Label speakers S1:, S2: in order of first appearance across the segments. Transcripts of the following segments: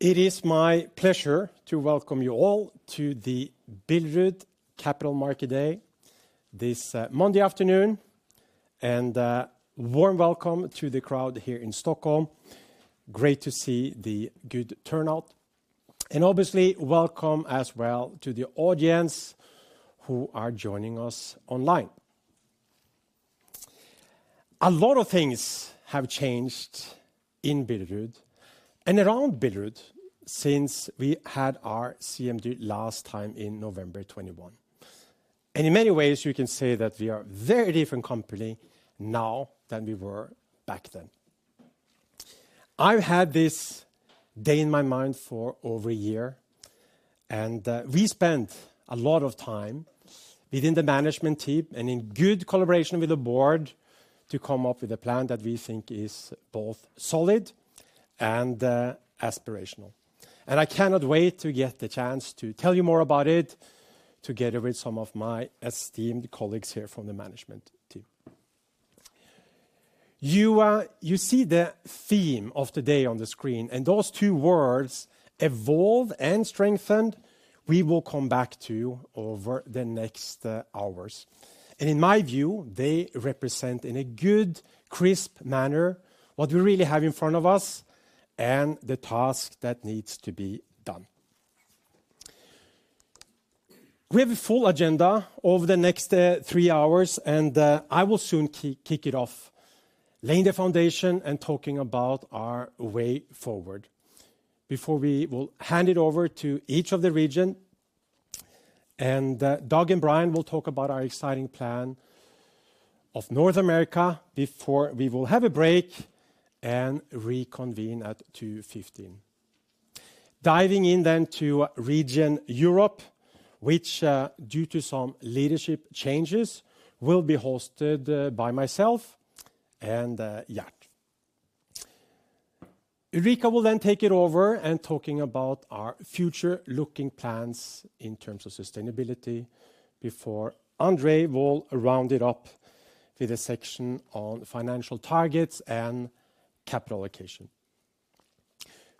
S1: It is my pleasure to welcome you all to the Billerud Capital Markets Day this Monday afternoon, and a warm welcome to the crowd here in Stockholm. Great to see the good turnout. And obviously, welcome as well to the audience who are joining us online. A lot of things have changed in Billerud and around Billerud since we had our CMD last time in November 2021. And in many ways, you can say that we are a very different company now than we were back then. I've had this day in my mind for over a year, and we spent a lot of time within the management team and in good collaboration with the board to come up with a plan that we think is both solid and aspirational. I cannot wait to get the chance to tell you more about it together with some of my esteemed colleagues here from the management team. You see the theme of the day on the screen, and those two words, evolved and strengthened, we will come back to over the next hours. In my view, they represent in a good, crisp manner what we really have in front of us and the task that needs to be done. We have a full agenda over the next three hours, and I will soon kick it off, laying the foundation and talking about our way forward. Before we will hand it over to each of the region, Doug and Brian will talk about our exciting plan of North America before we will have a break and reconvene at 2:15 PM. Diving in then to Region Europe, which, due to some leadership changes, will be hosted by myself and Gert. Ulrika will then take it over and talk about our future-looking plans in terms of sustainability before Andrei will round it up with a section on financial targets and capital allocation.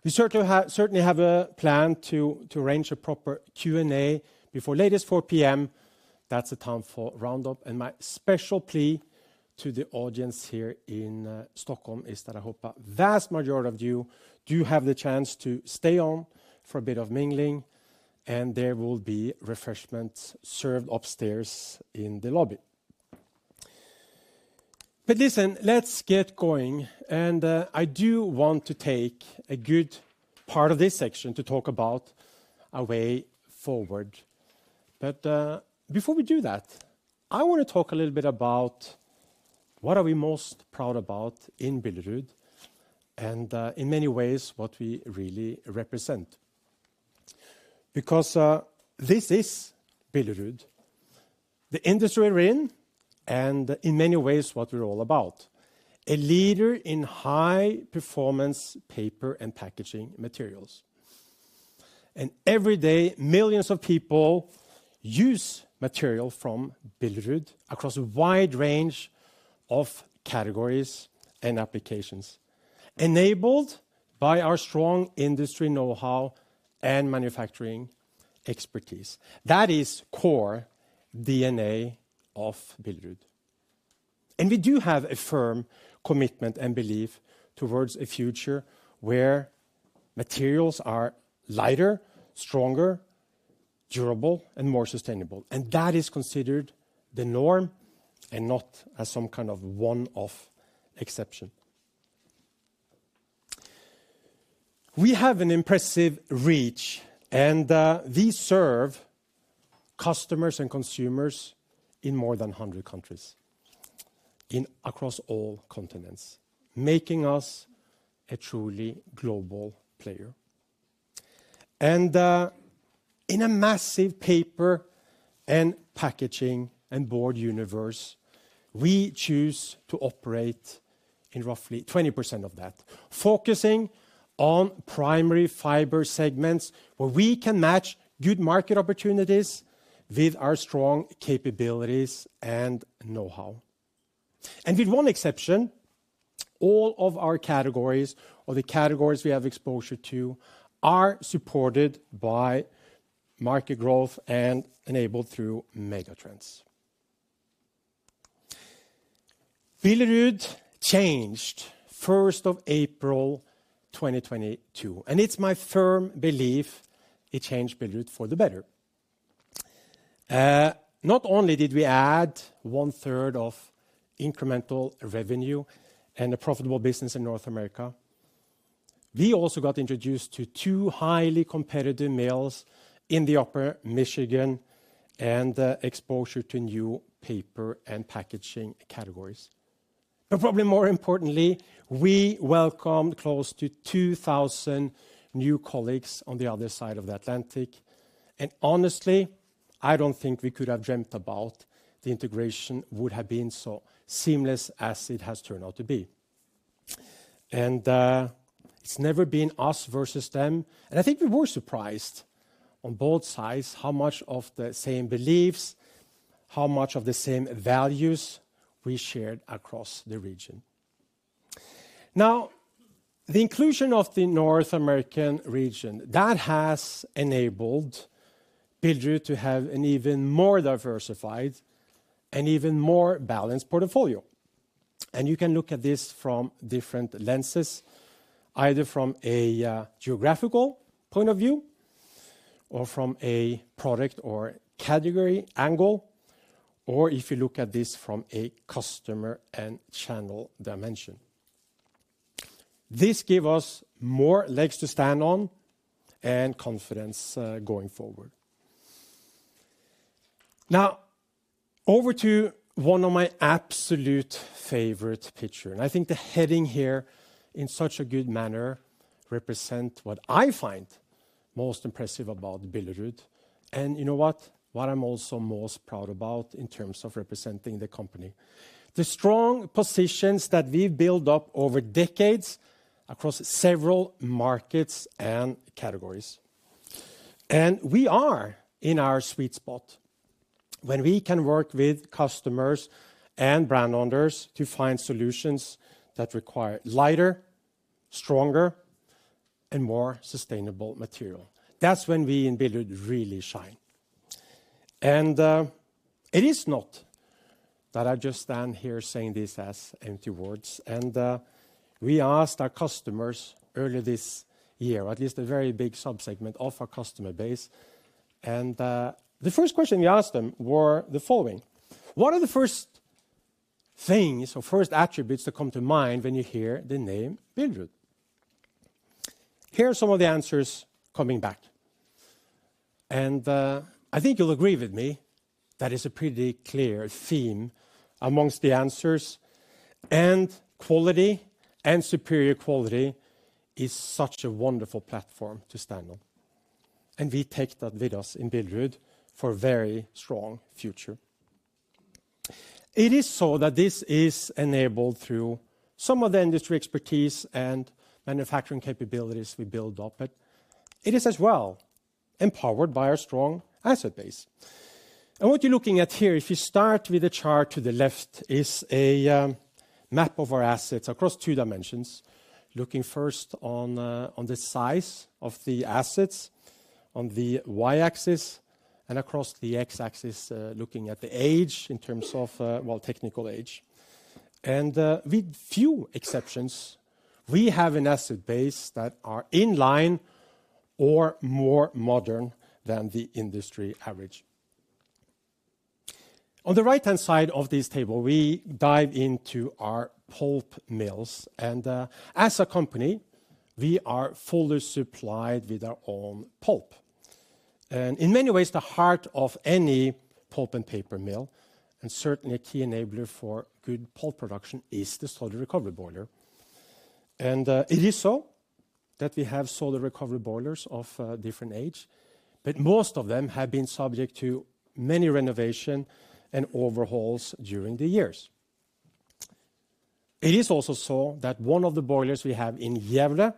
S1: We certainly have a plan to arrange a proper Q&A before as late as 4:00 PM. That's the time for roundup. My special plea to the audience here in Stockholm is that I hope a vast majority of you do have the chance to stay on for a bit of mingling, and there will be refreshments served upstairs in the lobby. Listen, let's get going. I do want to take a good part of this section to talk about our way forward. But before we do that, I want to talk a little bit about what are we most proud about in Billerud and in many ways what we really represent. Because this is Billerud, the industry we're in, and in many ways what we're all about, a leader in high-performance paper and packaging materials. And every day, millions of people use material from Billerud across a wide range of categories and applications, enabled by our strong industry know-how and manufacturing expertise. That is core DNA of Billerud. And we do have a firm commitment and belief towards a future where materials are lighter, stronger, durable, and more sustainable. And that is considered the norm and not as some kind of one-off exception. We have an impressive reach, and we serve customers and consumers in more than 100 countries across all continents, making us a truly global player. In a massive paper and packaging and board universe, we choose to operate in roughly 20% of that, focusing on primary fiber segments where we can match good market opportunities with our strong capabilities and know-how. With one exception, all of our categories or the categories we have exposure to are supported by market growth and enabled through megatrends. Billerud changed 1 April 2022, and it's my firm belief it changed Billerud for the better. Not only did we add one-third of incremental revenue and a profitable business in North America, we also got introduced to two highly competitive mills in the Upper Peninsula and exposure to new paper and packaging categories. Probably more importantly, we welcomed close to 2,000 new colleagues on the other side of the Atlantic. Honestly, I don't think we could have dreamt about the integration would have been so seamless as it has turned out to be. It's never been us versus them. I think we were surprised on both sides how much of the same beliefs, how much of the same values we shared across the region. The inclusion of the North American region has enabled Billerud to have an even more diversified and even more balanced portfolio. You can look at this from different lenses, either from a geographical point of view or from a product or category angle, or if you look at this from a customer and channel dimension. This gave us more legs to stand on and confidence going forward. Over to one of my absolute favorite pictures. I think the heading here in such a good manner represents what I find most impressive about Billerud. You know what? What I'm also most proud about in terms of representing the company? The strong positions that we've built up over decades across several markets and categories. We are in our sweet spot when we can work with customers and brand owners to find solutions that require lighter, stronger, and more sustainable material. That's when we in Billerud really shine. It is not that I just stand here saying this as empty words. We asked our customers earlier this year, or at least a very big subsegment of our customer base. The first question we asked them were the following. What are the first things or first attributes that come to mind when you hear the name Billerud? Here are some of the answers coming back, and I think you'll agree with me that it's a pretty clear theme among the answers, and quality and superior quality is such a wonderful platform to stand on, and we take that with us in Billerud for a very strong future. It is so that this is enabled through some of the industry expertise and manufacturing capabilities we build up, and it is as well empowered by our strong asset base, and what you're looking at here, if you start with the chart to the left, is a map of our assets across two dimensions, looking first on the size of the assets on the Y-axis and across the X-axis, looking at the age in terms of, well, technical age, and with few exceptions, we have an asset base that is in line or more modern than the industry average. On the right-hand side of this table, we dive into our pulp mills, and as a company, we are fully supplied with our own pulp, and in many ways, the heart of any pulp and paper mill, and certainly a key enabler for good pulp production, is the solid recovery boilers, and it is so that we have solid recovery boilers of different age, but most of them have been subject to many renovations and overhauls during the years. It is also so that one of the boilers we have in Gävle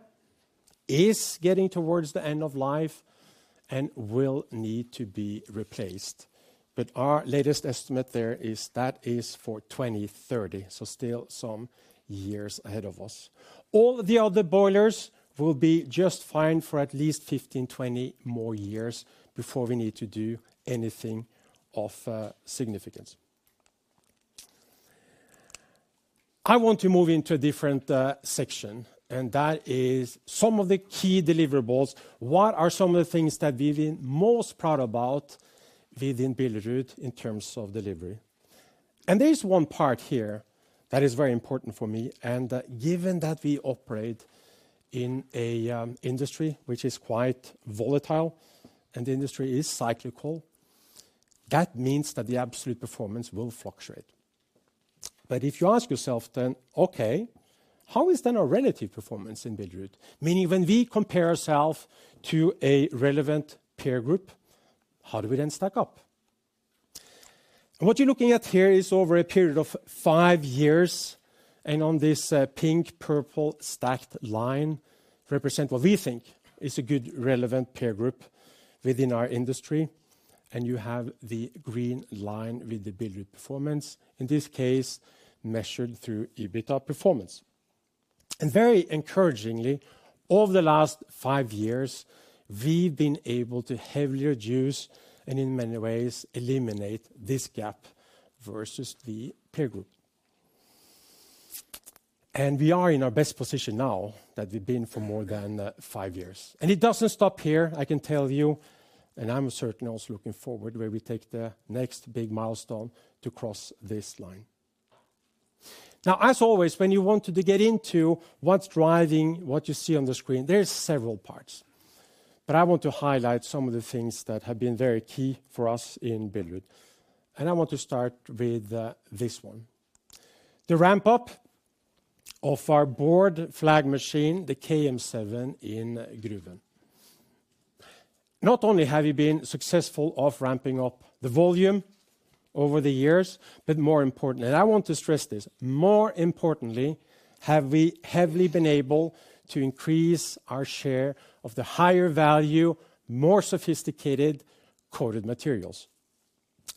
S1: is getting towards the end of life and will need to be replaced, but our latest estimate there is that is for 2030, so still some years ahead of us. All the other boilers will be just fine for at least 15-20 more years before we need to do anything of significance. I want to move into a different section, and that is some of the key deliverables. What are some of the things that we've been most proud about within Billerud in terms of delivery? And there is one part here that is very important for me. And given that we operate in an industry which is quite volatile and the industry is cyclical, that means that the absolute performance will fluctuate. But if you ask yourself then, okay, how is then our relative performance in Billerud? Meaning when we compare ourselves to a relevant peer group, how do we then stack up? And what you're looking at here is over a period of five years. And on this pink-purple stacked line represents what we think is a good relevant peer group within our industry. You have the green line with the Billerud performance, in this case, measured through EBITDA performance. Very encouragingly, over the last five years, we've been able to heavily reduce and in many ways eliminate this gap versus the peer group. We are in our best position now that we've been for more than five years. It doesn't stop here, I can tell you, and I'm certainly also looking forward where we take the next big milestone to cross this line. Now, as always, when you want to get into what's driving what you see on the screen, there are several parts. But I want to highlight some of the things that have been very key for us in Billerud. I want to start with this one, the ramp-up of our board flagship machine, the KM7 in Gruvön. Not only have we been successful in ramping up the volume over the years, but more important, and I want to stress this, more importantly, have we heavily been able to increase our share of the higher value, more sophisticated coated materials.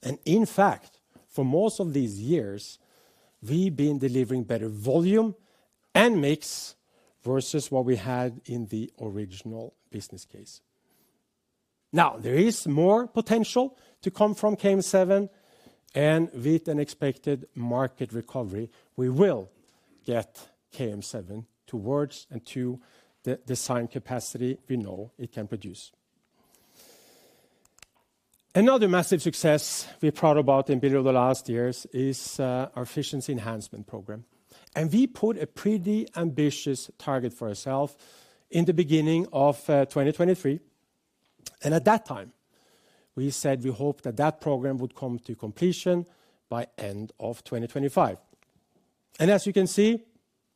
S1: And in fact, for most of these years, we've been delivering better volume and mix versus what we had in the original business case. Now, there is more potential to come from KM7, and with an expected market recovery, we will get KM7 towards and to the design capacity we know it can produce. Another massive success we're proud about in Billerud over the last years is our efficiency enhancement program. And we put a pretty ambitious target for ourselves in the beginning of 2023. And at that time, we said we hoped that that program would come to completion by the end of 2025. And as you can see,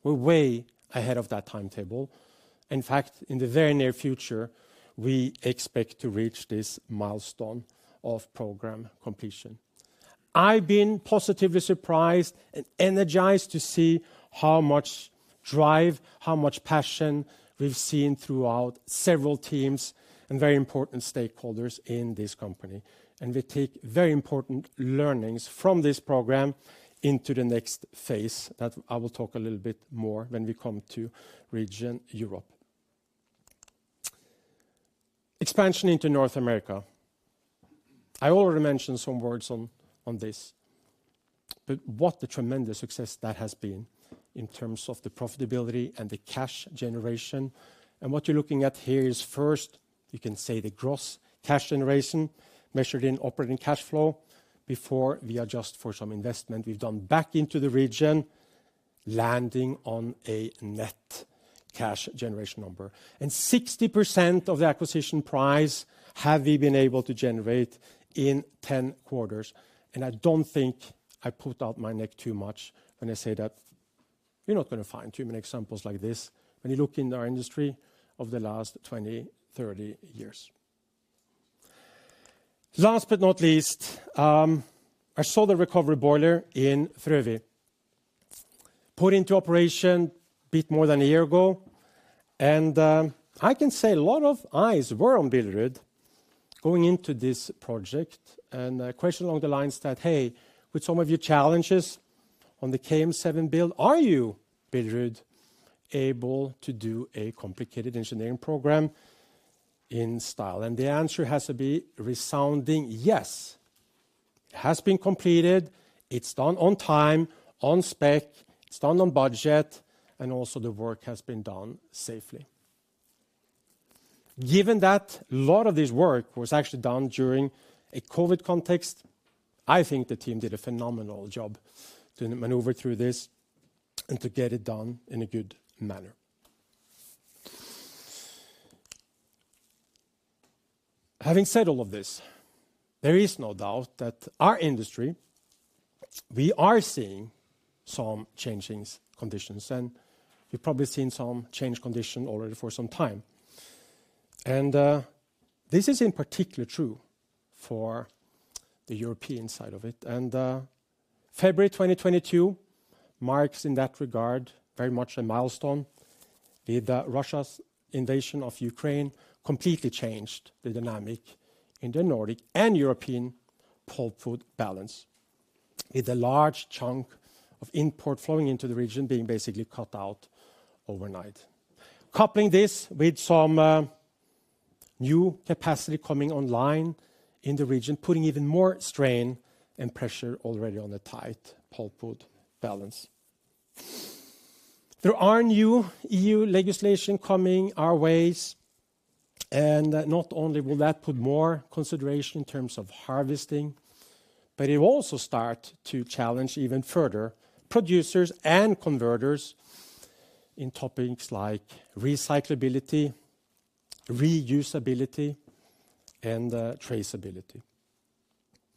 S1: we're way ahead of that timetable. In fact, in the very near future, we expect to reach this milestone of program completion. I've been positively surprised and energized to see how much drive, how much passion we've seen throughout several teams and very important stakeholders in this company. And we take very important learnings from this program into the next phase that I will talk a little bit more when we come to Region Europe. Expansion into North America. I already mentioned some words on this, but what a tremendous success that has been in terms of the profitability and the cash generation. And what you're looking at here is first, you can say the gross cash generation measured in operating cash flow before we adjust for some investment we've done back into the region, landing on a net cash generation number. 60% of the acquisition price have we been able to generate in 10 quarters. I don't think I put out my neck too much when I say that we're not going to find too many examples like this when you look in our industry of the last 20-30 years. Last but not least, I saw the recovery boiler in Frövi put into operation a bit more than a year ago. I can say a lot of eyes were on Billerud going into this project. A question along the lines that, hey, with some of your challenges on the KM7 build, are you, Billerud, able to do a complicated engineering program in style? The answer has to be resounding yes. It has been completed. It's done on time, on spec. It's done on budget, and also the work has been done safely. Given that a lot of this work was actually done during a COVID context, I think the team did a phenomenal job to maneuver through this and to get it done in a good manner. Having said all of this, there is no doubt that our industry, we are seeing some changing conditions. We've probably seen some changing conditions already for some time. This is in particular true for the European side of it. February 2022 marks in that regard very much a milestone with Russia's invasion of Ukraine completely changed the dynamic in the Nordic and European pulpwood balance, with a large chunk of imports flowing into the region being basically cut out overnight. Coupling this with some new capacity coming online in the region, putting even more strain and pressure already on the tight pulpwood balance. There are new EU legislation coming our way. And not only will that put more consideration in terms of harvesting, but it will also start to challenge even further producers and converters in topics like recyclability, reusability, and traceability.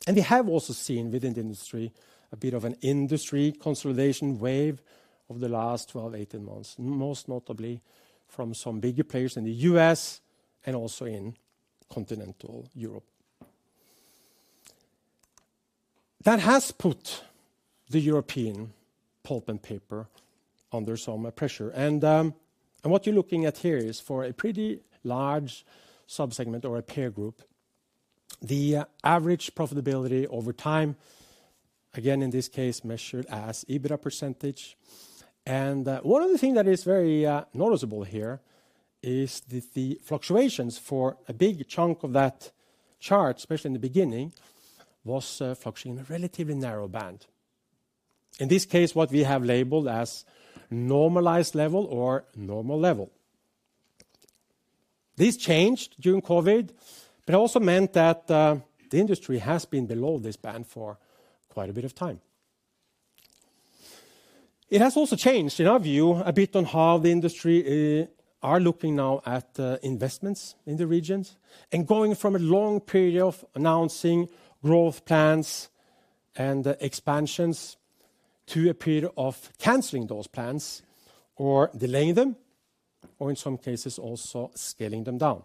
S1: And we have also seen within the industry a bit of an industry consolidation wave over the last 12-18 months, most notably from some bigger players in the U.S. and also in continental Europe. That has put the European pulp and paper under some pressure. And what you're looking at here is for a pretty large subsegment or a peer group, the average profitability over time, again, in this case, measured as EBITDA %. And one of the things that is very noticeable here is that the fluctuations for a big chunk of that chart, especially in the beginning, was fluctuating in a relatively narrow band. In this case, what we have labeled as normalized level or normal level. This changed during COVID, but it also meant that the industry has been below this band for quite a bit of time. It has also changed, in our view, a bit on how the industry is looking now at investments in the region and going from a long period of announcing growth plans and expansions to a period of canceling those plans or delaying them, or in some cases, also scaling them down,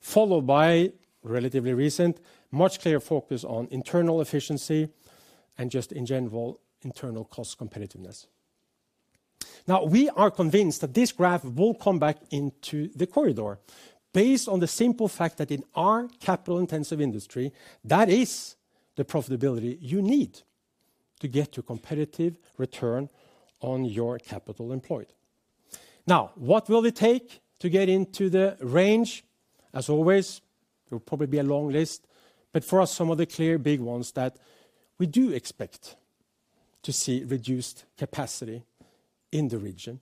S1: followed by relatively recent, much clearer focus on internal efficiency and just in general, internal cost competitiveness. Now, we are convinced that this graph will come back into the corridor based on the simple fact that in our capital-intensive industry, that is the profitability you need to get to a competitive return on your capital employed. Now, what will it take to get into the range? As always, there will probably be a long list, but for us, some of the clear big ones that we do expect to see reduced capacity in the region.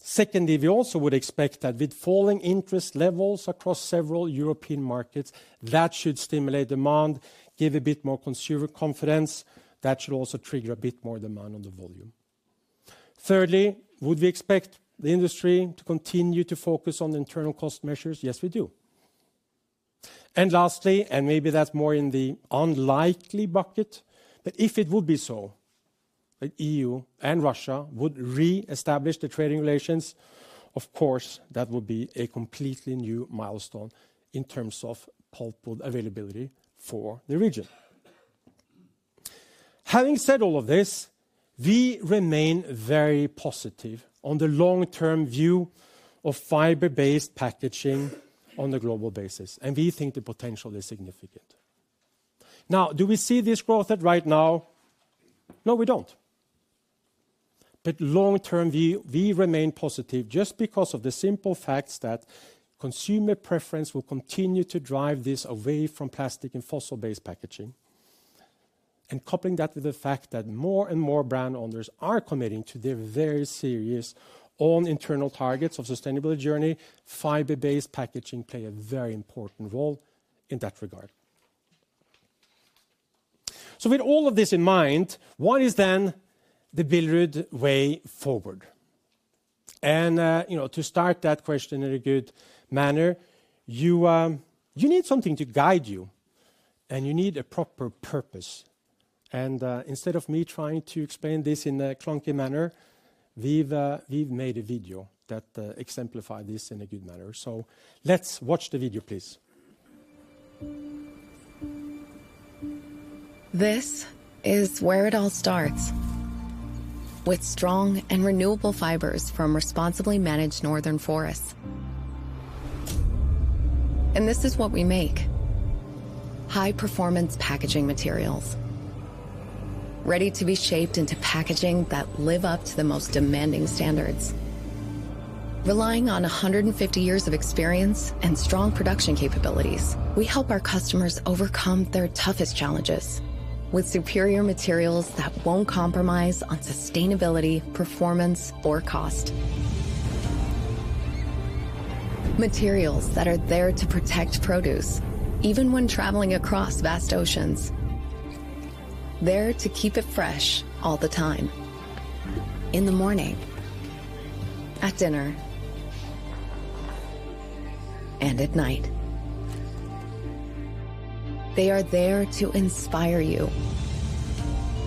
S1: Secondly, we also would expect that with falling interest levels across several European markets, that should stimulate demand, give a bit more consumer confidence. That should also trigger a bit more demand on the volume. Thirdly, would we expect the industry to continue to focus on the internal cost measures? Yes, we do. And lastly, and maybe that's more in the unlikely bucket, but if it would be so, that EU and Russia would re-establish the trading relations, of course, that would be a completely new milestone in terms of pulp availability for the region. Having said all of this, we remain very positive on the long-term view of fiber-based packaging on the global basis. And we think the potential is significant. Now, do we see this growth right now? No, we don't. But long-term, we remain positive just because of the simple fact that consumer preference will continue to drive this away from plastic and fossil-based packaging. And coupling that with the fact that more and more brand owners are committing to their very serious own internal targets of sustainability journey, fiber-based packaging plays a very important role in that regard. So with all of this in mind, what is then the Billerud way forward? And to start that question in a good manner, you need something to guide you, and you need a proper purpose. Instead of me trying to explain this in a clunky manner, we've made a video that exemplifies this in a good manner. Let's watch the video, please. This is where it all starts, with strong and renewable fibers from responsibly managed northern forests. This is what we make: high-performance packaging materials, ready to be shaped into packaging that live up to the most demanding standards. Relying on 150 years of experience and strong production capabilities, we help our customers overcome their toughest challenges with superior materials that won't compromise on sustainability, performance, or cost. Materials that are there to protect produce even when traveling across vast oceans, there to keep it fresh all the time, in the morning, at dinner, and at night. They are there to inspire you,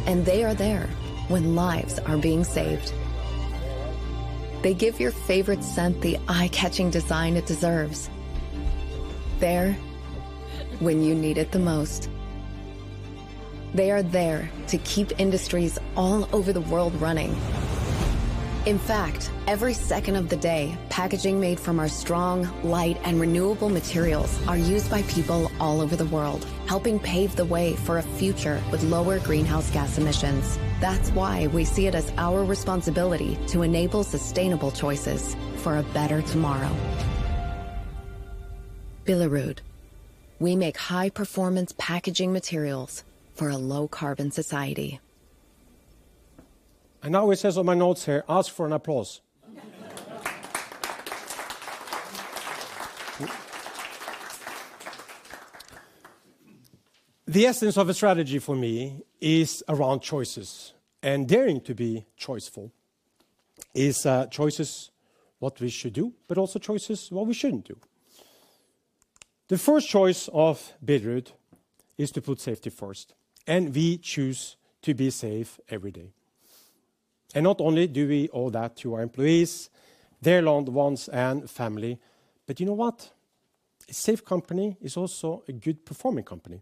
S1: and they are there when lives are being saved. They give your favorite scent the eye-catching design it deserves, there when you need it the most. They are there to keep industries all over the world running. In fact, every second of the day, packaging made from our strong, light, and renewable materials is used by people all over the world, helping pave the way for a future with lower greenhouse gas emissions. That's why we see it as our responsibility to enable sustainable choices for a better tomorrow. Billerud, we make high-performance packaging materials for a low-carbon society. And now it says on my notes here, ask for an applause. The essence of a strategy for me is around choices and daring to be choiceful. It's choices, what we should do, but also choices, what we shouldn't do. The first choice of Billerud is to put safety first, and we choose to be safe every day. Not only do we owe that to our employees, their loved ones, and family, but you know what? A safe company is also a good-performing company.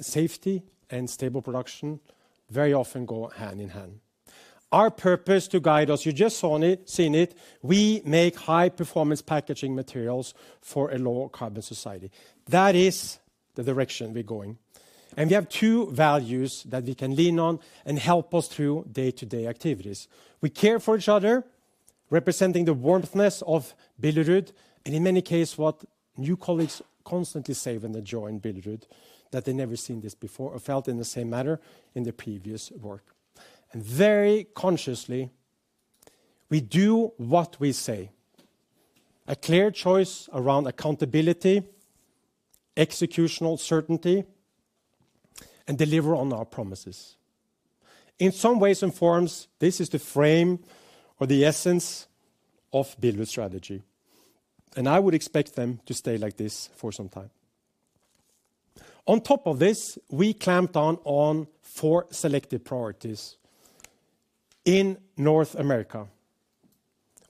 S1: Safety and stable production very often go hand in hand. Our purpose to guide us, you just saw it, seen it, we make high-performance packaging materials for a low-carbon society. That is the direction we're going. We have two values that we can lean on and help us through day-to-day activities. We care for each other, representing the warmth of Billerud, and in many cases, what new colleagues constantly say when they join Billerud, that they never seen this before or felt in the same manner in the previous work. Very consciously, we do what we say, a clear choice around accountability, executional certainty, and deliver on our promises. In some ways and forms, this is the frame or the essence of Billerud strategy, and I would expect them to stay like this for some time. On top of this, we clamped down on four selected priorities in North America.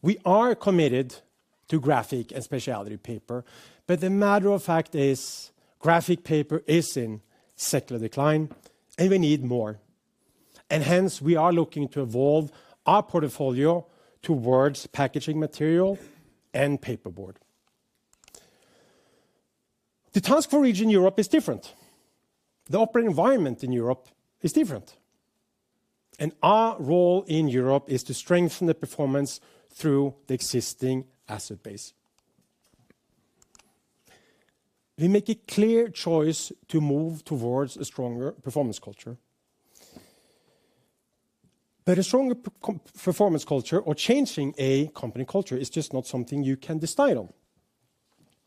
S1: We are committed to graphic and specialty paper, but the matter of fact is graphic paper is in secular decline, and we need more, and hence, we are looking to evolve our portfolio towards packaging material and paperboard. The task for region Europe is different. The operating environment in Europe is different, and our role in Europe is to strengthen the performance through the existing asset base. We make a clear choice to move towards a stronger performance culture, but a stronger performance culture or changing a company culture is just not something you can decide on.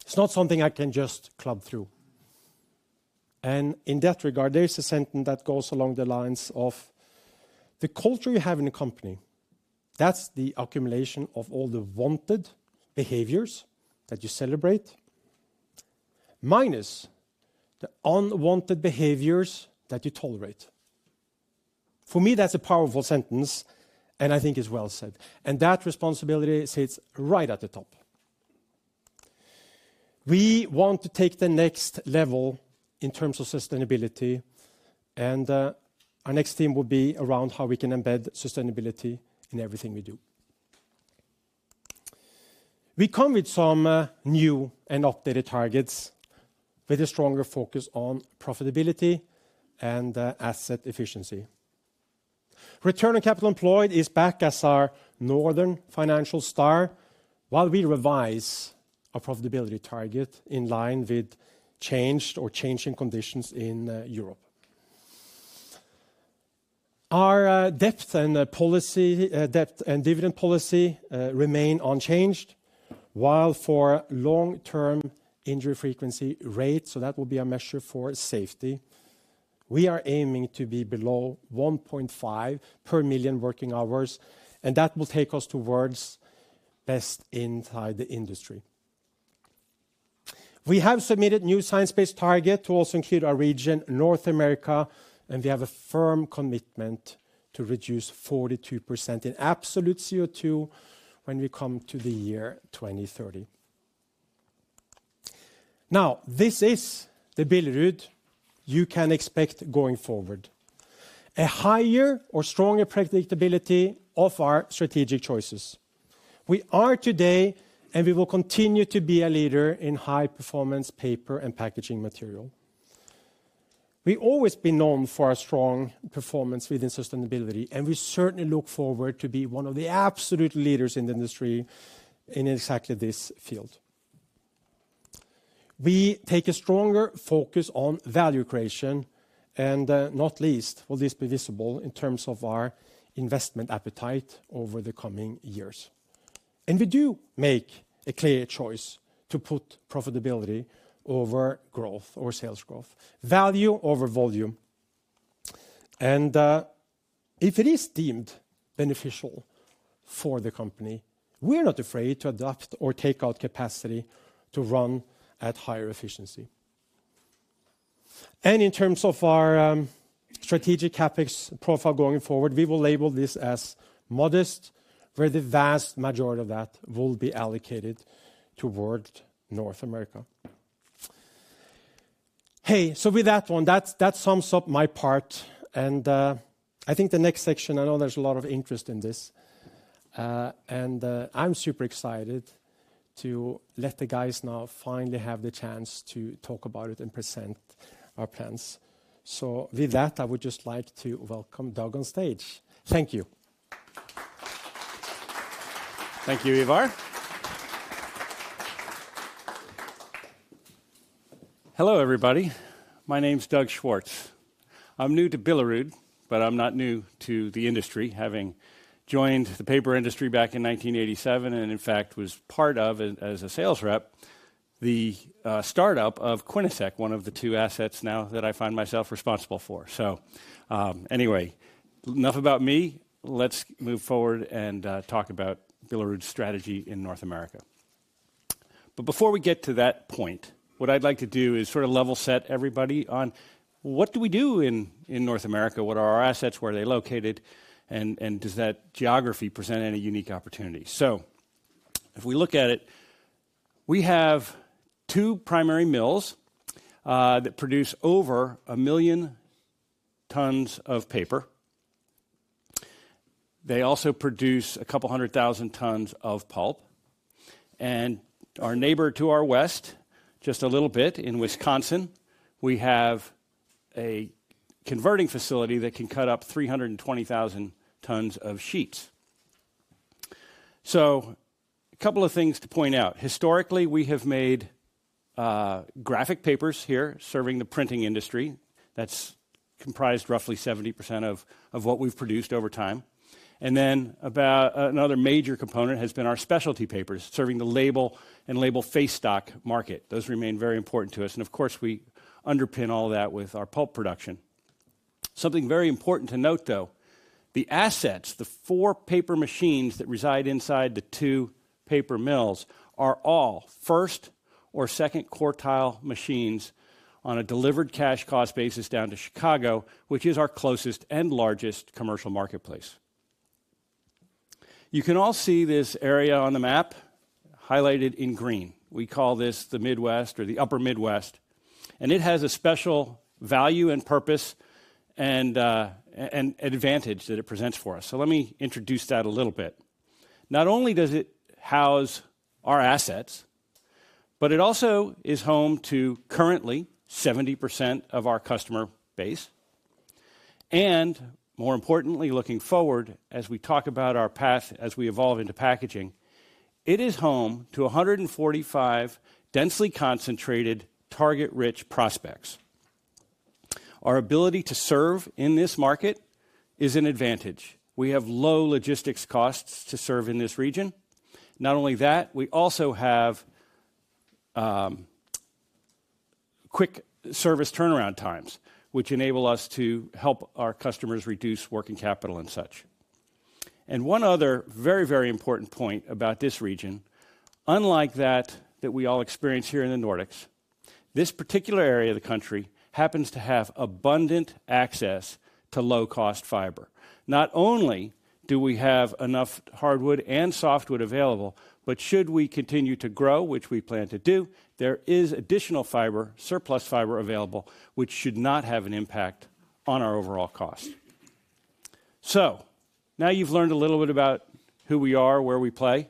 S1: It's not something I can just club through. In that regard, there's a sentence that goes along the lines of the culture you have in a company. That's the accumulation of all the wanted behaviors that you celebrate, minus the unwanted behaviors that you tolerate. For me, that's a powerful sentence, and I think it's well said. That responsibility sits right at the top. We want to take the next level in terms of sustainability. Our next theme will be around how we can embed sustainability in everything we do. We come with some new and updated targets with a stronger focus on profitability and asset efficiency. Return on capital employed is back as our northern financial star while we revise our profitability target in line with changed or changing conditions in Europe. Our debt and dividend policy remain unchanged, while for long-term injury frequency rate, so that will be a measure for safety, we are aiming to be below 1.5 per million working hours. And that will take us towards best in the industry. We have submitted new Science Based Targets to also include our region, North America, and we have a firm commitment to reduce 42% in absolute CO2 when we come to the year 2030. Now, this is the Billerud you can expect going forward: a higher or stronger predictability of our strategic choices. We are today, and we will continue to be a leader in high-performance paper and packaging material. We've always been known for our strong performance within sustainability, and we certainly look forward to being one of the absolute leaders in the industry in exactly this field. We take a stronger focus on value creation, and not least, will this be visible in terms of our investment appetite over the coming years? We do make a clear choice to put profitability over growth or sales growth, value over volume. If it is deemed beneficial for the company, we're not afraid to adopt or take out capacity to run at higher efficiency. In terms of our Strategic CapEx profile going forward, we will label this as modest, where the vast majority of that will be allocated toward North America. Hey, so with that one, that sums up my part. I think the next section, I know there's a lot of interest in this. I'm super excited to let the guys now finally have the chance to talk about it and present our plans. So with that, I would just like to welcome Doug on stage. Thank you.
S2: Thank you, Ivar. Hello, everybody. My name's Doug Schwartz. I'm new to Billerud, but I'm not new to the industry, having joined the paper industry back in 1987 and, in fact, was part of, as a sales rep, the startup of Quinnesec, one of the two assets now that I find myself responsible for. So anyway, enough about me. Let's move forward and talk about Billerud's strategy in North America. But before we get to that point, what I'd like to do is sort of level set everybody on what do we do in North America? What are our assets? Where are they located? And does that geography present any unique opportunity? So if we look at it, we have two primary mills that produce over a million tons of paper. They also produce a couple hundred thousand tons of pulp. And our neighbor to our west, just a little bit in Wisconsin, we have a converting facility that can cut up 320,000 tons of sheets. So a couple of things to point out. Historically, we have made graphic papers here serving the printing industry. That's comprised roughly 70% of what we've produced over time. And then another major component has been our specialty papers serving the label and label face stock market. Those remain very important to us. And of course, we underpin all that with our pulp production. Something very important to note, though, the assets, the four paper machines that reside inside the two paper mills are all first or second quartile machines on a delivered cash cost basis down to Chicago, which is our closest and largest commercial marketplace. You can all see this area on the map highlighted in green. We call this the Midwest or the Upper Midwest, and it has a special value and purpose and advantage that it presents for us, so let me introduce that a little bit. Not only does it house our assets, but it also is home to currently 70% of our customer base, and more importantly, looking forward, as we talk about our path, as we evolve into packaging, it is home to 145 densely concentrated target-rich prospects. Our ability to serve in this market is an advantage. We have low logistics costs to serve in this region. Not only that, we also have quick service turnaround times, which enable us to help our customers reduce working capital and such. One other very, very important point about this region, unlike that we all experience here in the Nordics, this particular area of the country happens to have abundant access to low-cost fiber. Not only do we have enough hardwood and softwood available, but should we continue to grow, which we plan to do, there is additional fiber, surplus fiber available, which should not have an impact on our overall cost. Now you've learned a little bit about who we are, where we play.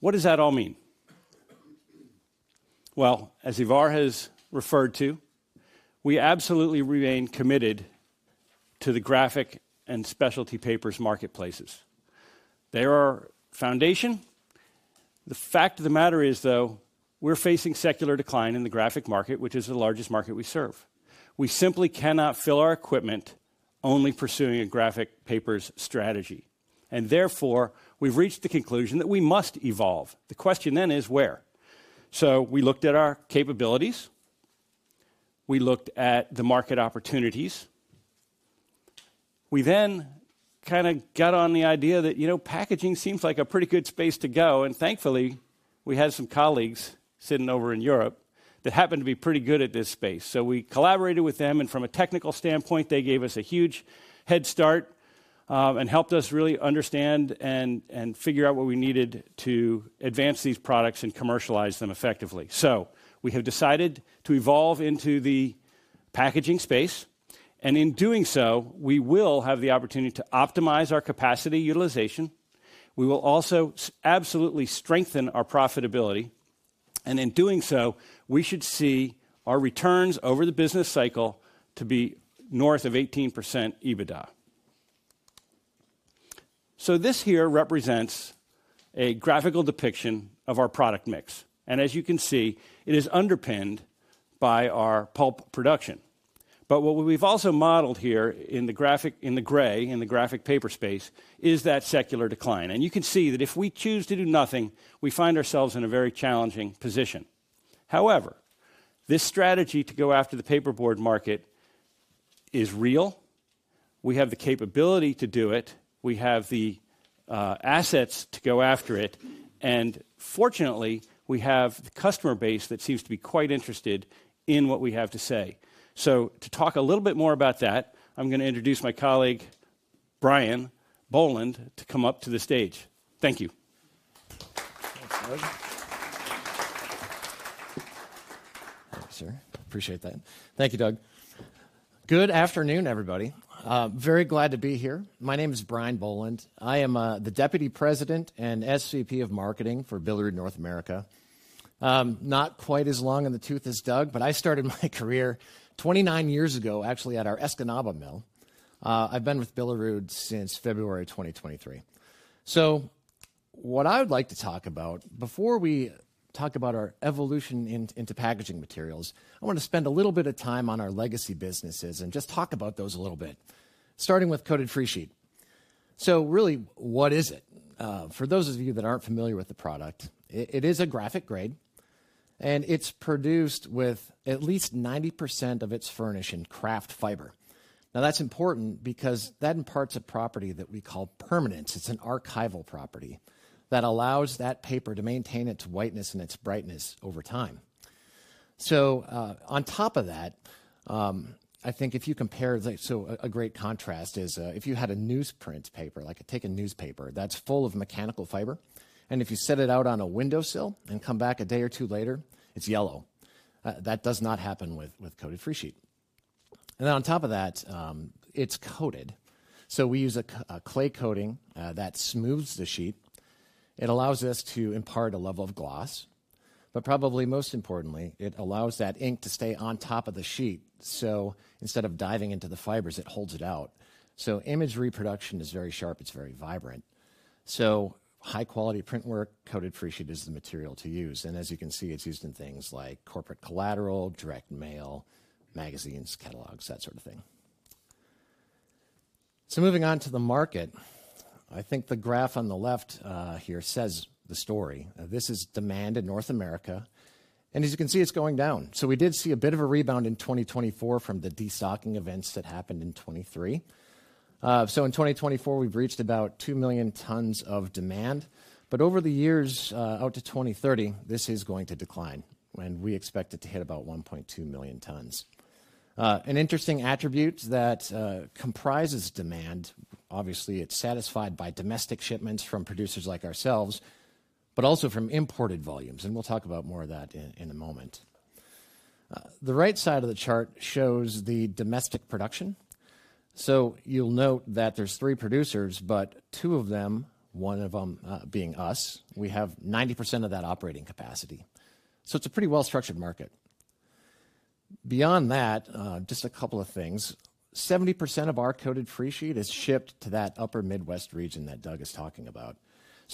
S2: What does that all mean? As Ivar has referred to, we absolutely remain committed to the graphic and specialty papers marketplaces. They are our foundation. The fact of the matter is, though, we're facing secular decline in the graphic market, which is the largest market we serve. We simply cannot fill our equipment only pursuing a graphic papers strategy. And therefore, we've reached the conclusion that we must evolve. The question then is, where? So we looked at our capabilities. We looked at the market opportunities. We then kind of got on the idea that packaging seems like a pretty good space to go. And thankfully, we had some colleagues sitting over in Europe that happened to be pretty good at this space. So we collaborated with them. And from a technical standpoint, they gave us a huge head start and helped us really understand and figure out what we needed to advance these products and commercialize them effectively. So we have decided to evolve into the packaging space. And in doing so, we will have the opportunity to optimize our capacity utilization. We will also absolutely strengthen our profitability. And in doing so, we should see our returns over the business cycle to be north of 18% EBITDA. So this here represents a graphical depiction of our product mix. And as you can see, it is underpinned by our pulp production. But what we've also modeled here in the graphic in the gray in the graphic paper space is that secular decline. And you can see that if we choose to do nothing, we find ourselves in a very challenging position. However, this strategy to go after the paperboard market is real. We have the capability to do it. We have the assets to go after it. And fortunately, we have the customer base that seems to be quite interested in what we have to say. So to talk a little bit more about that, I'm going to introduce my colleague, Brian Boland, to come up to the stage. Thank you.
S3: Good afternoon, everybody. Very glad to be here. My name is Brian Boland. I am the deputy president and SVP of marketing for Billerud North America. Not quite as long in the tooth as Doug, but I started my career 29 years ago, actually, at our Escanaba mill. I've been with Billerud since February 2023. So what I would like to talk about before we talk about our evolution into packaging materials, I want to spend a little bit of time on our legacy businesses and just talk about those a little bit, starting with coated freesheet. So really, what is it? For those of you that aren't familiar with the product, it is a graphic grade. And it's produced with at least 90% of its furnish in kraft fiber. Now, that's important because that imparts a property that we call permanence. It's an archival property that allows that paper to maintain its whiteness and its brightness over time. So on top of that, I think if you compare, so a great contrast is if you had a newsprint paper, like, take a newspaper that's full of mechanical fiber. And if you set it out on a windowsill and come back a day or two later, it's yellow. That does not happen with coated freesheet. And then on top of that, it's coated. So we use a clay coating that smooths the sheet. It allows us to impart a level of gloss. But probably most importantly, it allows that ink to stay on top of the sheet. So instead of diving into the fibers, it holds it out. So image reproduction is very sharp. It's very vibrant. So high-quality print work, coated freesheet is the material to use. As you can see, it's used in things like corporate collateral, direct mail, magazines, catalogs, that sort of thing. So moving on to the market, I think the graph on the left here says the story. This is demand in North America. And as you can see, it's going down. So we did see a bit of a rebound in 2024 from the destocking events that happened in 2023. So in 2024, we've reached about 2 million tons of demand. But over the years out to 2030, this is going to decline. And we expect it to hit about 1.2 million tons. An interesting attribute that comprises demand, obviously, it's satisfied by domestic shipments from producers like ourselves, but also from imported volumes. And we'll talk about more of that in a moment. The right side of the chart shows the domestic production. You'll note that there are three producers, but two of them, one of them being us, have 90% of that operating capacity. It's a pretty well-structured market. Beyond that, just a couple of things. 70% of our coated freesheet is shipped to that Upper Midwest region that Doug is talking about.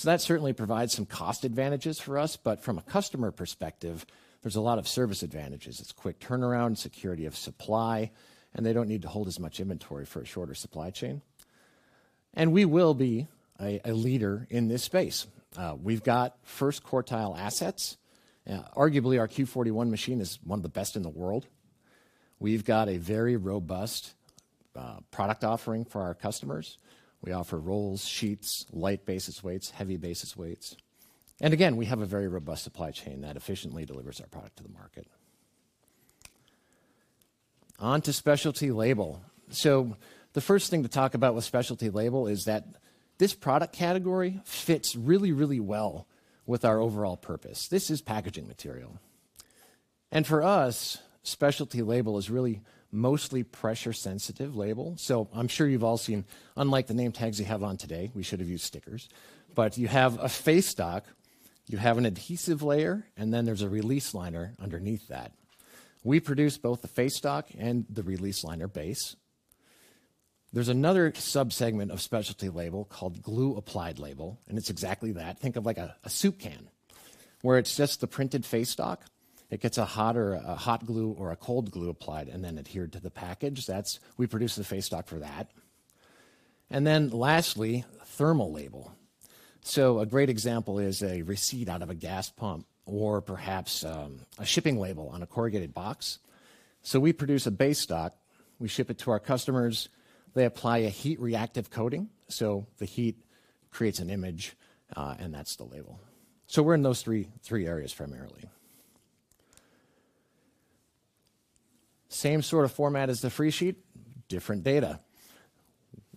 S3: That certainly provides some cost advantages for us. But from a customer perspective, there are a lot of service advantages. It's quick turnaround, security of supply, and they don't need to hold as much inventory for a shorter supply chain. We will be a leader in this space. We've got first quartile assets. Arguably, our Q41 machine is one of the best in the world. We've got a very robust product offering for our customers. We offer rolls, sheets, light basis weights, heavy basis weights. Again, we have a very robust supply chain that efficiently delivers our product to the market. On to Specialty Label. The first thing to talk about with Specialty Label is that this product category fits really, really well with our overall purpose. This is packaging material. For us, Specialty Label is really mostly pressure-sensitive label. I'm sure you've all seen, unlike the name tags you have on today, we should have used stickers. But you have a Face Stock, you have an adhesive layer, and then there's a release liner underneath that. We produce both the Face Stock and the release liner base. There's another subsegment of Specialty Label called glue-applied label. It's exactly that. Think of like a soup can, where it's just the printed Face Stock. It gets a hot glue or a cold glue applied and then adhered to the package. We produce the face stock for that. And then lastly, thermal label. So a great example is a receipt out of a gas pump or perhaps a shipping label on a corrugated box. So we produce a base stock. We ship it to our customers. They apply a heat-reactive coating. So the heat creates an image, and that's the label. So we're in those three areas primarily. Same sort of format as the free sheet, different data.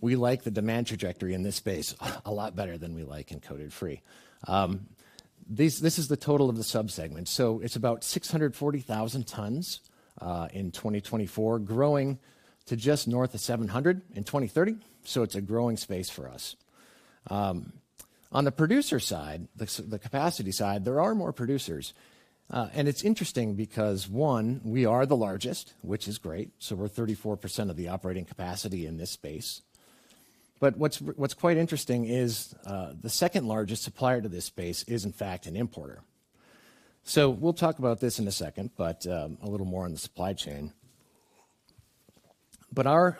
S3: We like the demand trajectory in this space a lot better than we like in coated free. This is the total of the subsegment. So it's about 640,000 tons in 2024, growing to just north of 700 in 2030. So it's a growing space for us. On the producer side, the capacity side, there are more producers. And it's interesting because, one, we are the largest, which is great. So we're 34% of the operating capacity in this space. But what's quite interesting is the second largest supplier to this space is, in fact, an importer. So we'll talk about this in a second, but a little more on the supply chain. But our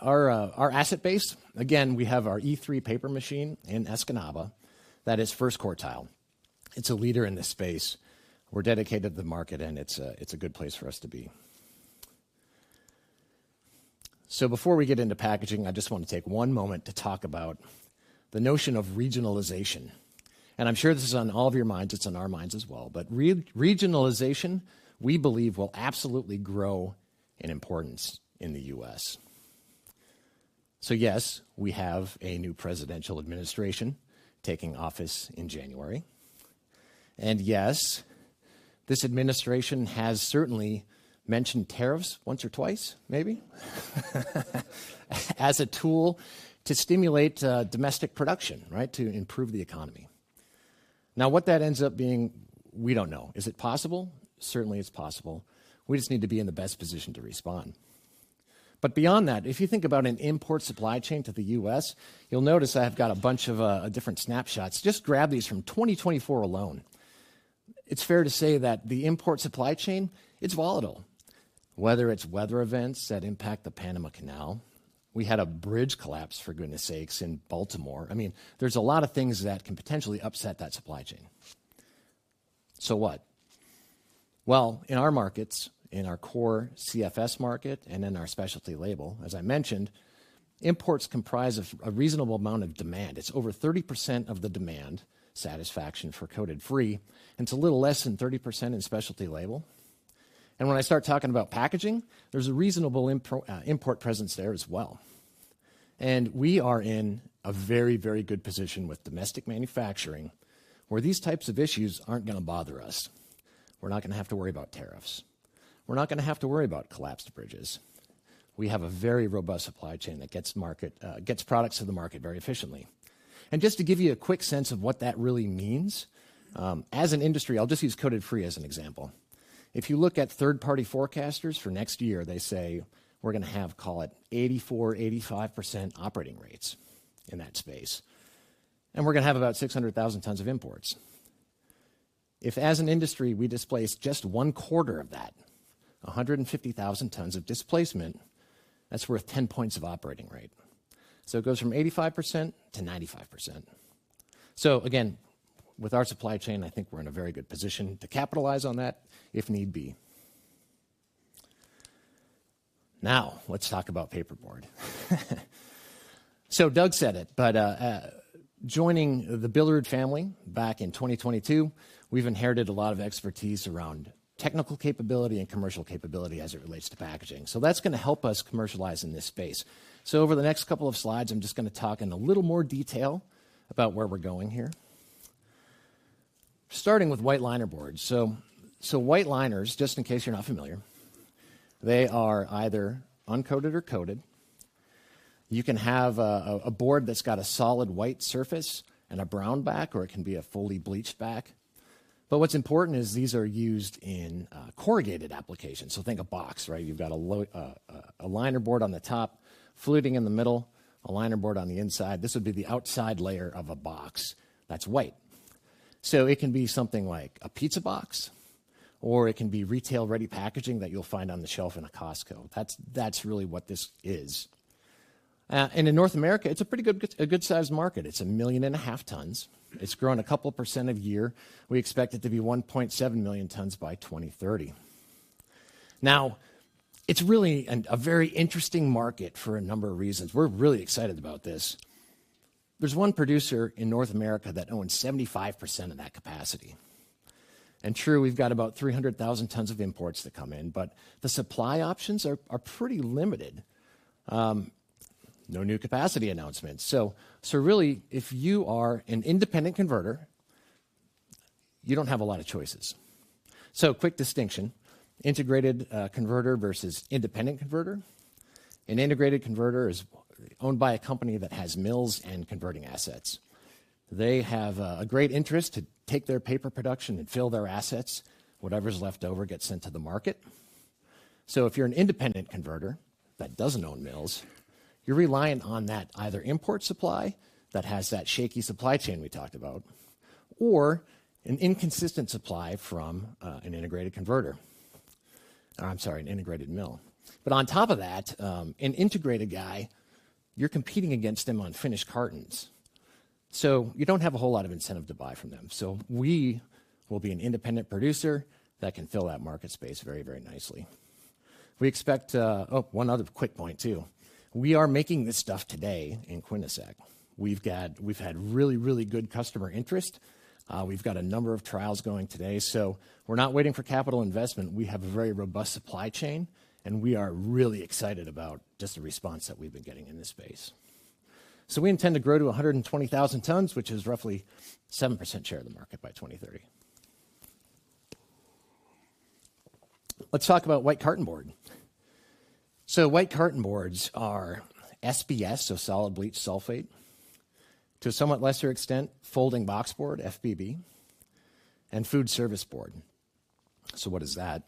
S3: asset base, again, we have our E3 paper machine in Escanaba that is first quartile. It's a leader in this space. We're dedicated to the market, and it's a good place for us to be. So before we get into packaging, I just want to take one moment to talk about the notion of regionalization. And I'm sure this is on all of your minds. It's on our minds as well. But regionalization, we believe, will absolutely grow in importance in the U.S. So yes, we have a new presidential administration taking office in January. Yes, this administration has certainly mentioned tariffs once or twice, maybe, as a tool to stimulate domestic production, right, to improve the economy. Now, what that ends up being, we don't know. Is it possible? Certainly, it's possible. We just need to be in the best position to respond. But beyond that, if you think about an import supply chain to the U.S., you'll notice I have got a bunch of different snapshots. Just grab these from 2024 alone. It's fair to say that the import supply chain, it's volatile. Whether it's weather events that impact the Panama Canal, we had a bridge collapse, for goodness sakes, in Baltimore. I mean, there's a lot of things that can potentially upset that supply chain. So what? Well, in our markets, in our core CFS market and in our Specialty Label, as I mentioned, imports comprise a reasonable amount of demand. It's over 30% of the demand satisfaction for coated free. It's a little less than 30% in Specialty Label. And when I start talking about packaging, there's a reasonable import presence there as well. And we are in a very, very good position with domestic manufacturing where these types of issues aren't going to bother us. We're not going to have to worry about tariffs. We're not going to have to worry about collapsed bridges. We have a very robust supply chain that gets products to the market very efficiently. And just to give you a quick sense of what that really means, as an industry, I'll just use coated free as an example. If you look at third-party forecasters for next year, they say we're going to have, call it, 84-85% operating rates in that space. And we're going to have about 600,000 tons of imports. If, as an industry, we displace just one quarter of that, 150,000 tons of displacement, that's worth 10 points of operating rate, so it goes from 85% to 95%, so again, with our supply chain, I think we're in a very good position to capitalize on that if need be. Now, let's talk about paperboard, so Doug said it, but joining the Billerud family back in 2022, we've inherited a lot of expertise around technical capability and commercial capability as it relates to packaging, so that's going to help us commercialize in this space, so over the next couple of slides, I'm just going to talk in a little more detail about where we're going here, starting with white linerboards, so white liners, just in case you're not familiar, they are either uncoated or coated. You can have a board that's got a solid white surface and a brown back, or it can be a fully bleached back. But what's important is these are used in corrugated applications. So think a box, right? You've got a linerboard on the top, fluting in the middle, a linerboard on the inside. This would be the outside layer of a box that's white. So it can be something like a pizza box, or it can be retail-ready packaging that you'll find on the shelf in a Costco. That's really what this is. And in North America, it's a pretty good sized market. It's a million and a half tons. It's grown a couple % per year. We expect it to be 1.7 million tons by 2030. Now, it's really a very interesting market for a number of reasons. We're really excited about this. There's one producer in North America that owns 75% of that capacity, and true, we've got about 300,000 tons of imports that come in, but the supply options are pretty limited. No new capacity announcements, so really, if you are an independent converter, you don't have a lot of choices. Quick distinction: integrated converter versus independent converter. An integrated converter is owned by a company that has mills and converting assets. They have a great interest to take their paper production and fill their assets. Whatever's left over gets sent to the market, so if you're an independent converter that doesn't own mills, you're reliant on that either import supply that has that shaky supply chain we talked about, or an inconsistent supply from an integrated converter. I'm sorry, an integrated mill, but on top of that, an integrated guy, you're competing against them on finished cartons. So you don't have a whole lot of incentive to buy from them. So we will be an independent producer that can fill that market space very, very nicely. We expect, oh, one other quick point too. We are making this stuff today in Quinnesec. We've had really, really good customer interest. We've got a number of trials going today. So we're not waiting for capital investment. We have a very robust supply chain, and we are really excited about just the response that we've been getting in this space. So we intend to grow to 120,000 tons, which is roughly 7% share of the market by 2030. Let's talk about white cartonboard. So white cartonboard are SBS, so Solid Bleached Sulfate. To a somewhat lesser extent, Folding Box Board, FBB, and Food Service Board. So what is that?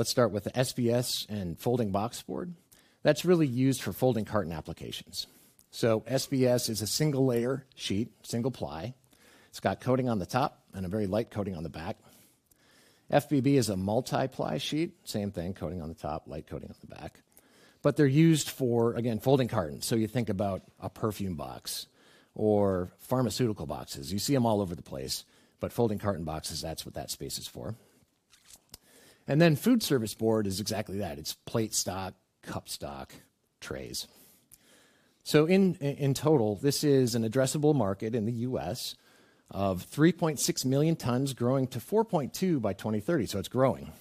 S3: Let's start with the SBS and Folding Box Board. That's really used for folding carton applications. So SBS is a single-layer sheet, single ply. It's got coating on the top and a very light coating on the back. FBB is a multi-ply sheet, same thing, coating on the top, light coating on the back. But they're used for, again, folding cartons. So you think about a perfume box or pharmaceutical boxes. You see them all over the place, but folding carton boxes, that's what that space is for. And then Food Service Board is exactly that. It's plate stock, cup stock, trays. So in total, this is an addressable market in the U.S. of 3.6 million tons growing to 4.2 by 2030. So it's growing.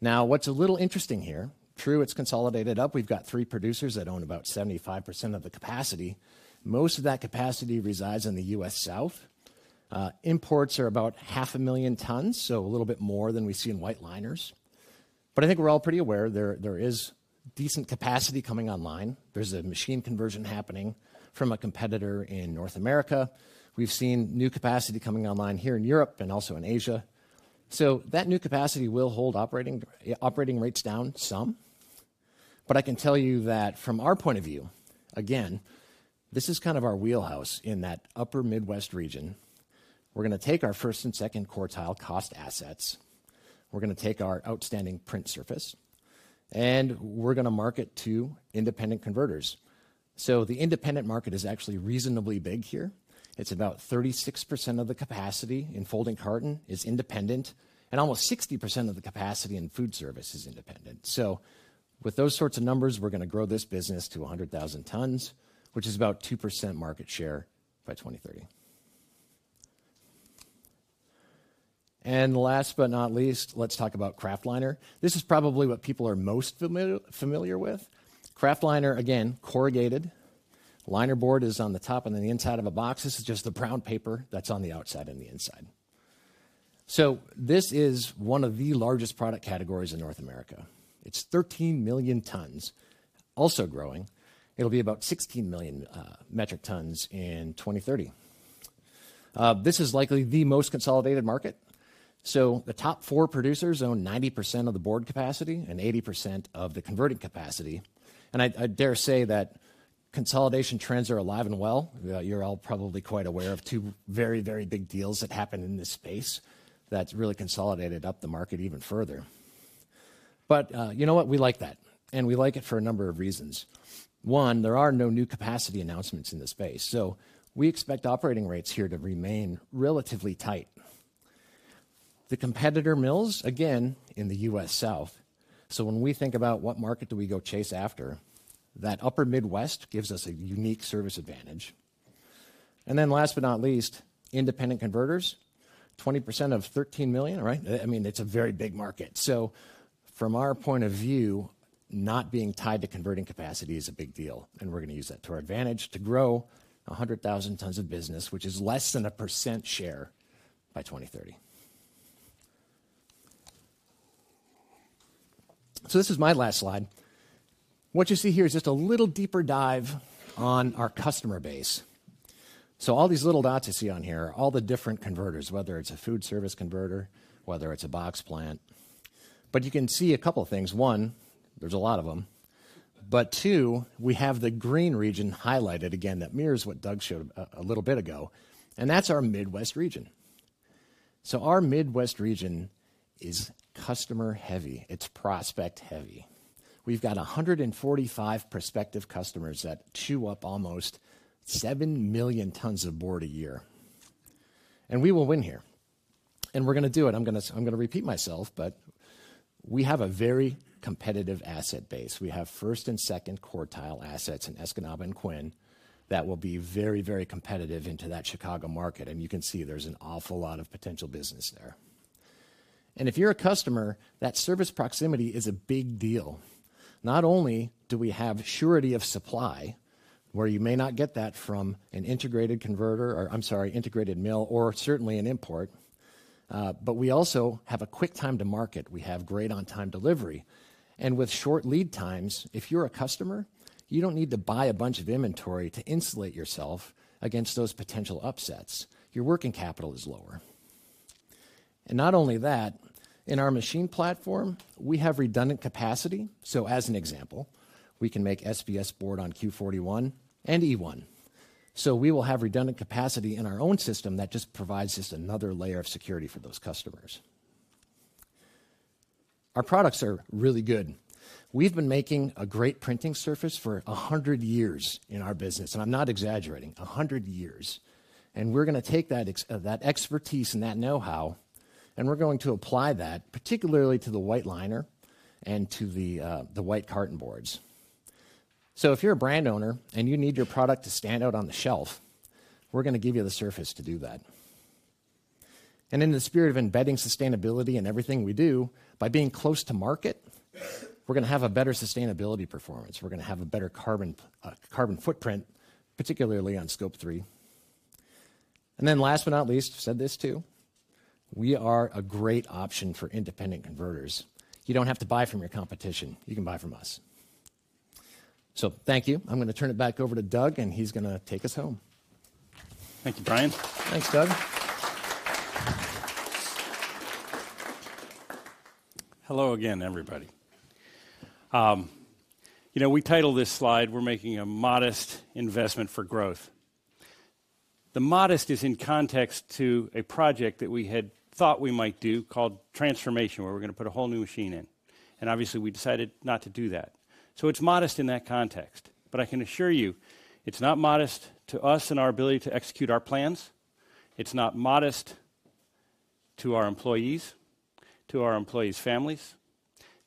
S3: Now, what's a little interesting here, true, it's consolidated up. We've got three producers that own about 75% of the capacity. Most of that capacity resides in the U.S. South. Imports are about 500,000 tons, so a little bit more than we see in white liners. But I think we're all pretty aware there is decent capacity coming online. There's a machine conversion happening from a competitor in North America. We've seen new capacity coming online here in Europe and also in Asia. So that new capacity will hold operating rates down some. But I can tell you that from our point of view, again, this is kind of our wheelhouse in that Upper Midwest region. We're going to take our first and second quartile cost assets. We're going to take our outstanding print surface, and we're going to market to independent converters. So the independent market is actually reasonably big here. It's about 36% of the capacity in folding carton is independent, and almost 60% of the capacity in food service is independent. So with those sorts of numbers, we're going to grow this business to 100,000 tons, which is about 2% market share by 2030. And last but not least, let's talk about kraftliner. This is probably what people are most familiar with. Kraftliner, again, corrugated. Linerboard is on the top and then the inside of a box. This is just the brown paper that's on the outside and the inside. So this is one of the largest product categories in North America. It's 13 million tons, also growing. It'll be about 16 million metric tons in 2030. This is likely the most consolidated market. So the top four producers own 90% of the board capacity and 80% of the converting capacity. And I dare say that consolidation trends are alive and well. You're all probably quite aware of two very, very big deals that happened in this space that really consolidated up the market even further. But you know what? We like that. And we like it for a number of reasons. One, there are no new capacity announcements in this space. So we expect operating rates here to remain relatively tight. The competitor mills, again, in the U.S. South. So when we think about what market do we go chase after, that Upper Midwest gives us a unique service advantage. And then last but not least, independent converters, 20% of 13 million, right? I mean, it's a very big market. So from our point of view, not being tied to converting capacity is a big deal. And we're going to use that to our advantage to grow 100,000 tons of business, which is less than 1% share by 2030. This is my last slide. What you see here is just a little deeper dive on our customer base. So all these little dots you see on here, all the different converters, whether it's a food service converter, whether it's a box plant. But you can see a couple of things. One, there's a lot of them. But two, we have the green region highlighted again that mirrors what Doug showed a little bit ago. And that's our Midwest region. So our Midwest region is customer-heavy. It's prospect-heavy. We've got 145 prospective customers that chew up almost 7 million tons of board a year. And we will win here. And we're going to do it. I'm going to repeat myself, but we have a very competitive asset base. We have first and second quartile assets in Escanaba and Quinnesec that will be very, very competitive into that Chicago market. And you can see there's an awful lot of potential business there. And if you're a customer, that service proximity is a big deal. Not only do we have surety of supply, where you may not get that from an integrated converter or, I'm sorry, integrated mill, or certainly an import, but we also have a quick time to market. We have great on-time delivery. And with short lead times, if you're a customer, you don't need to buy a bunch of inventory to insulate yourself against those potential upsets. Your working capital is lower. And not only that, in our machine platform, we have redundant capacity. So as an example, we can make SBS board on Q41 and E1. So we will have redundant capacity in our own system that just provides just another layer of security for those customers. Our products are really good. We've been making a great printing surface for 100 years in our business. And I'm not exaggerating, 100 years. And we're going to take that expertise and that know-how, and we're going to apply that particularly to the white liner and to the white cartonboards. So if you're a brand owner and you need your product to stand out on the shelf, we're going to give you the surface to do that. And in the spirit of embedding sustainability in everything we do, by being close to market, we're going to have a better sustainability performance. We're going to have a better carbon footprint, particularly on Scope 3. And then last but not least, I've said this too, we are a great option for independent converters. You don't have to buy from your competition. You can buy from us. So thank you. I'm going to turn it back over to Doug, and he's going to take us home.
S2: Thank you, Brian.
S3: Thanks, Doug.
S2: Hello again, everybody. We titled this slide, "We're Making a Modest Investment for Growth." The modest is in context to a project that we had thought we might do called transformation, where we're going to put a whole new machine in. And obviously, we decided not to do that. So it's modest in that context. But I can assure you, it's not modest to us and our ability to execute our plans. It's not modest to our employees, to our employees' families,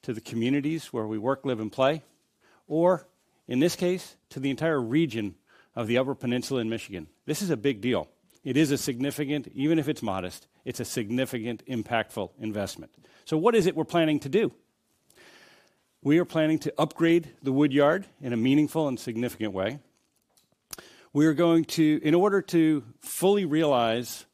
S2: to the communities where we work, live, and play, or in this case, to the entire region of the Upper Peninsula in Michigan. This is a big deal. It is a significant, even if it's modest, it's a significant, impactful investment. So what is it we're planning to do? We are planning to upgrade the wood yard in a meaningful and significant way. We are going to, in order to fully realize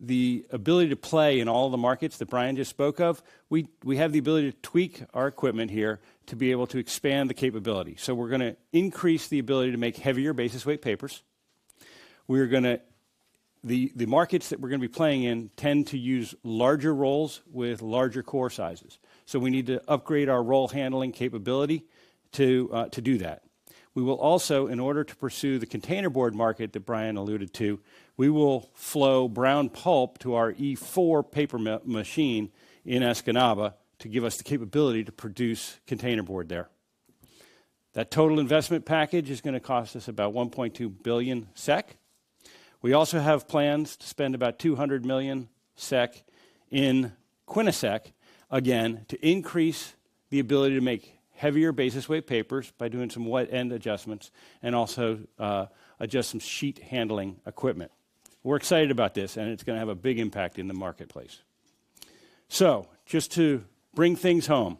S2: the ability to play in all the markets that Brian just spoke of, we have the ability to tweak our equipment here to be able to expand the capability. So we're going to increase the ability to make heavier basis weight papers. The markets that we're going to be playing in tend to use larger rolls with larger core sizes. So we need to upgrade our roll handling capability to do that. We will also, in order to pursue the containerboard market that Brian alluded to, we will flow brown pulp to our E4 paper machine in Escanaba to give us the capability to produce containerboard there. That total investment package is going to cost us about 1.2 billion SEK. We also have plans to spend about 200 million SEK in Quinnesec, again, to increase the ability to make heavier basis weight papers by doing some wet-end adjustments and also adjust some sheet handling equipment. We're excited about this, and it's going to have a big impact in the marketplace. So just to bring things home,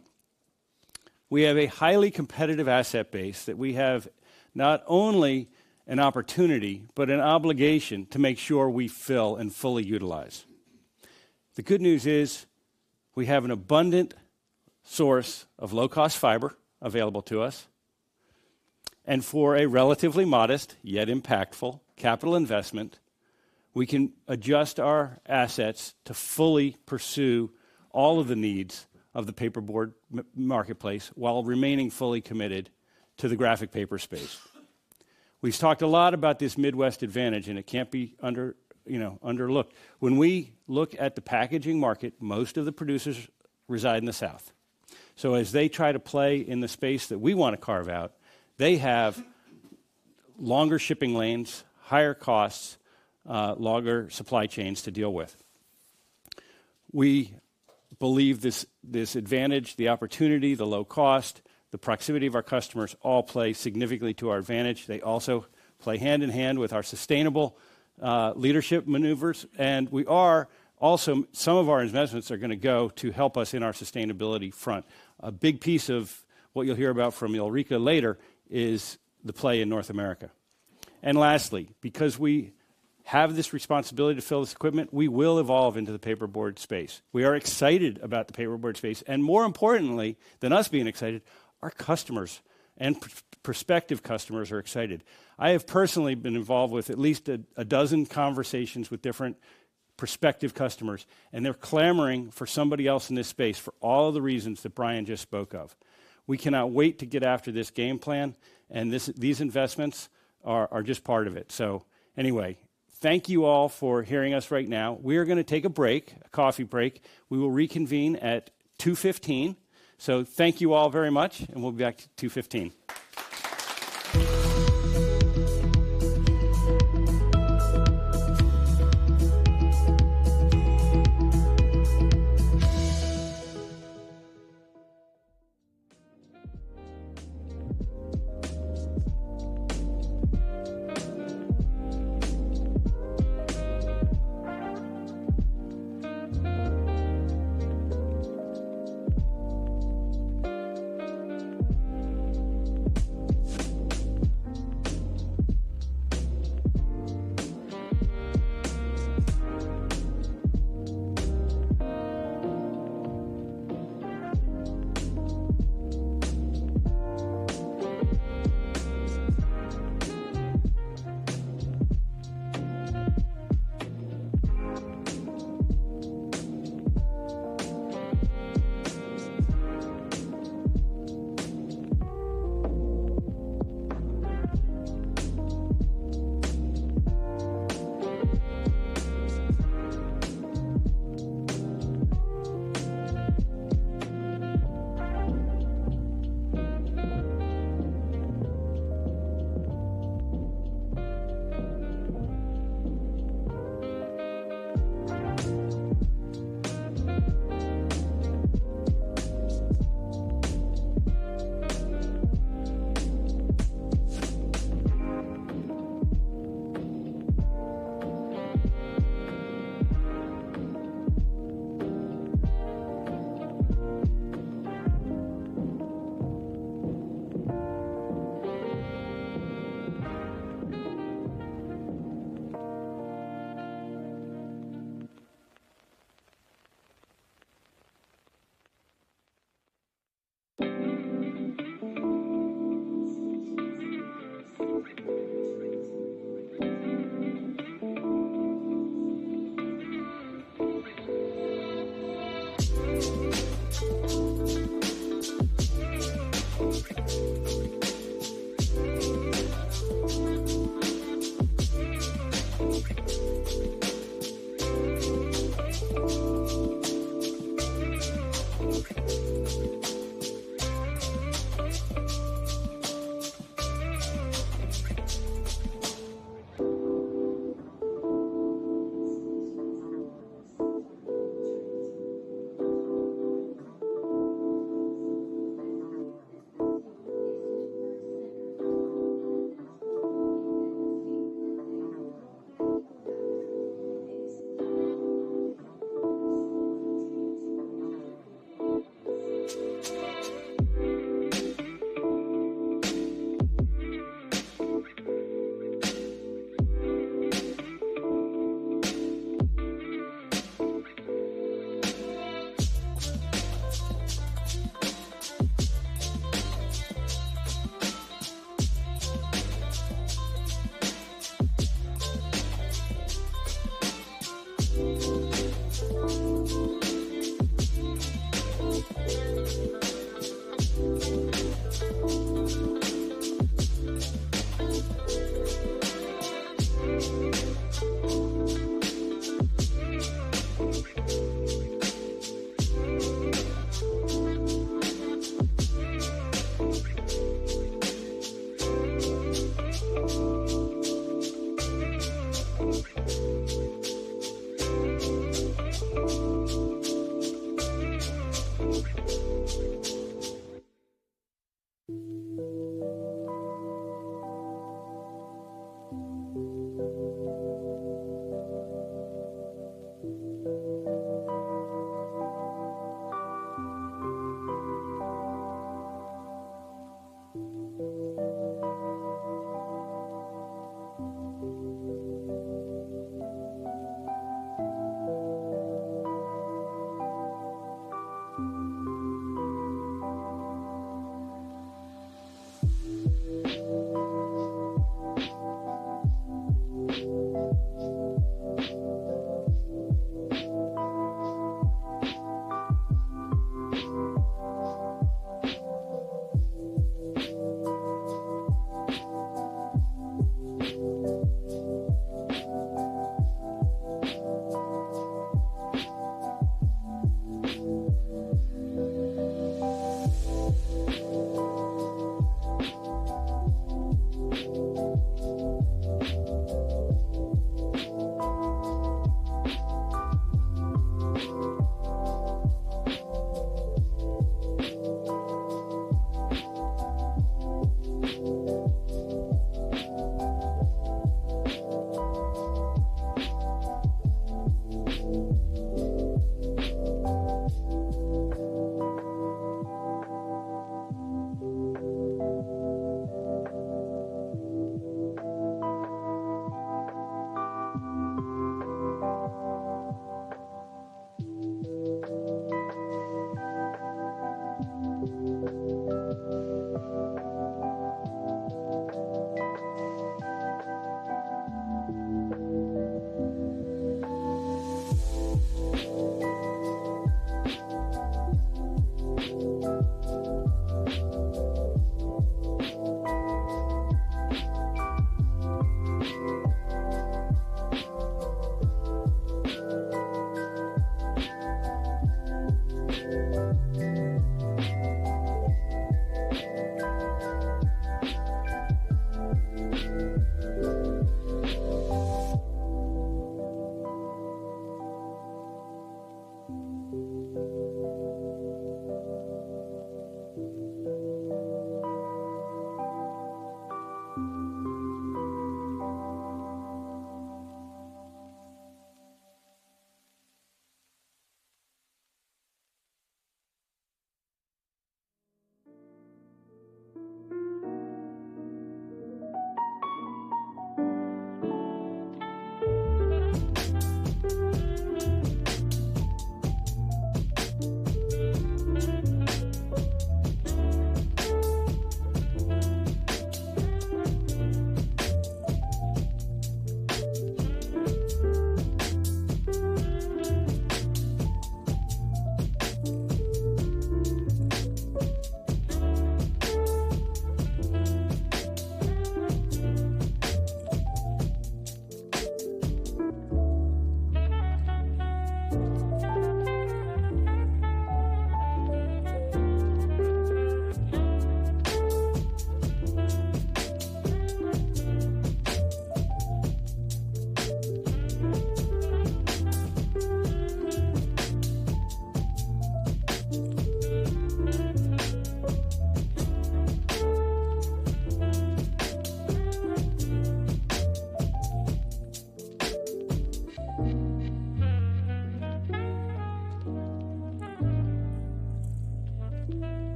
S2: we have a highly competitive asset base that we have not only an opportunity, but an obligation to make sure we fill and fully utilize. The good news is we have an abundant source of low-cost fiber available to us. For a relatively modest, yet impactful capital investment, we can adjust our assets to fully pursue all of the needs of the paperboard marketplace while remaining fully committed to the graphic paper space. We've talked a lot about this Midwest advantage, and it can't be overlooked. When we look at the packaging market, most of the producers reside in the South. So as they try to play in the space that we want to carve out, they have longer shipping lanes, higher costs, longer supply chains to deal with. We believe this advantage, the opportunity, the low cost, the proximity of our customers all play significantly to our advantage. They also play hand in hand with our sustainable leadership maneuvers, and we are also, some of our investments are going to go to help us in our sustainability front. A big piece of what you'll hear about from Ulrika later is the play in North America, and lastly, because we have this responsibility to fill this equipment, we will evolve into the paperboard space. We are excited about the paperboard space. And more importantly than us being excited, our customers and prospective customers are excited. I have personally been involved with at least a dozen conversations with different prospective customers, and they're clamoring for somebody else in this space for all of the reasons that Brian just spoke of. We cannot wait to get after this game plan, and these investments are just part of it. So anyway, thank you all for hearing us right now. We are going to take a break, a coffee break. We will reconvene at 2:15 P.M. So thank you all very much, and we'll be back at 2:15 P.M.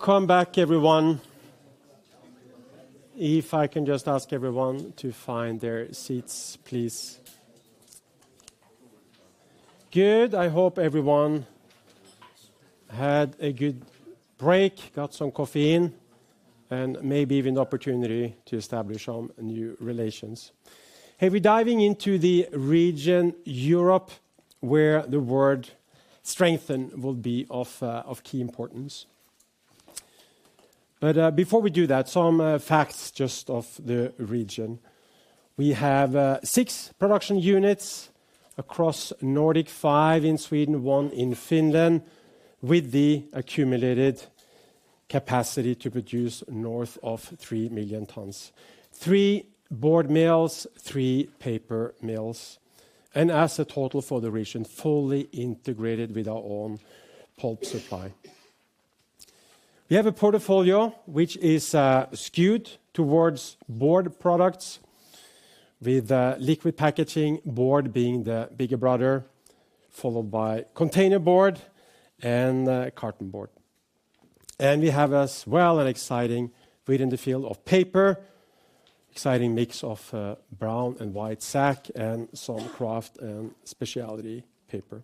S1: Welcome back, everyone. If I can just ask everyone to find their seats, please. Good. I hope everyone had a good break, got some coffee in, and maybe even the opportunity to establish some new relations. Hey, we're diving into the Region Europe, where the word strengthen will be of key importance. But before we do that, some facts just of the region. We have six production units across Nordic, five in Sweden, one in Finland, with the accumulated capacity to produce north of 3 million tons. Three board mills, three paper mills, and as a total for the region, fully integrated with our own pulp supply. We have a portfolio which is skewed towards board products, with liquid packaging board being the bigger brother, followed by containerboard and cartonboard. And we have as well an exciting mix within the field of paper of brown and white sack and some kraft and specialty paper.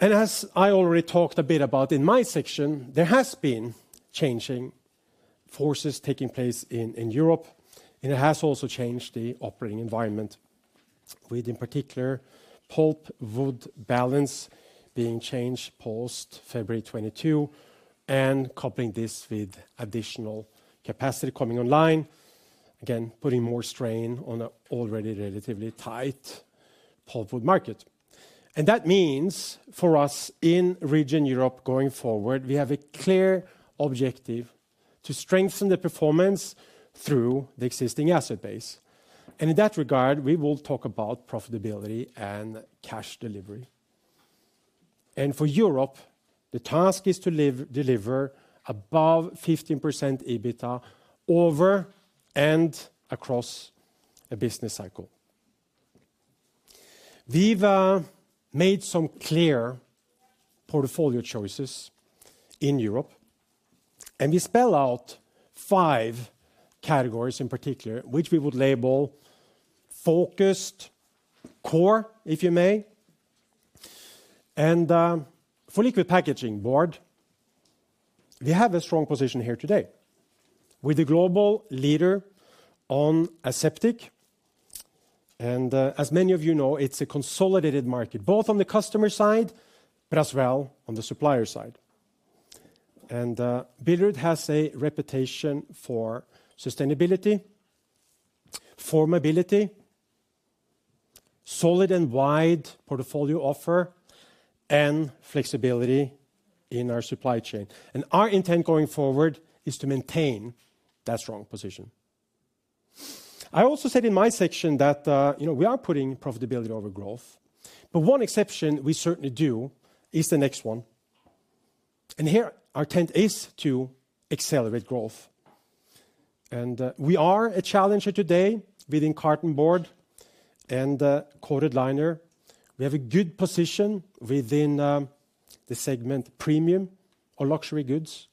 S1: As I already talked a bit about in my section, there has been changing forces taking place in Europe, and it has also changed the operating environment, with in particular pulpwood balance being changed post February 2022 and coupling this with additional capacity coming online, again, putting more strain on an already relatively tight pulpwood market. That means for us in Region Europe going forward, we have a clear objective to strengthen the performance through the existing asset base. In that regard, we will talk about profitability and cash delivery. For Europe, the task is to deliver above 15% EBITDA over and across a business cycle. We've made some clear portfolio choices in Europe, and we spell out five categories in particular, which we would label focused core, if you may. For liquid packaging board, we have a strong position here today with the global leader on aseptic. As many of you know, it's a consolidated market, both on the customer side but as well on the supplier side. Billerud has a reputation for sustainability, formability, solid and wide portfolio offer, and flexibility in our supply chain. Our intent going forward is to maintain that strong position. I also said in my section that we are putting profitability over growth, but one exception we certainly do is the next one. Here our intent is to accelerate growth. We are a challenger today within carton board and coated liner. We have a good position within the segment premium or luxury goods.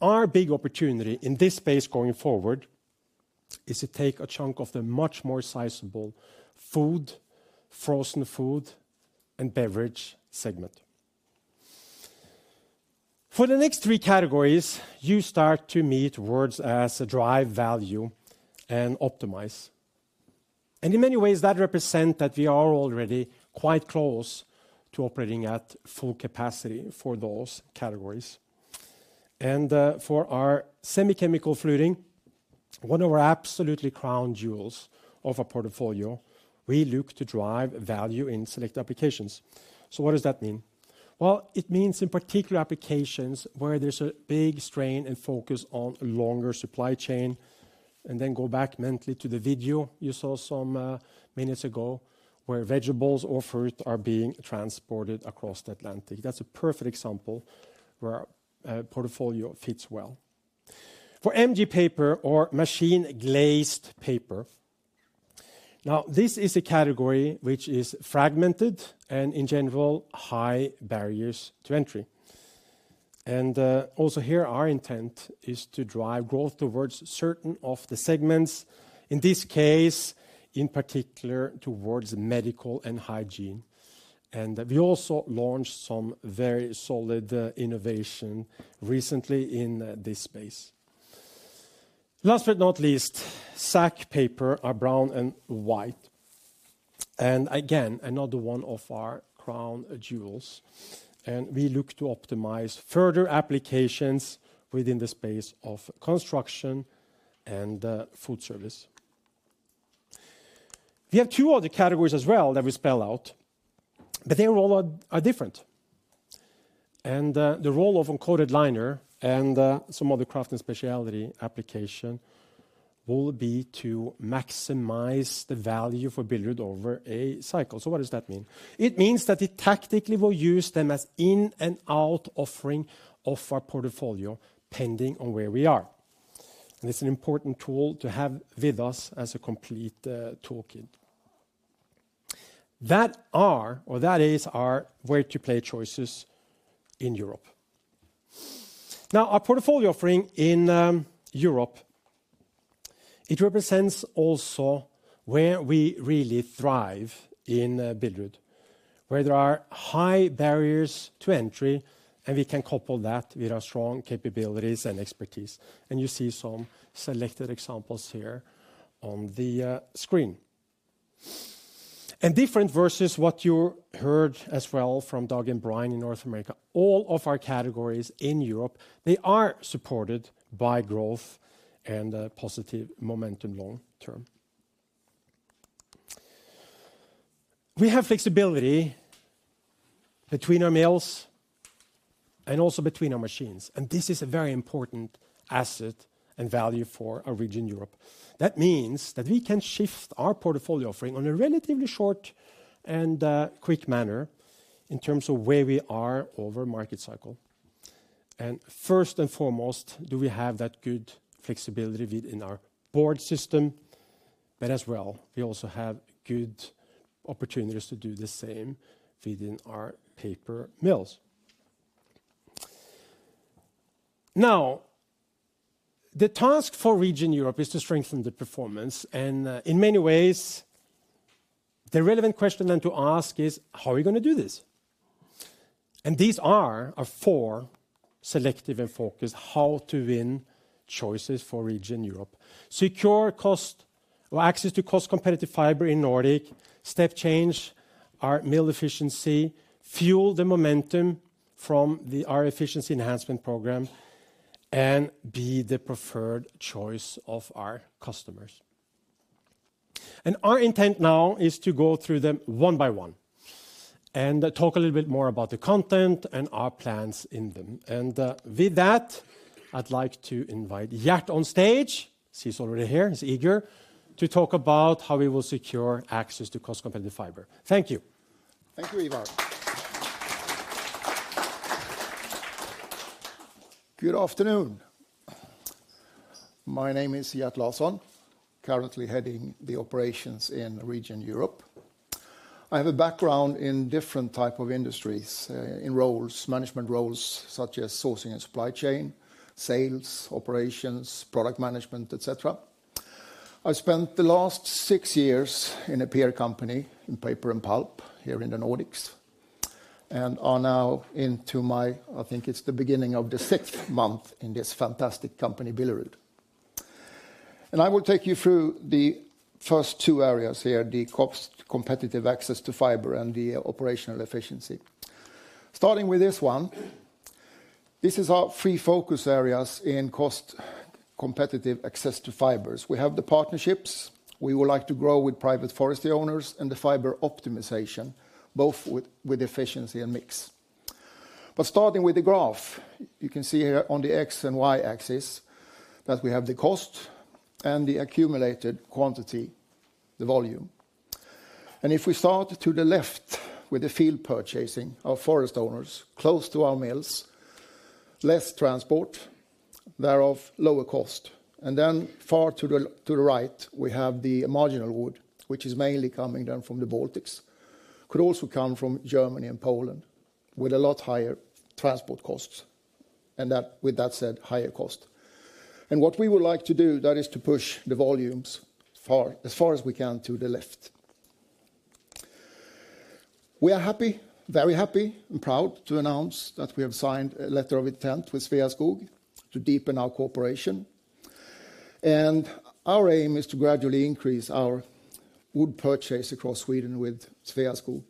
S1: Our big opportunity in this space going forward is to take a chunk of the much more sizable food, frozen food, and beverage segment. For the next three categories, we start to use words like drive value and optimize. And in many ways, that represents that we are already quite close to operating at full capacity for those categories. And for our semi-chemical fluting, one of our absolute crown jewels of our portfolio, we look to drive value in select applications. So what does that mean? Well, it means in particular applications where there's a big strain and focus on a longer supply chain, and then go back mentally to the video you saw some minutes ago where vegetables or fruit are being transported across the Atlantic. That's a perfect example where our portfolio fits well. For MG paper or machine-glazed paper, now this is a category which is fragmented and in general high barriers to entry. And also here our intent is to drive growth towards certain of the segments, in this case in particular towards medical and hygiene. We also launched some very solid innovation recently in this space. Last but not least, sack paper, our brown and white, and again, another one of our crown jewels. We look to optimize further applications within the space of construction and food service. We have two other categories as well that we spell out, but they all are different. The role of kraftliner and some other kraft and specialty application will be to maximize the value for Billerud over a cycle. So what does that mean? It means that it tactically will use them as in-and-out offering of our portfolio depending on where we are. It is an important tool to have with us as a complete toolkit. That are, or that is our where to play choices in Europe. Now, our portfolio offering in Europe, it represents also where we really thrive in Billerud, where there are high barriers to entry, and we can couple that with our strong capabilities and expertise. And you see some selected examples here on the screen. And different versus what you heard as well from Doug and Brian in North America, all of our categories in Europe, they are supported by growth and positive momentum long term. We have flexibility between our mills and also between our machines. And this is a very important asset and value for our region, Europe. That means that we can shift our portfolio offering on a relatively short and quick manner in terms of where we are over market cycle. And first and foremost, do we have that good flexibility within our board system? But as well, we also have good opportunities to do the same within our paper mills. Now, the task for Region Europe is to strengthen the performance. In many ways, the relevant question then to ask is, how are we going to do this? These are our four selective and focused how-to-win choices for Region Europe: secure access to cost-competitive fiber in the Nordics, step change our mill efficiency, fuel the momentum from our Efficiency Enhancement Program, and be the preferred choice of our customers. Our intent now is to go through them one by one and talk a little bit more about the content and our plans in them. With that, I would like to invite Gert on stage. She is already here. She is eager to talk about how we will secure access to cost-competitive fiber. Thank you.
S4: Thank you, Ivar. Good afternoon. My name is Gert Larsson, currently heading the operations in Region Europe. I have a background in different types of industries in roles, management roles such as sourcing and supply chain, sales, operations, product management, etc. I spent the last six years in a peer company in paper and pulp here in the Nordics, and are now into my, I think it's the beginning of the sixth month in this fantastic company, Billerud. I will take you through the first two areas here, the cost-competitive access to fiber and the operational efficiency. Starting with this one, this is our three focus areas in cost-competitive access to fibers. We have the partnerships. We would like to grow with private forestry owners and the fiber optimization, both with efficiency and mix. Starting with the graph, you can see here on the X and Y axis that we have the cost and the accumulated quantity, the volume. If we start to the left with the field purchasing of forest owners close to our mills, less transport, thereof lower cost. Then far to the right, we have the marginal wood, which is mainly coming then from the Baltics, could also come from Germany and Poland with a lot higher transport costs. With that said, higher cost. What we would like to do, that is to push the volumes as far as we can to the left. We are happy, very happy and proud to announce that we have signed a letter of intent with Sveaskog to deepen our cooperation. Our aim is to gradually increase our wood purchase across Sweden with Sveaskog.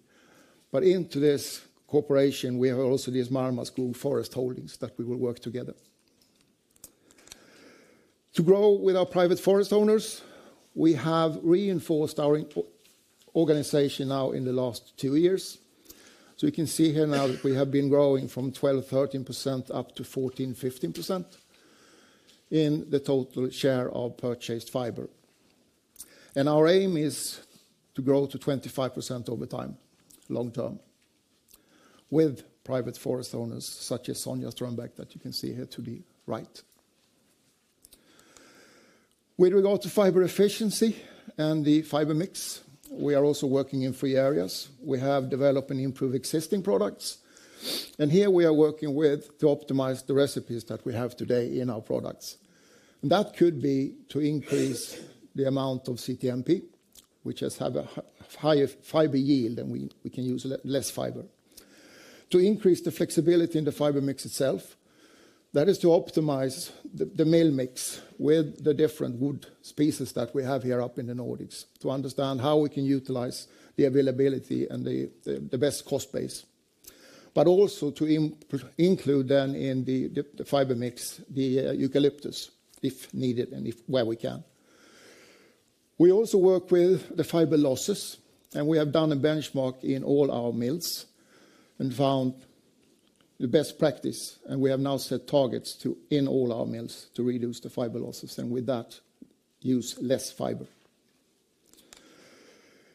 S4: But into this cooperation, we have also this Marma Skog that we will work together. To grow with our private forest owners, we have reinforced our organization now in the last two years. So you can see here now that we have been growing from 12%-13% up to 14%-15% in the total share of purchased fiber. And our aim is to grow to 25% over time, long term, with private forest owners such as Sonja Strömbäck that you can see here to the right. With regard to fiber efficiency and the fiber mix, we are also working in three areas. We have developed and improved existing products. And here we are working with to optimize the recipes that we have today in our products. And that could be to increase the amount of CTMP, which has a higher fiber yield and we can use less fiber. To increase the flexibility in the fiber mix itself, that is to optimize the mill mix with the different wood species that we have here up in the Nordics, to understand how we can utilize the availability and the best cost base, but also to include then in the fiber mix the eucalyptus, if needed and where we can. We also work with the fiber losses, and we have done a benchmark in all our mills and found the best practice, and we have now set targets in all our mills to reduce the fiber losses and with that use less fiber.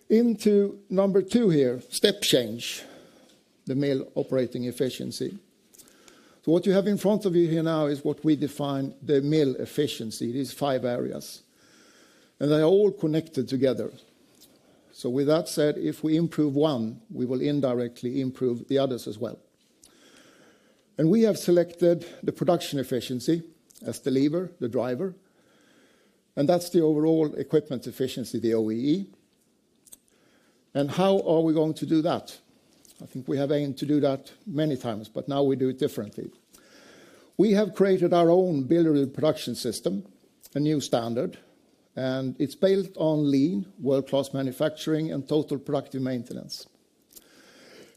S4: Into number two here, step change, the mill operating efficiency, so what you have in front of you here now is what we define the mill efficiency. These five areas, and they are all connected together. With that said, if we improve one, we will indirectly improve the others as well. We have selected the production efficiency as the lever, the driver, and that's the overall equipment efficiency, the OEE. How are we going to do that? I think we have aimed to do that many times, but now we do it differently. We have created our own Billerud Production System, a new standard, and it's built on lean, World-Class Manufacturing and Total Productive Maintenance.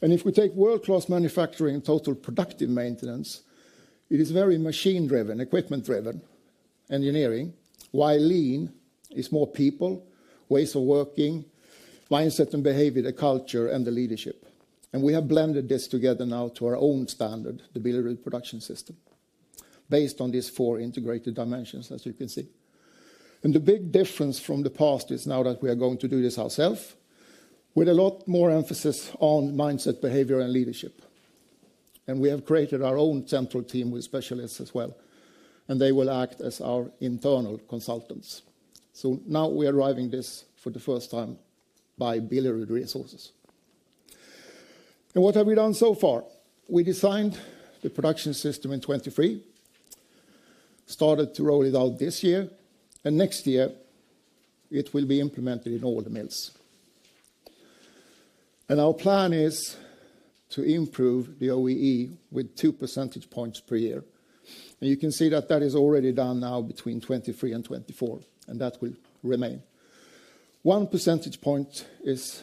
S4: If we take World-Class Manufacturing and Total Productive Maintenance, it is very machine-driven, equipment-driven engineering, while lean is more people, ways of working, mindset and behavior, the culture and the leadership. We have blended this together now to our own standard, the Billerud Production System, based on these four integrated dimensions, as you can see. The big difference from the past is now that we are going to do this ourselves with a lot more emphasis on mindset, behavior, and leadership. We have created our own central team with specialists as well, and they will act as our internal consultants. So now we are driving this for the first time by Billerud resources. What have we done so far? We designed the production system in 2023, started to roll it out this year, and next year it will be implemented in all the mills. Our plan is to improve the OEE with two percentage points per year. You can see that that is already done now between 2023 and 2024, and that will remain. One percentage pointis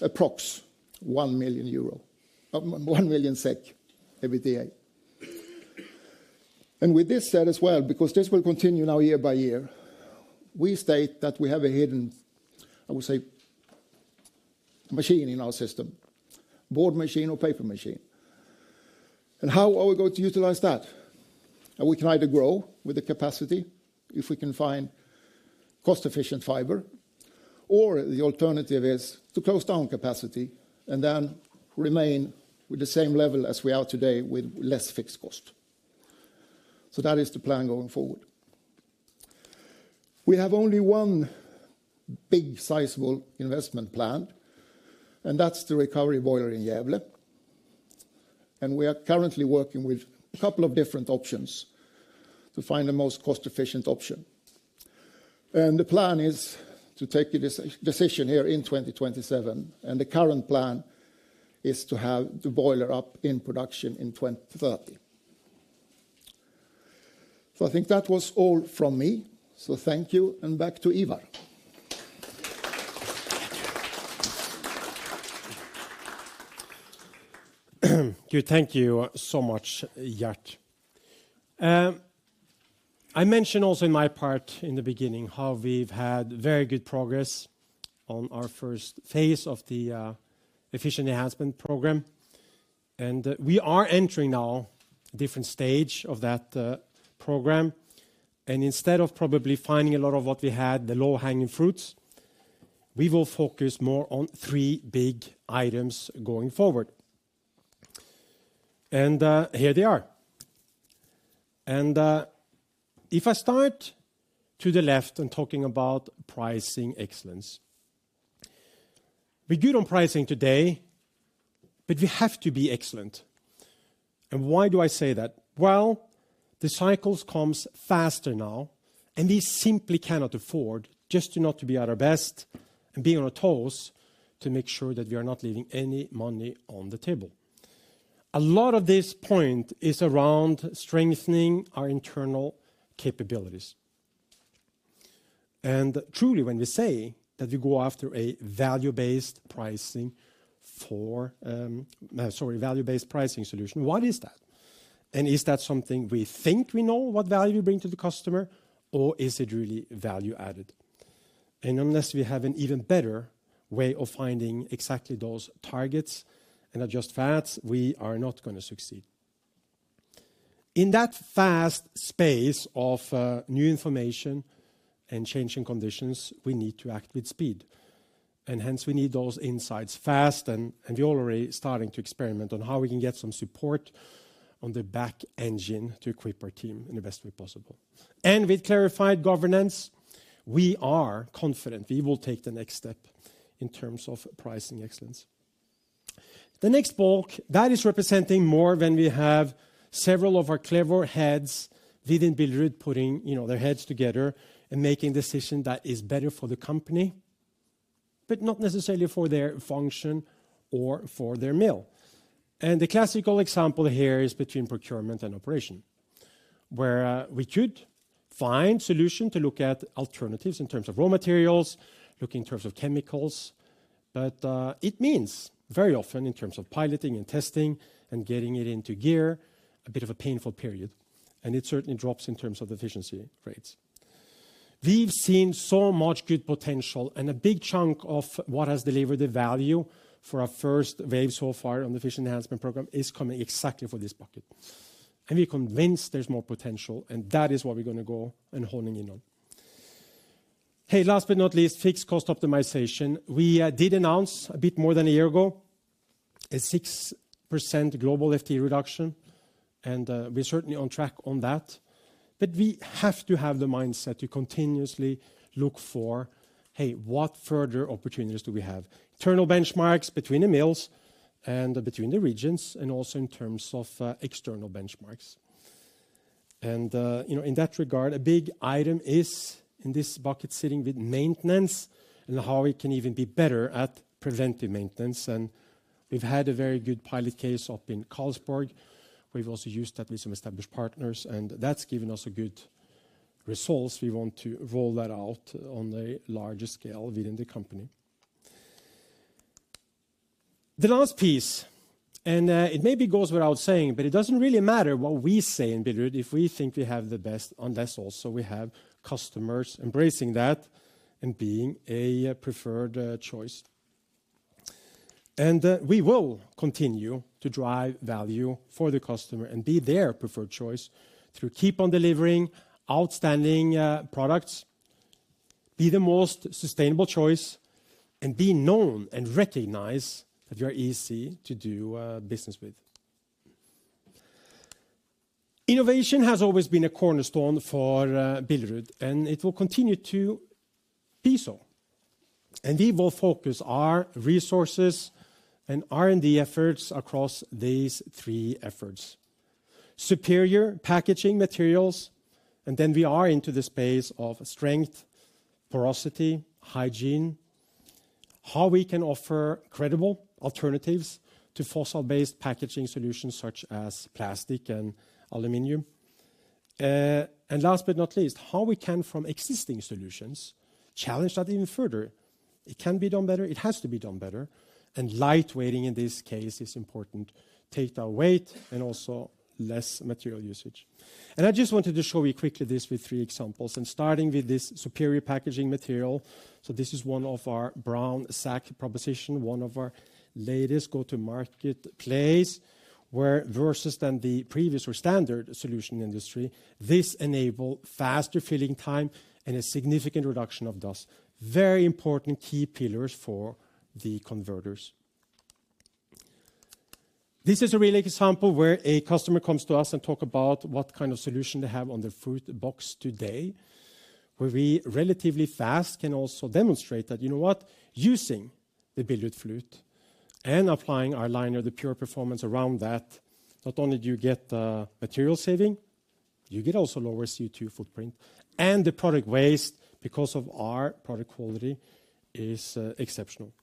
S4: approximately 1 million SEK every day. And with this said as well, because this will continue now year by year, we state that we have a hidden, I would say, machine in our system, board machine or paper machine. And how are we going to utilize that? And we can either grow with the capacity if we can find cost-efficient fiber, or the alternative is to close down capacity and then remain with the same level as we are today with less fixed cost. So that is the plan going forward. We have only one big sizable investment planned, and that's the recovery boiler in Gävle. And we are currently working with a couple of different options to find the most cost-efficient option. And the plan is to take a decision here in 2027, and the current plan is to have the boiler up in production in 2030. So I think that was all from me. So, thank you and back to Ivar.
S1: Thank you so much, Gert. I mentioned also in my part in the beginning how we've had very good progress on our first phase of the Efficiency Enhancement Program. And we are entering now a different stage of that program. And instead of probably finding a lot of what we had, the low-hanging fruits, we will focus more on three big items going forward. And here they are. And if I start to the left and talking about pricing excellence, we're good on pricing today, but we have to be excellent. And why do I say that? Well, the cycles come faster now, and we simply cannot afford just not to be at our best and be on our toes to make sure that we are not leaving any money on the table. At this point is around strengthening our internal capabilities. And truly, when we say that we go after a value-based pricing for, sorry, value-based pricing solution, what is that? And is that something we think we know what value we bring to the customer, or is it really value added? And unless we have an even better way of finding exactly those targets and adjust fast, we are not going to succeed. In that fast space of new information and changing conditions, we need to act with speed. And hence, we need those insights fast, and we're already starting to experiment on how we can get some support on the back engine to equip our team in the best way possible. And with clarified governance, we are confident we will take the next step in terms of pricing excellence. The next bucket that is representing more when we have several of our clever heads within Billerud putting their heads together and making a decision that is better for the company, but not necessarily for their function or for their mill. And the classical example here is between procurement and operation, where we could find a solution to look at alternatives in terms of raw materials, look in terms of chemicals. But it means very often in terms of piloting and testing and getting it into gear, a bit of a painful period. And it certainly drops in terms of efficiency rates. We've seen so much good potential, and a big chunk of what has delivered the value for our first wave so far on the efficiency enhancement program is coming exactly for this bucket. And we're convinced there's more potential, and that is what we're going to go and hone in on. Hey, last but not least, fixed cost optimization. We did announce a bit more than a year ago a 6% global FTE reduction, and we're certainly on track on that. But we have to have the mindset to continuously look for, hey, what further opportunities do we have? Internal benchmarks between the mills and between the regions, and also in terms of external benchmarks. And in that regard, a big item is in this bucket sitting with maintenance and how we can even be better at preventive maintenance. And we've had a very good pilot case up in Karlsborg. We've also used that with some established partners, and that's given us good results. We want to roll that out on a larger scale within the company. The last piece, and it maybe goes without saying, but it doesn't really matter what we say in Billerud if we think we have the best, unless also we have customers embracing that and being a preferred choice. We will continue to drive value for the customer and be their preferred choice through keep on delivering outstanding products, be the most sustainable choice, and be known and recognized that you are easy to do business with. Innovation has always been a cornerstone for Billerud, and it will continue to be so. We will focus our resources and R&D efforts across these three efforts: superior packaging materials, and then we are into the space of strength, porosity, hygiene, how we can offer credible alternatives to fossil-based packaging solutions such as plastic and aluminum. Last but not least, how we can from existing solutions challenge that even further. It can be done better. It has to be done better. Lightweighting in this case is important: take that weight and also less material usage. I just wanted to show you quickly this with three examples, starting with this superior packaging material. So this is one of our brown sack propositions, one of our latest go-to-market plays where, versus the previous or standard solution in the industry, this enables faster filling time and a significant reduction of dust. Very important key pillars for the converters. This is a really good example where a customer comes to us and talks about what kind of solution they have on their fruit box today, where we relatively fast can also demonstrate that, you know what, using the Billerud fluting and applying our liner, the pure performance around that, not only do you get material saving, you get also lower CO2 footprint, and the product waste because of our product quality is exceptional.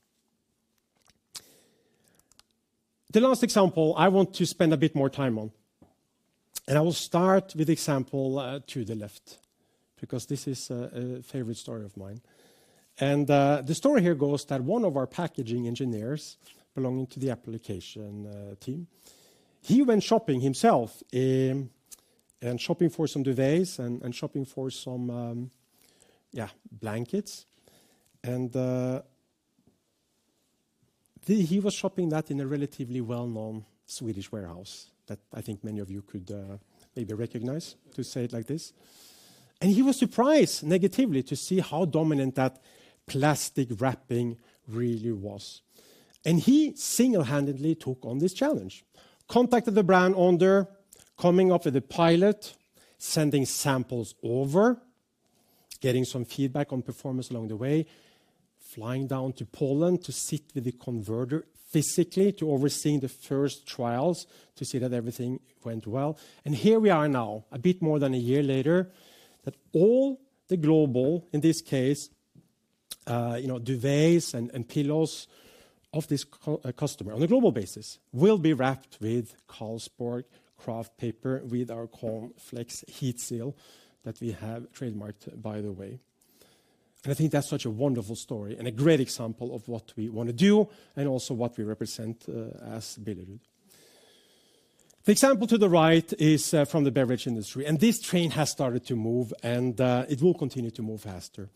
S1: The last example I want to spend a bit more time on, and I will start with the example to the left because this is a favorite story of mine. And the story here goes that one of our packaging engineers belonging to the application team, he went shopping himself and shopping for some duvets and shopping for some, yeah, blankets. And he was shopping that in a relatively well-known Swedish warehouse that I think many of you could maybe recognize to say it like this. And he single-handedly took on this challenge, contacted the brand owner, coming up with a pilot, sending samples over, getting some feedback on performance along the way, flying down to Poland to sit with the converter physically to oversee the first trials to see that everything went well. And here we are now, a bit more than a year later, that all the global, in this case, duvets and pillows of this customer on a global basis will be wrapped with Karlsborg kraft paper with our Conflex heat seal that we have trademarked, by the way. And I think that's such a wonderful story and a great example of what we want to do and also what we represent as Billerud. The example to the right is from the beverage industry, and this train has started to move and it will continue to move faster.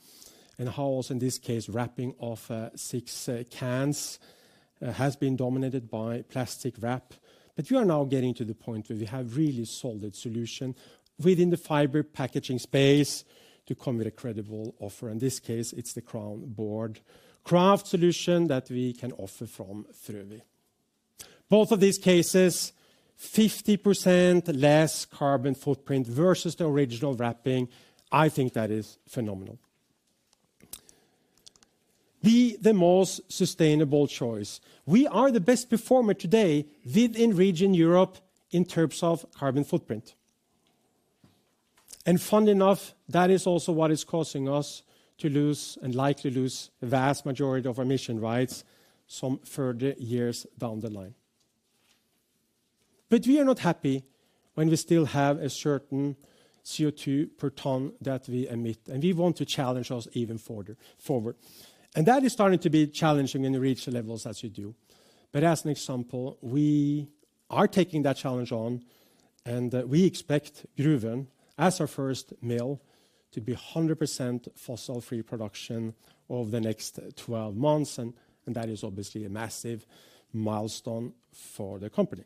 S1: And how, in this case, wrapping of six cans has been dominated by plastic wrap. But we are now getting to the point where we have really solid solution within the fiber packaging space to come with a credible offer. In this case, it's the CrownBoard Craft solution that we can offer from Frövi. Both of these cases, 50% less carbon footprint versus the original wrapping, I think that is phenomenal. Be the most sustainable choice. We are the best performer today within Region Europe in terms of carbon footprint. And funny enough, that is also what is causing us to lose and likely lose a vast majority of our emission rights some further years down the line. But we are not happy when we still have a certain CO2 per ton that we emit, and we want to challenge us even further. And that is starting to be challenging in the regional levels as you do. But as an example, we are taking that challenge on, and we expect Gruvön, as our first mill, to be 100% fossil-free production over the next 12 months. And that is obviously a massive milestone for the company.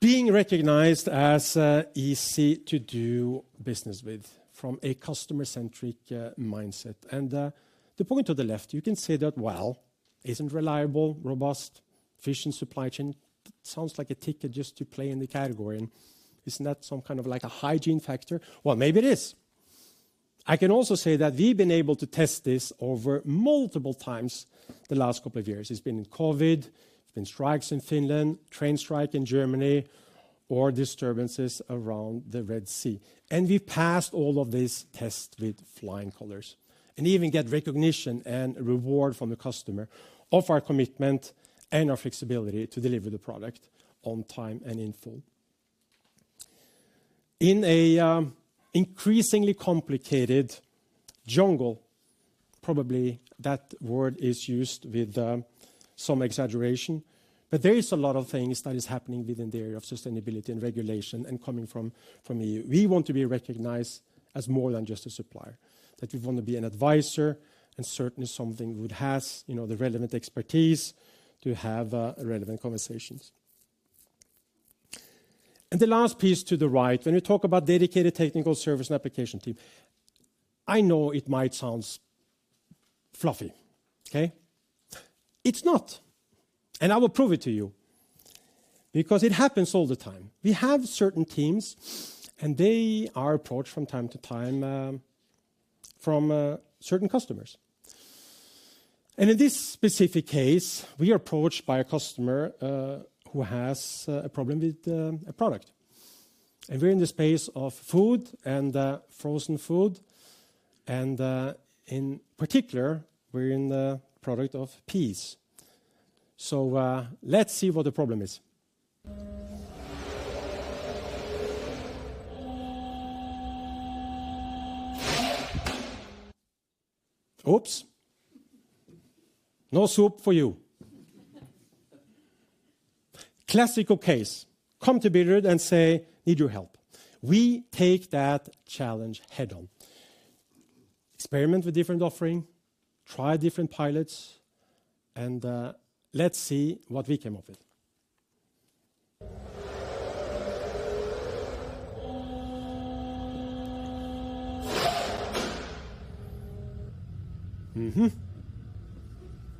S1: Being recognized as easy to do business with from a customer-centric mindset. And the point to the left, you can say that, well, isn't reliable, robust, efficient supply chain. Sounds like a ticket just to play in the category. Isn't that some kind of like a hygiene factor? Well, maybe it is. I can also say that we've been able to test this over multiple times the last couple of years. It's been in COVID, it's been strikes in Finland, train strike in Germany, or disturbances around the Red Sea. And we've passed all of these tests with flying colors and even get recognition and reward from the customer of our commitment and our flexibility to deliver the product on time and in full. In an increasingly complicated jungle, probably that word is used with some exaggeration, but there are a lot of things that are happening within the area of sustainability and regulation and coming from EU. We want to be recognized as more than just a supplier, that we want to be an advisor and certainly something that has the relevant expertise to have relevant conversations. And the last piece to the right, when we talk about dedicated technical service and application team, I know it might sound fluffy, okay? It's not. And I will prove it to you because it happens all the time. We have certain teams, and they are approached from time to time from certain customers. And in this specific case, we are approached by a customer who has a problem with a product. And we're in the space of food and frozen food, and in particular, we're in the product of peas. So let's see what the problem is. Oops. No soup for you. Classic case. Come to Billerud and say, need your help. We take that challenge head-on. Experiment with different offerings, try different pilots, and let's see what we came up with.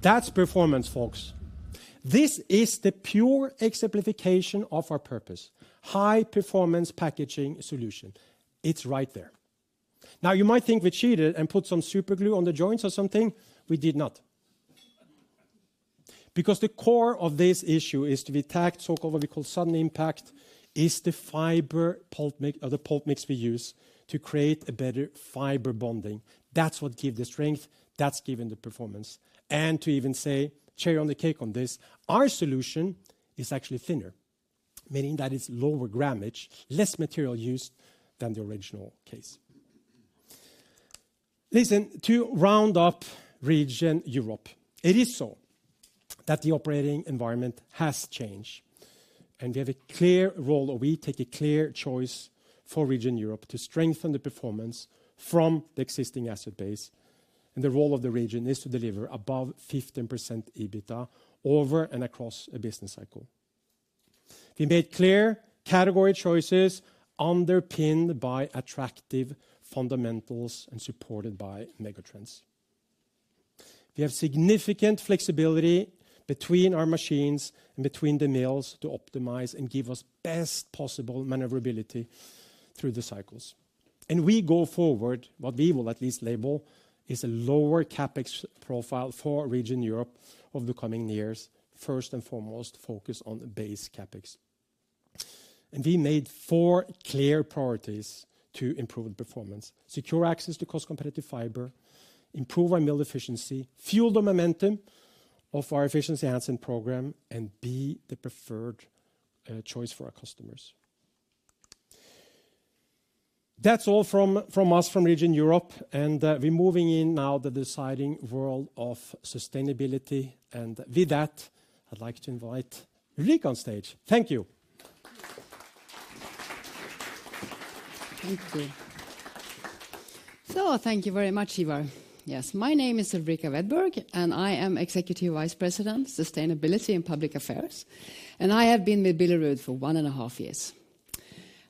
S1: That's performance, folks. This is the pure exemplification of our purpose: high-performance packaging solution. It's right there. Now, you might think we cheated and put some super glue on the joints or something. We did not. Because the core of this issue is to be tackled, so-called what we call sudden impact, is the fiber pulp mix we use to create a better fiber bonding. That's what gives the strength, that's given the performance. And to even say, cherry on the cake on this, our solution is actually thinner, meaning that it's lower grammage, less material use than the original case. Listen, to round up region Europe, it is so that the operating environment has changed. And we have a clear role, or we take a clear choice for region Europe to strengthen the performance from the existing asset base. And the role of the region is to deliver above 15% EBITDA over and across a business cycle. We made clear category choices underpinned by attractive fundamentals and supported by megatrends. We have significant flexibility between our machines and between the mills to optimize and give us best possible maneuverability through the cycles. And as we go forward, what we will at least label is a lower CapEx profile for Region Europe of the coming years, first and foremost focus on base CapEx. We made four clear priorities to improve the performance: secure access to cost-competitive fiber, improve our mill efficiency, fuel the momentum of our Efficiency Enhancement Program, and be the preferred choice for our customers. That's all from us from Region Europe. We're moving now into the exciting world of sustainability. With that, I'd like to invite on stage. Thank you.
S5: Thank you. So thank you very much, Ivar. Yes, my name is Ulrika Wedberg, and I am Executive Vice President, Sustainability and Public Affairs. And I have been with Billerud for one and a half years.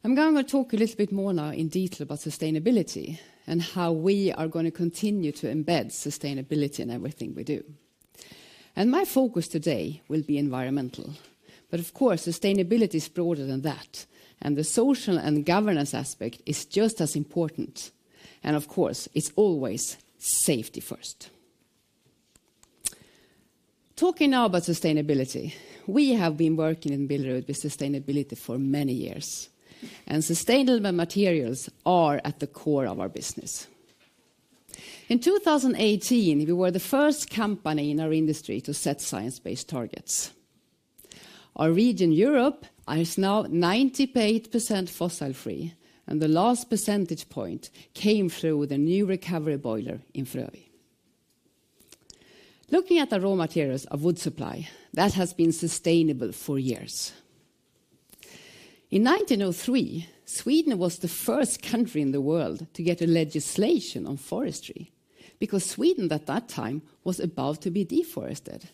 S5: I'm going to talk a little bit more now in detail about sustainability and how we are going to continue to embed sustainability in everything we do. And my focus today will be environmental. But of course, sustainability is broader than that. And the social and governance aspect is just as important. And of course, it's always safety first. Talking now about sustainability, we have been working in Billerud with sustainability for many years. And sustainable materials are at the core of our business. In 2018, we were the first company in our industry to set Science Based Targets. Our region Europe is now 98% fossil-free. And the last percentage point came through the new recovery boiler in Frövi. Looking at our raw materials of wood supply, that has been sustainable for years. In 1903, Sweden was the first country in the world to get a legislation on forestry because Sweden at that time was about to be deforested.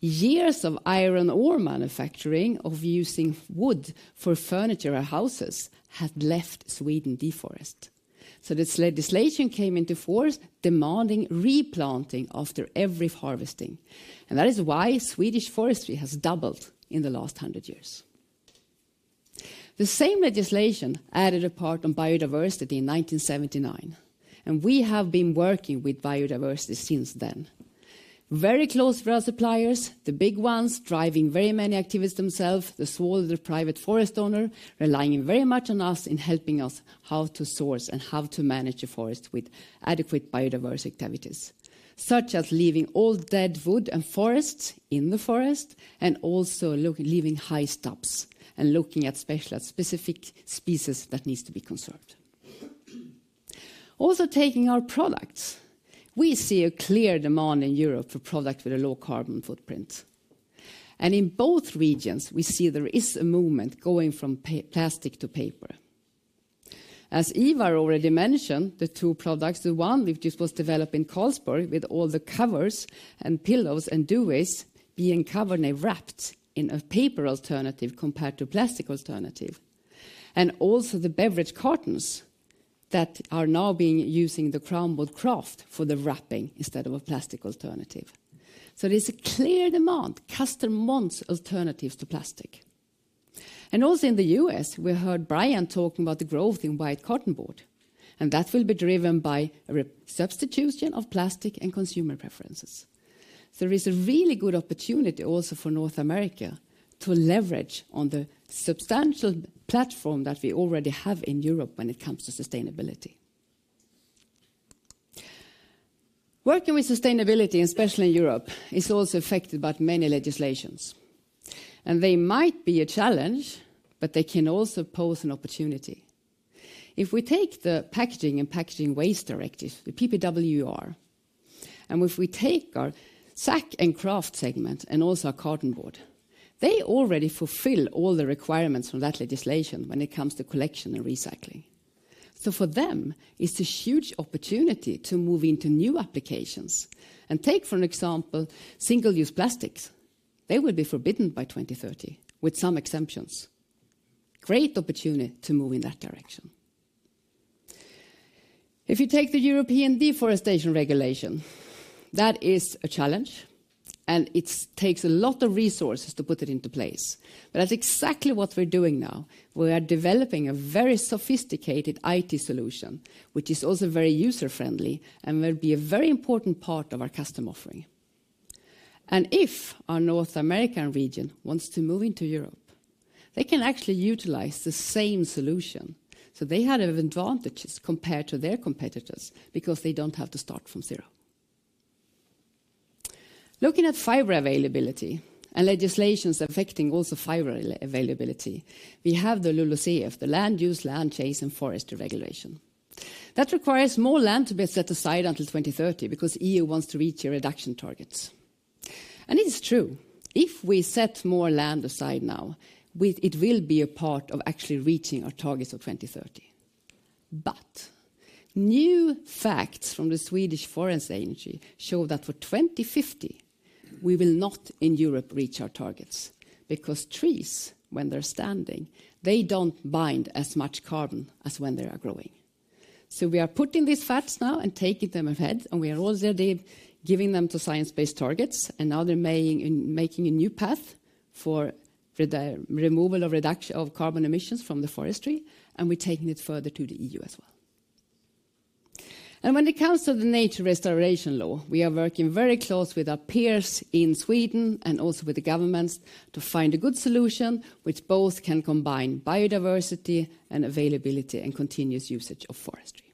S5: Years of iron ore manufacturing, of using wood for furniture or houses, had left Sweden deforested. So this legislation came into force demanding replanting after every harvesting. And that is why Swedish forestry has doubled in the last 100 years. The same legislation added a part on biodiversity in 1979. And we have been working with biodiversity since then. Very close to our suppliers, the big ones driving very many activities themselves, the smaller private forest owner, relying very much on us in helping us how to source and how to manage a forest with adequate biodiversity activities, such as leaving all dead wood and forests in the forest and also leaving high stubs and looking at specific species that need to be conserved. Also taking our products, we see a clear demand in Europe for products with a low carbon footprint. And in both regions, we see there is a movement going from plastic to paper. As Ivar already mentioned, the two products, the one which was developed in Karlsborg with all the covers and pillows and duvets being covered and wrapped in a paper alternative compared to plastic alternative. And also the beverage cartons that are now being used in the CrownBoard Craft for the wrapping instead of a plastic alternative. So there's a clear demand for custom alternatives to plastic. And also in the U.S., we heard Brian talking about the growth inwhite cartonboard. And that will be driven by a substitution of plastic and consumer preferences. So there is a really good opportunity also for North America to leverage on the substantial platform that we already have in Europe when it comes to sustainability. Working with sustainability, especially in Europe, is also affected by many legislations. And they might be a challenge, but they can also pose an opportunity. If we take the Packaging and Packaging Waste Directive, the PPWR, and if we take our sack and kraft segment and also our cartonboard, they already fulfill all the requirements from that legislation when it comes to collection and recycling. So for them, it's a huge opportunity to move into new applications. And take for an example, single-use plastics. They will be forbidden by 2030 with some exemptions. Great opportunity to move in that direction. If you take the European Deforestation Regulation, that is a challenge. And it takes a lot of resources to put it into place. But that's exactly what we're doing now. We are developing a very sophisticated IT solution, which is also very user-friendly and will be a very important part of our customer offering. And if our North American region wants to move into Europe, they can actually utilize the same solution. They have advantages compared to their competitors because they don't have to start from zero. Looking at fiber availability and legislations affecting also fiber availability, we have the LULUCF, the Land Use, Land-Use Change, and Forestry Regulation. That requires more land to be set aside until 2030 because the EU wants to reach your reduction targets. And it's true. If we set more land aside now, it will be a part of actually reaching our targets of 2030. But new facts from the Swedish Forest Agency show that for 2050, we will not in Europe reach our targets because trees, when they're standing, they don't bind as much carbon as when they are growing. So we are putting these facts now and taking them ahead. We are also giving them to Science Based Targets and now they're making a new path for removal and reduction of carbon emissions from the forestry. We're taking it further to the EU as well. When it comes to the nature restoration law, we are working very close with our peers in Sweden and also with the governments to find a good solution which both can combine biodiversity and availability and continuous usage of forestry.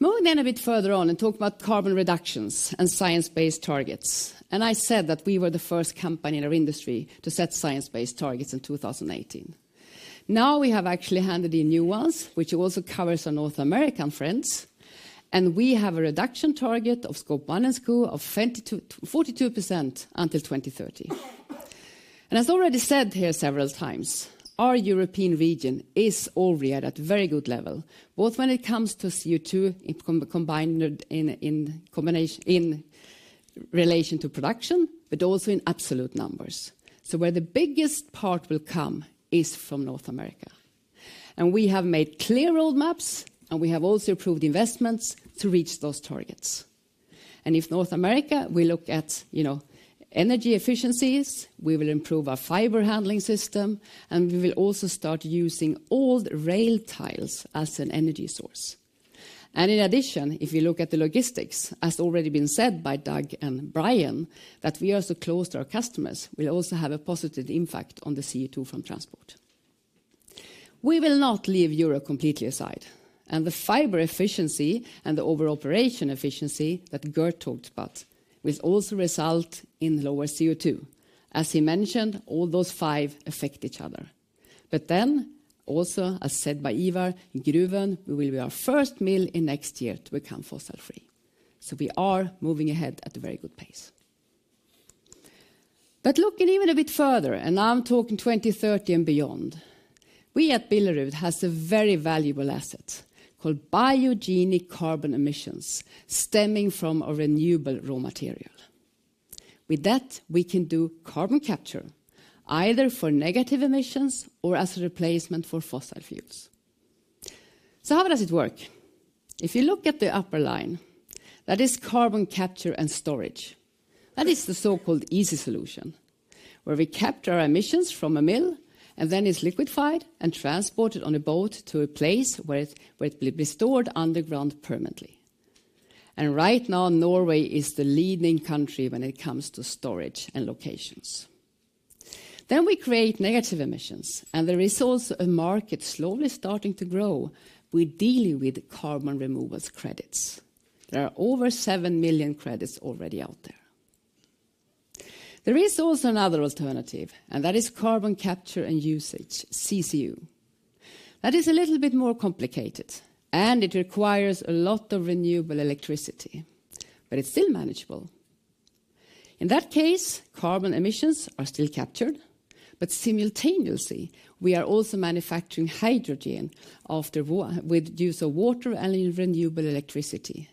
S5: Moving then a bit further on and talking about carbon reductions and Science Based Targets. I said that we were the first company in our industry to set Science Based Targets in 2018. Now we have actually handed in new ones, which also covers our North American friends. We have a reduction target of Scope 1 and Scope 2 42% until 2030. And as already said here several times, our European region is already at a very good level, both when it comes to CO2 combined in relation to production, but also in absolute numbers. So where the biggest part will come is from North America. And we have made clear roadmaps, and we have also approved investments to reach those targets. And in North America, we look at energy efficiencies, we will improve our fiber handling system, and we will also start using old rail ties as an energy source. And in addition, if you look at the logistics, as already been said by Doug and Brian, that we are also close to our customers, we'll also have a positive impact on the CO2 from transport. We will not leave Europe completely aside. And the fiber efficiency and the over-operation efficiency that Gert talked about will also result in lower CO2. As he mentioned, all those five affect each other. But then, also as said by Ivar, in Gruvön, we will be our first mill in next year to become fossil-free. So we are moving ahead at a very good pace. But looking even a bit further, and I'm talking 2030 and beyond, we at Billerud have a very valuable asset called biogenic carbon emissions stemming from a renewable raw material. With that, we can do carbon capture, either for negative emissions or as a replacement for fossil fuels. So how does it work? If you look at the upper line, that is carbon capture and storage. That is the so-called easy solution, where we capture our emissions from a mill, and then it's liquefied and transported on a boat to a place where it will be stored underground permanently. Right now, Norway is the leading country when it comes to storage and locations. Then we create negative emissions, and there is also a market slowly starting to grow with dealing with carbon removal credits. There are over seven million credits already out there. There is also another alternative, and that is carbon capture and usage, CCU. That is a little bit more complicated, and it requires a lot of renewable electricity, but it's still manageable. In that case, carbon emissions are still captured, but simultaneously, we are also manufacturing hydrogen with the use of water and renewable electricity.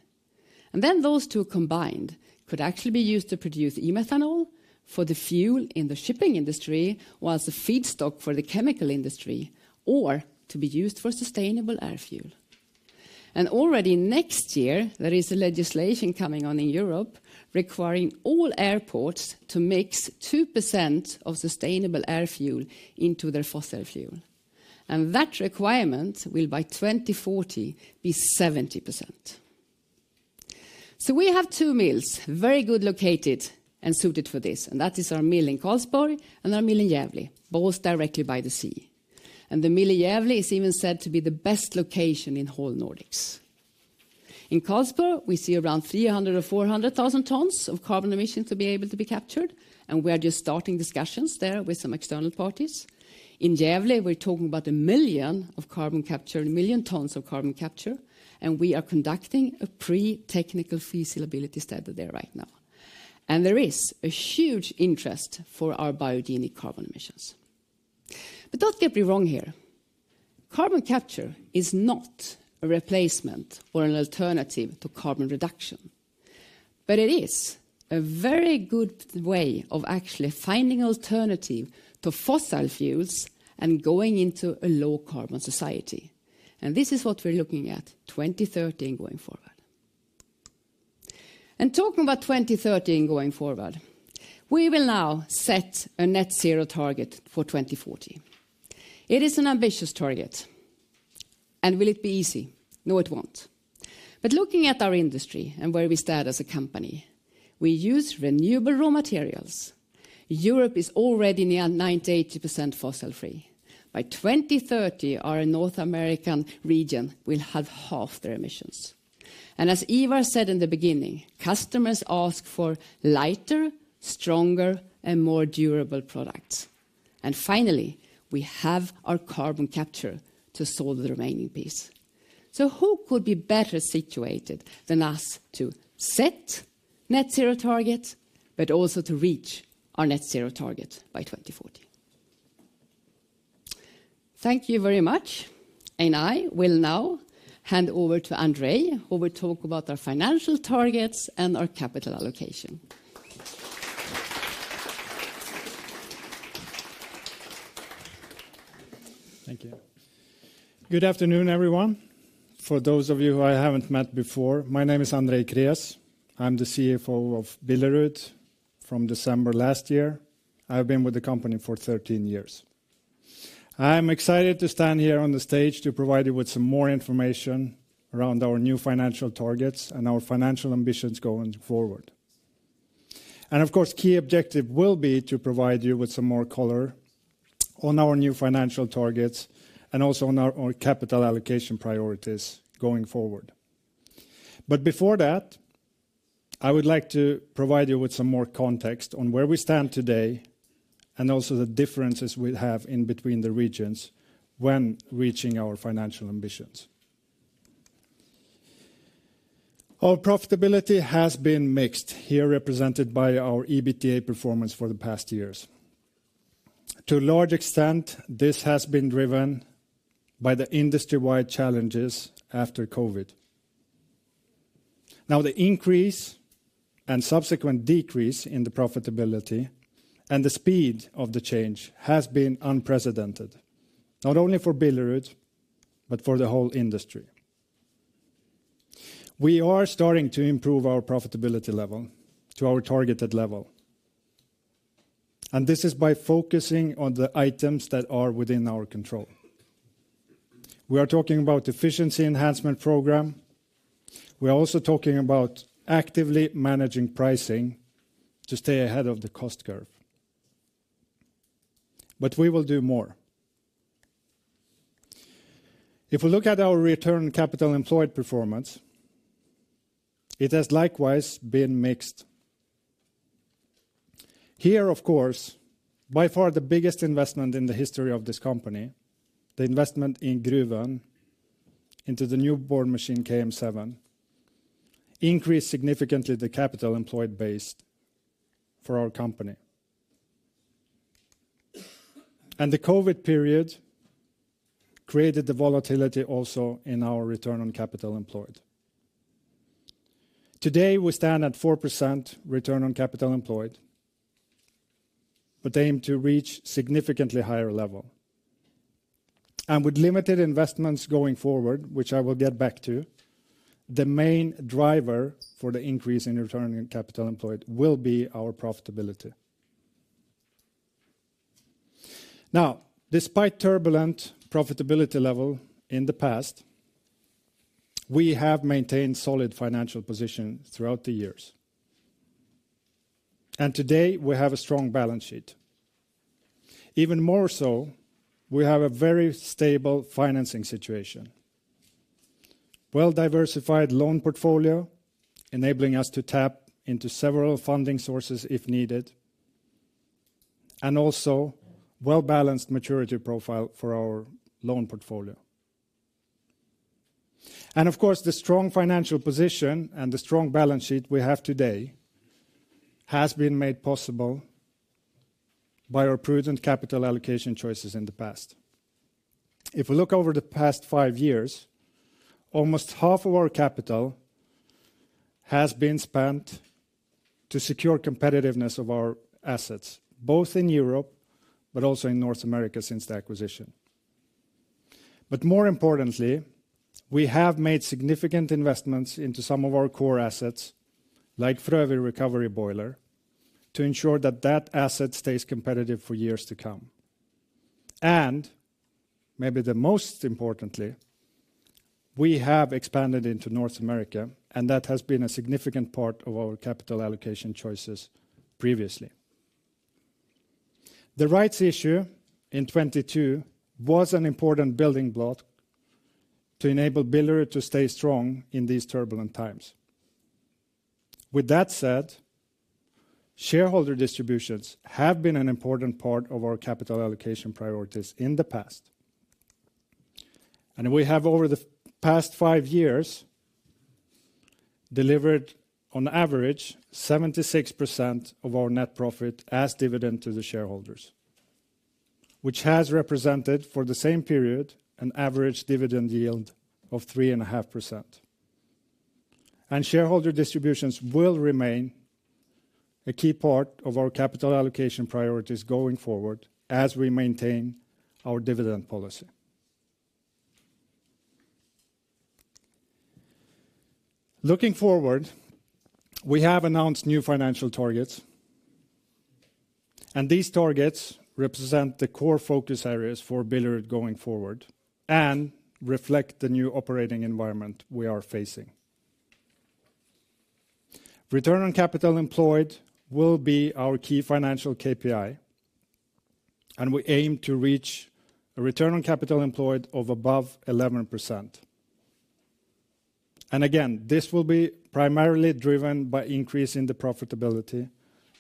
S5: And then those two combined could actually be used to produce e-methanol for the fuel in the shipping industry or as a feedstock for the chemical industry or to be used for sustainable air fuel. Already next year, there is a legislation coming on in Europe requiring all airports to mix 2% of sustainable air fuel into their fossil fuel. That requirement will by 2040 be 70%. We have two mills, very good located and suited for this. That is our mill in Karlsborg and our mill in Gävle, both directly by the sea. The mill in Gävle is even said to be the best location in whole Nordics. In Karlsborg, we see around 300,000 tons-400,000 tons of carbon emissions to be able to be captured. We are just starting discussions there with some external parties. In Gävle, we're talking about a million of carbon capture, a million tons of carbon capture. We are conducting a pre-technical feasibility study there right now. There is a huge interest for our biogenic carbon emissions. But don't get me wrong here. Carbon capture is not a replacement or an alternative to carbon reduction. But it is a very good way of actually finding an alternative to fossil fuels and going into a low-carbon society. And this is what we're looking at 2030 and going forward. And talking about 2030 and going forward, we will now set a Net Zero target for 2040. It is an ambitious target. And will it be easy? No, it won't. But looking at our industry and where we stand as a company, we use renewable raw materials. Europe is already near 90-80% fossil-free. By 2030, our North American region will have half their emissions. And as Ivar said in the beginning, customers ask for lighter, stronger, and more durable products. And finally, we have our carbon capture to solve the remaining piece. Who could be better situated than us to set Net Zero target, but also to reach our Net Zero target by 2040? Thank you very much. I will now hand over to Andrei Krés, who will talk about our financial targets and our capital allocation.
S6: Thank you. Good afternoon, everyone. For those of you who I haven't met before, my name is Andrei Krés. I'm the CFO of Billerud from December last year. I've been with the company for 13 years. I'm excited to stand here on the stage to provide you with some more information around our new financial targets and our financial ambitions going forward. Of course, the key objective will be to provide you with some more color on our new financial targets and also on our capital allocation priorities going forward. But before that, I would like to provide you with some more context on where we stand today and also the differences we have in between the regions when reaching our financial ambitions. Our profitability has been mixed here, represented by our EBITDA performance for the past years. To a large extent, this has been driven by the industry-wide challenges after COVID. Now, the increase and subsequent decrease in the profitability and the speed of the change has been unprecedented, not only for Billerud, but for the whole industry. We are starting to improve our profitability level to our targeted level. And this is by focusing on the items that are within our control. We are talking about the Efficiency Enhancement Program. We are also talking about actively managing pricing to stay ahead of the cost curve. But we will do more. If we look at our return on capital employed performance, it has likewise been mixed. Here, of course, by far the biggest investment in the history of this company, the investment in Gruvön into the new board machine KM7, increased significantly the capital employed base for our company. And the COVID period created the volatility also in our return on capital employed. Today, we stand at 4% return on capital employed, but aim to reach a significantly higher level. And with limited investments going forward, which I will get back to, the main driver for the increase in return on capital employed will be our profitability. Now, despite turbulent profitability levels in the past, we have maintained a solid financial position throughout the years. And today, we have a strong balance sheet. Even more so, we have a very stable financing situation. Well-diversified loan portfolio, enabling us to tap into several funding sources if needed, and also a well-balanced maturity profile for our loan portfolio. And of course, the strong financial position and the strong balance sheet we have today has been made possible by our prudent capital allocation choices in the past. If we look over the past five years, almost half of our capital has been spent to secure the competitiveness of our assets, both in Europe but also in North America since the acquisition. But more importantly, we have made significant investments into some of our core assets, like the Frövi recovery boiler, to ensure that that asset stays competitive for years to come. And maybe the most importantly, we have expanded into North America, and that has been a significant part of our capital allocation choices previously. The rights issue in 2022 was an important building block to enable Billerud to stay strong in these turbulent times. With that said, shareholder distributions have been an important part of our capital allocation priorities in the past, and we have, over the past five years, delivered on average 76% of our net profit as dividend to the shareholders, which has represented for the same period an average dividend yield of 3.5%, and shareholder distributions will remain a key part of our capital allocation priorities going forward as we maintain our dividend policy. Looking forward, we have announced new financial targets, and these targets represent the core focus areas for Billerud going forward and reflect the new operating environment we are facing. Return on capital employed will be our key financial KPI, and we aim to reach a return on capital employed of above 11%. Again, this will be primarily driven by increasing the profitability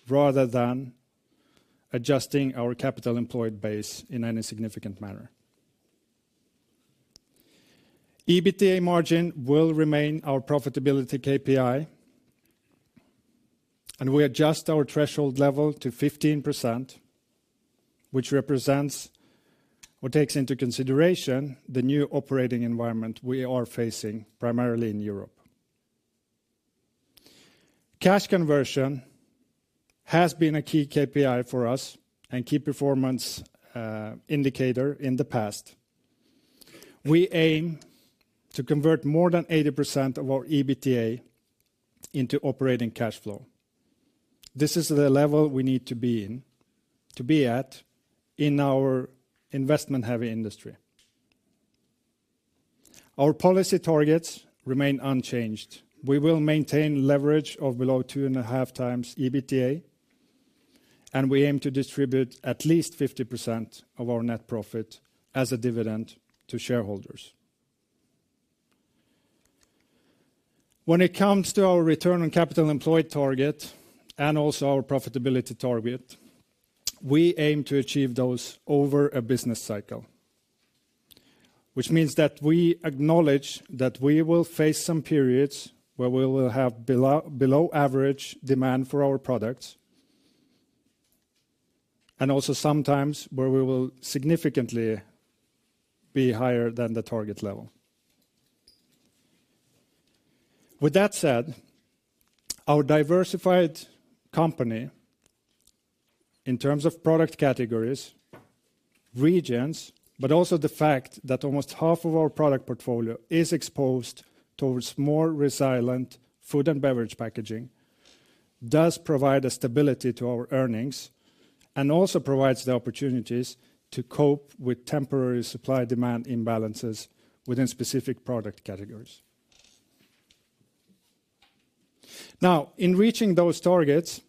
S6: rather than adjusting our capital employed base in any significant manner. EBITDA margin will remain our profitability KPI. We adjust our threshold level to 15%, which represents or takes into consideration the new operating environment we are facing primarily in Europe. Cash conversion has been a key KPI for us and a key performance indicator in the past. We aim to convert more than 80% of our EBITDA into operating cash flow. This is the level we need to be at in our investment-heavy industry. Our policy targets remain unchanged. We will maintain leverage of below 2.5 times EBITDA. We aim to distribute at least 50% of our net profit as a dividend to shareholders. When it comes to our return on capital employed target and also our profitability target, we aim to achieve those over a business cycle, which means that we acknowledge that we will face some periods where we will have below-average demand for our products and also sometimes where we will significantly be higher than the target level. With that said, our diversified company in terms of product categories, regions, but also the fact that almost half of our product portfolio is exposed towards more resilient food and beverage packaging does provide stability to our earnings and also provides the opportunities to cope with temporary supply-demand imbalances within specific product categories. Now, in reaching those targets,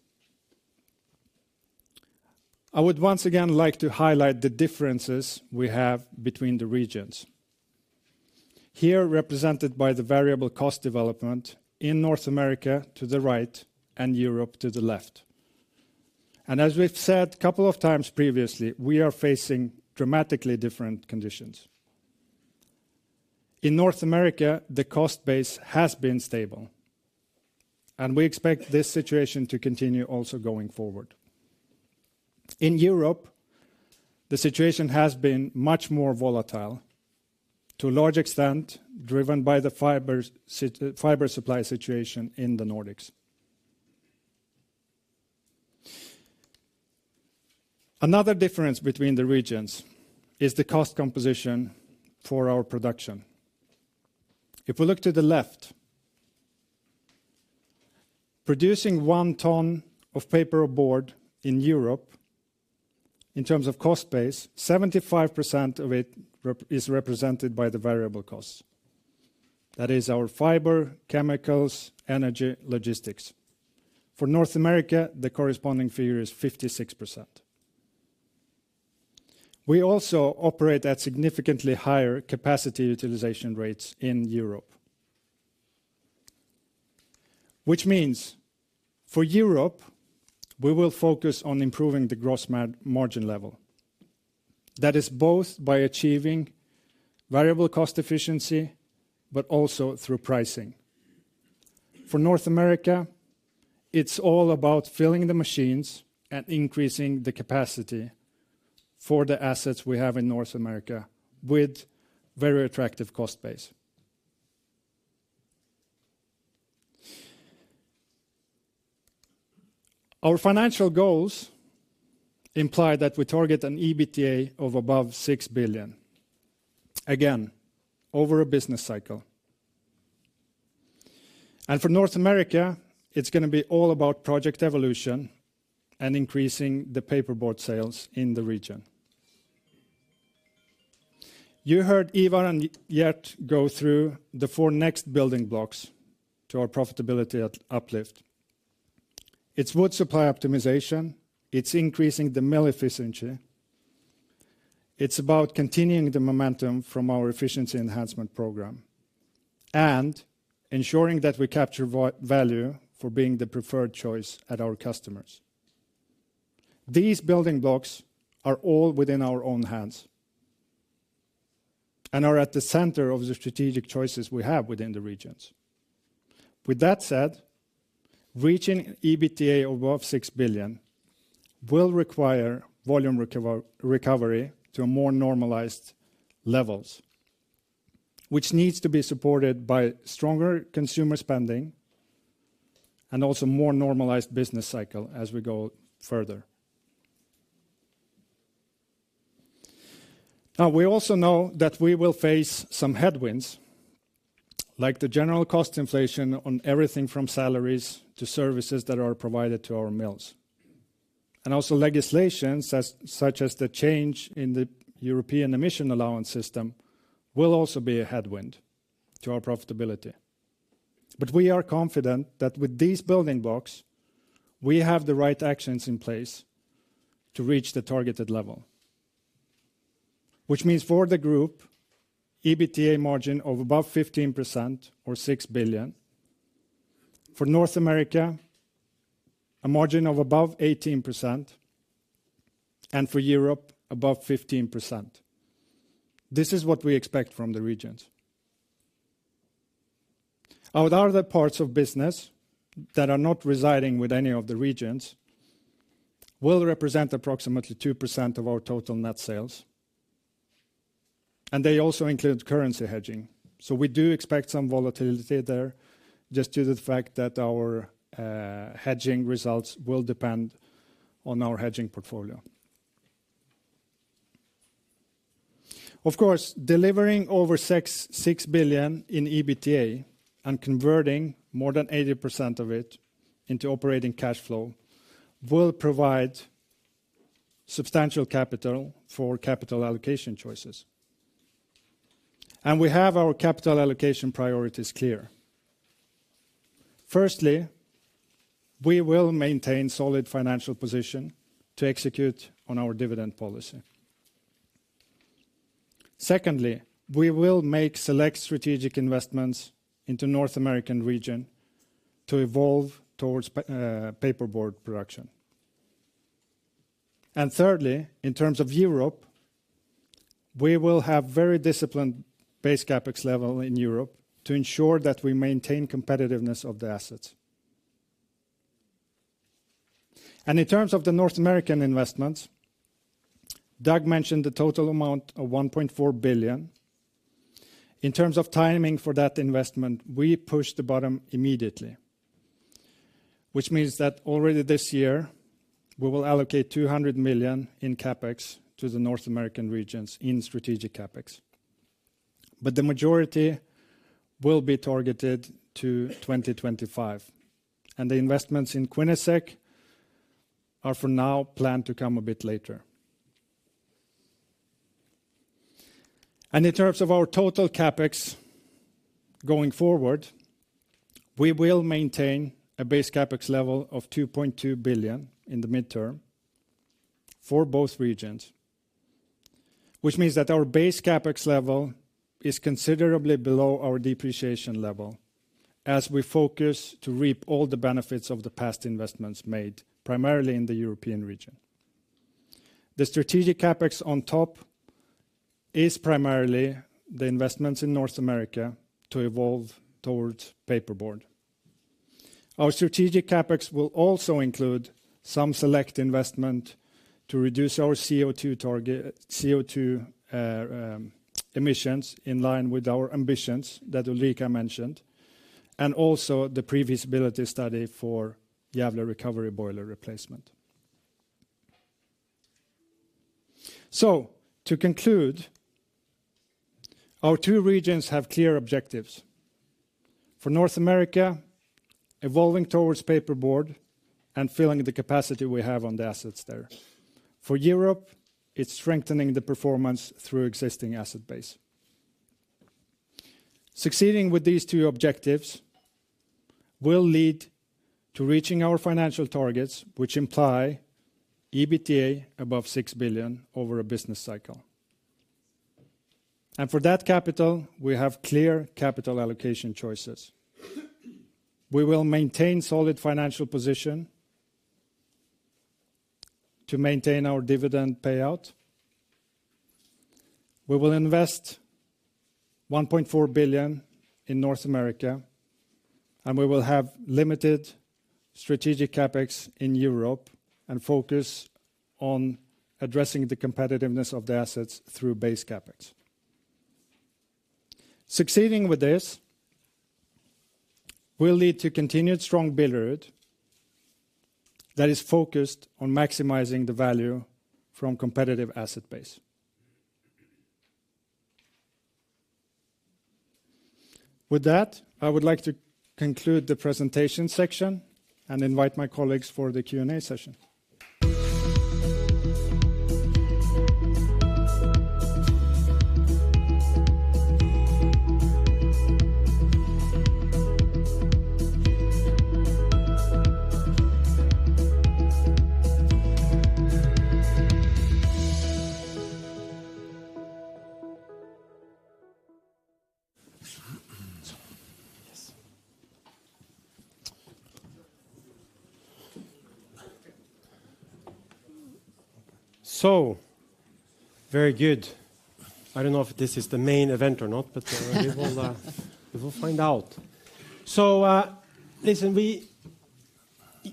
S6: I would once again like to highlight the differences we have between the regions, here represented by the variable cost development in North America to the right and Europe to the left. As we've said a couple of times previously, we are facing dramatically different conditions. In North America, the cost base has been stable. We expect this situation to continue also going forward. In Europe, the situation has been much more volatile, to a large extent driven by the fiber supply situation in the Nordics. Another difference between the regions is the cost composition for our production. If we look to the left, producing one ton of paper or board in Europe, in terms of cost base, 75% of it is represented by the variable costs. That is our fiber, chemicals, energy, logistics. For North America, the corresponding figure is 56%. We also operate at significantly higher capacity utilization rates in Europe, which means for Europe, we will focus on improving the gross margin level. That is both by achieving variable cost efficiency, but also through pricing. For North America, it's all about filling the machines and increasing the capacity for the assets we have in North America with a very attractive cost base. Our financial goals imply that we target an EBITDA of above 6 billion. Again, over a business cycle. And for North America, it's going to be all about project evolution and increasing the paperboard sales in the region. You heard Ivar and Gert go through the four next building blocks to our profitability uplift. It's wood supply optimization. It's increasing the mill efficiency. It's about continuing the momentum from our efficiency enhancement program and ensuring that we capture value for being the preferred choice at our customers. These building blocks are all within our own hands and are at the center of the strategic choices we have within the regions. With that said, reaching EBITDA above 6 billion will require volume recovery to more normalized levels, which needs to be supported by stronger consumer spending and also a more normalized business cycle as we go further. Now, we also know that we will face some headwinds, like the general cost inflation on everything from salaries to services that are provided to our mills. And also legislations such as the change in the European Emission Allowance System will also be a headwind to our profitability. But we are confident that with these building blocks, we have the right actions in place to reach the targeted level, which means for the group, EBITDA margin of above 15% or 6 billion. For North America, a margin of above 18%. And for Europe, above 15%. This is what we expect from the regions. Our other parts of business that are not residing with any of the regions will represent approximately 2% of our total net sales. And they also include currency hedging. So we do expect some volatility there just due to the fact that our hedging results will depend on our hedging portfolio. Of course, delivering over 6 billion in EBITDA and converting more than 80% of it into operating cash flow will provide substantial capital for capital allocation choices. And we have our capital allocation priorities clear. Firstly, we will maintain a solid financial position to execute on our dividend policy. Secondly, we will make select strategic investments into the North American region to evolve towards paperboard production. And thirdly, in terms of Europe, we will have a very disciplined Base CapEx level in Europe to ensure that we maintain the competitiveness of the assets. In terms of the North American investments, Doug mentioned the total amount of 1.4 billion. In terms of timing for that investment, we pushed the bottom immediately, which means that already this year, we will allocate 200 million in CapEx to the North American regions in strategic CapEx. The majority will be targeted to 2025. The investments in Quinnesec are for now planned to come a bit later. In terms of our total CapEx going forward, we will maintain a base CapEx level of 2.2 billion in the midterm for both regions, which means that our base CapEx level is considerably below our depreciation level as we focus to reap all the benefits of the past investments made primarily in the European region. The strategic CapEx on top is primarily the investments in North America to evolve towards paperboard. Our Strategic CapEx will also include some select investment to reduce our CO2 emissions in line with our ambitions that Ulrika mentioned and also the previous stability study for Gävle Recovery Boiler replacement. So, to conclude, our two regions have clear objectives. For North America, evolving towards paperboard and filling the capacity we have on the assets there. For Europe, it's strengthening the performance through the existing asset base. Succeeding with these two objectives will lead to reaching our financial targets, which imply EBITDA above 6 billion over a business cycle. And for that capital, we have clear capital allocation choices. We will maintain a solid financial position to maintain our dividend payout. We will invest 1.4 billion in North America. And we will have limited Strategic CapEx in Europe and focus on addressing the competitiveness of the assets through base CapEx. Succeeding with this will lead to continued strong Billerud that is focused on maximizing the value from the competitive asset base. With that, I would like to conclude the presentation section and invite my colleagues for the Q&A session.
S1: So, very good. I don't know if this is the main event or not, but we will find out. So, listen, we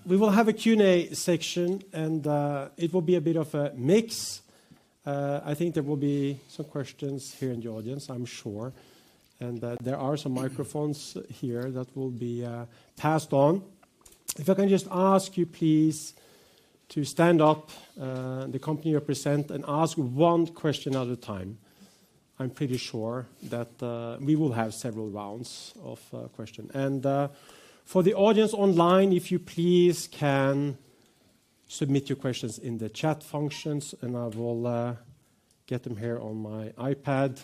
S1: will have a Q&A section, and it will be a bit of a mix. I think there will be some questions here in the audience, I'm sure. And there are some microphones here that will be passed on. If I can just ask you, please, to stand up, the company you represent, and ask one question at a time. I'm pretty sure that we will have several rounds of questions. For the audience online, if you please can submit your questions in the chat functions, and I will get them here on my iPad.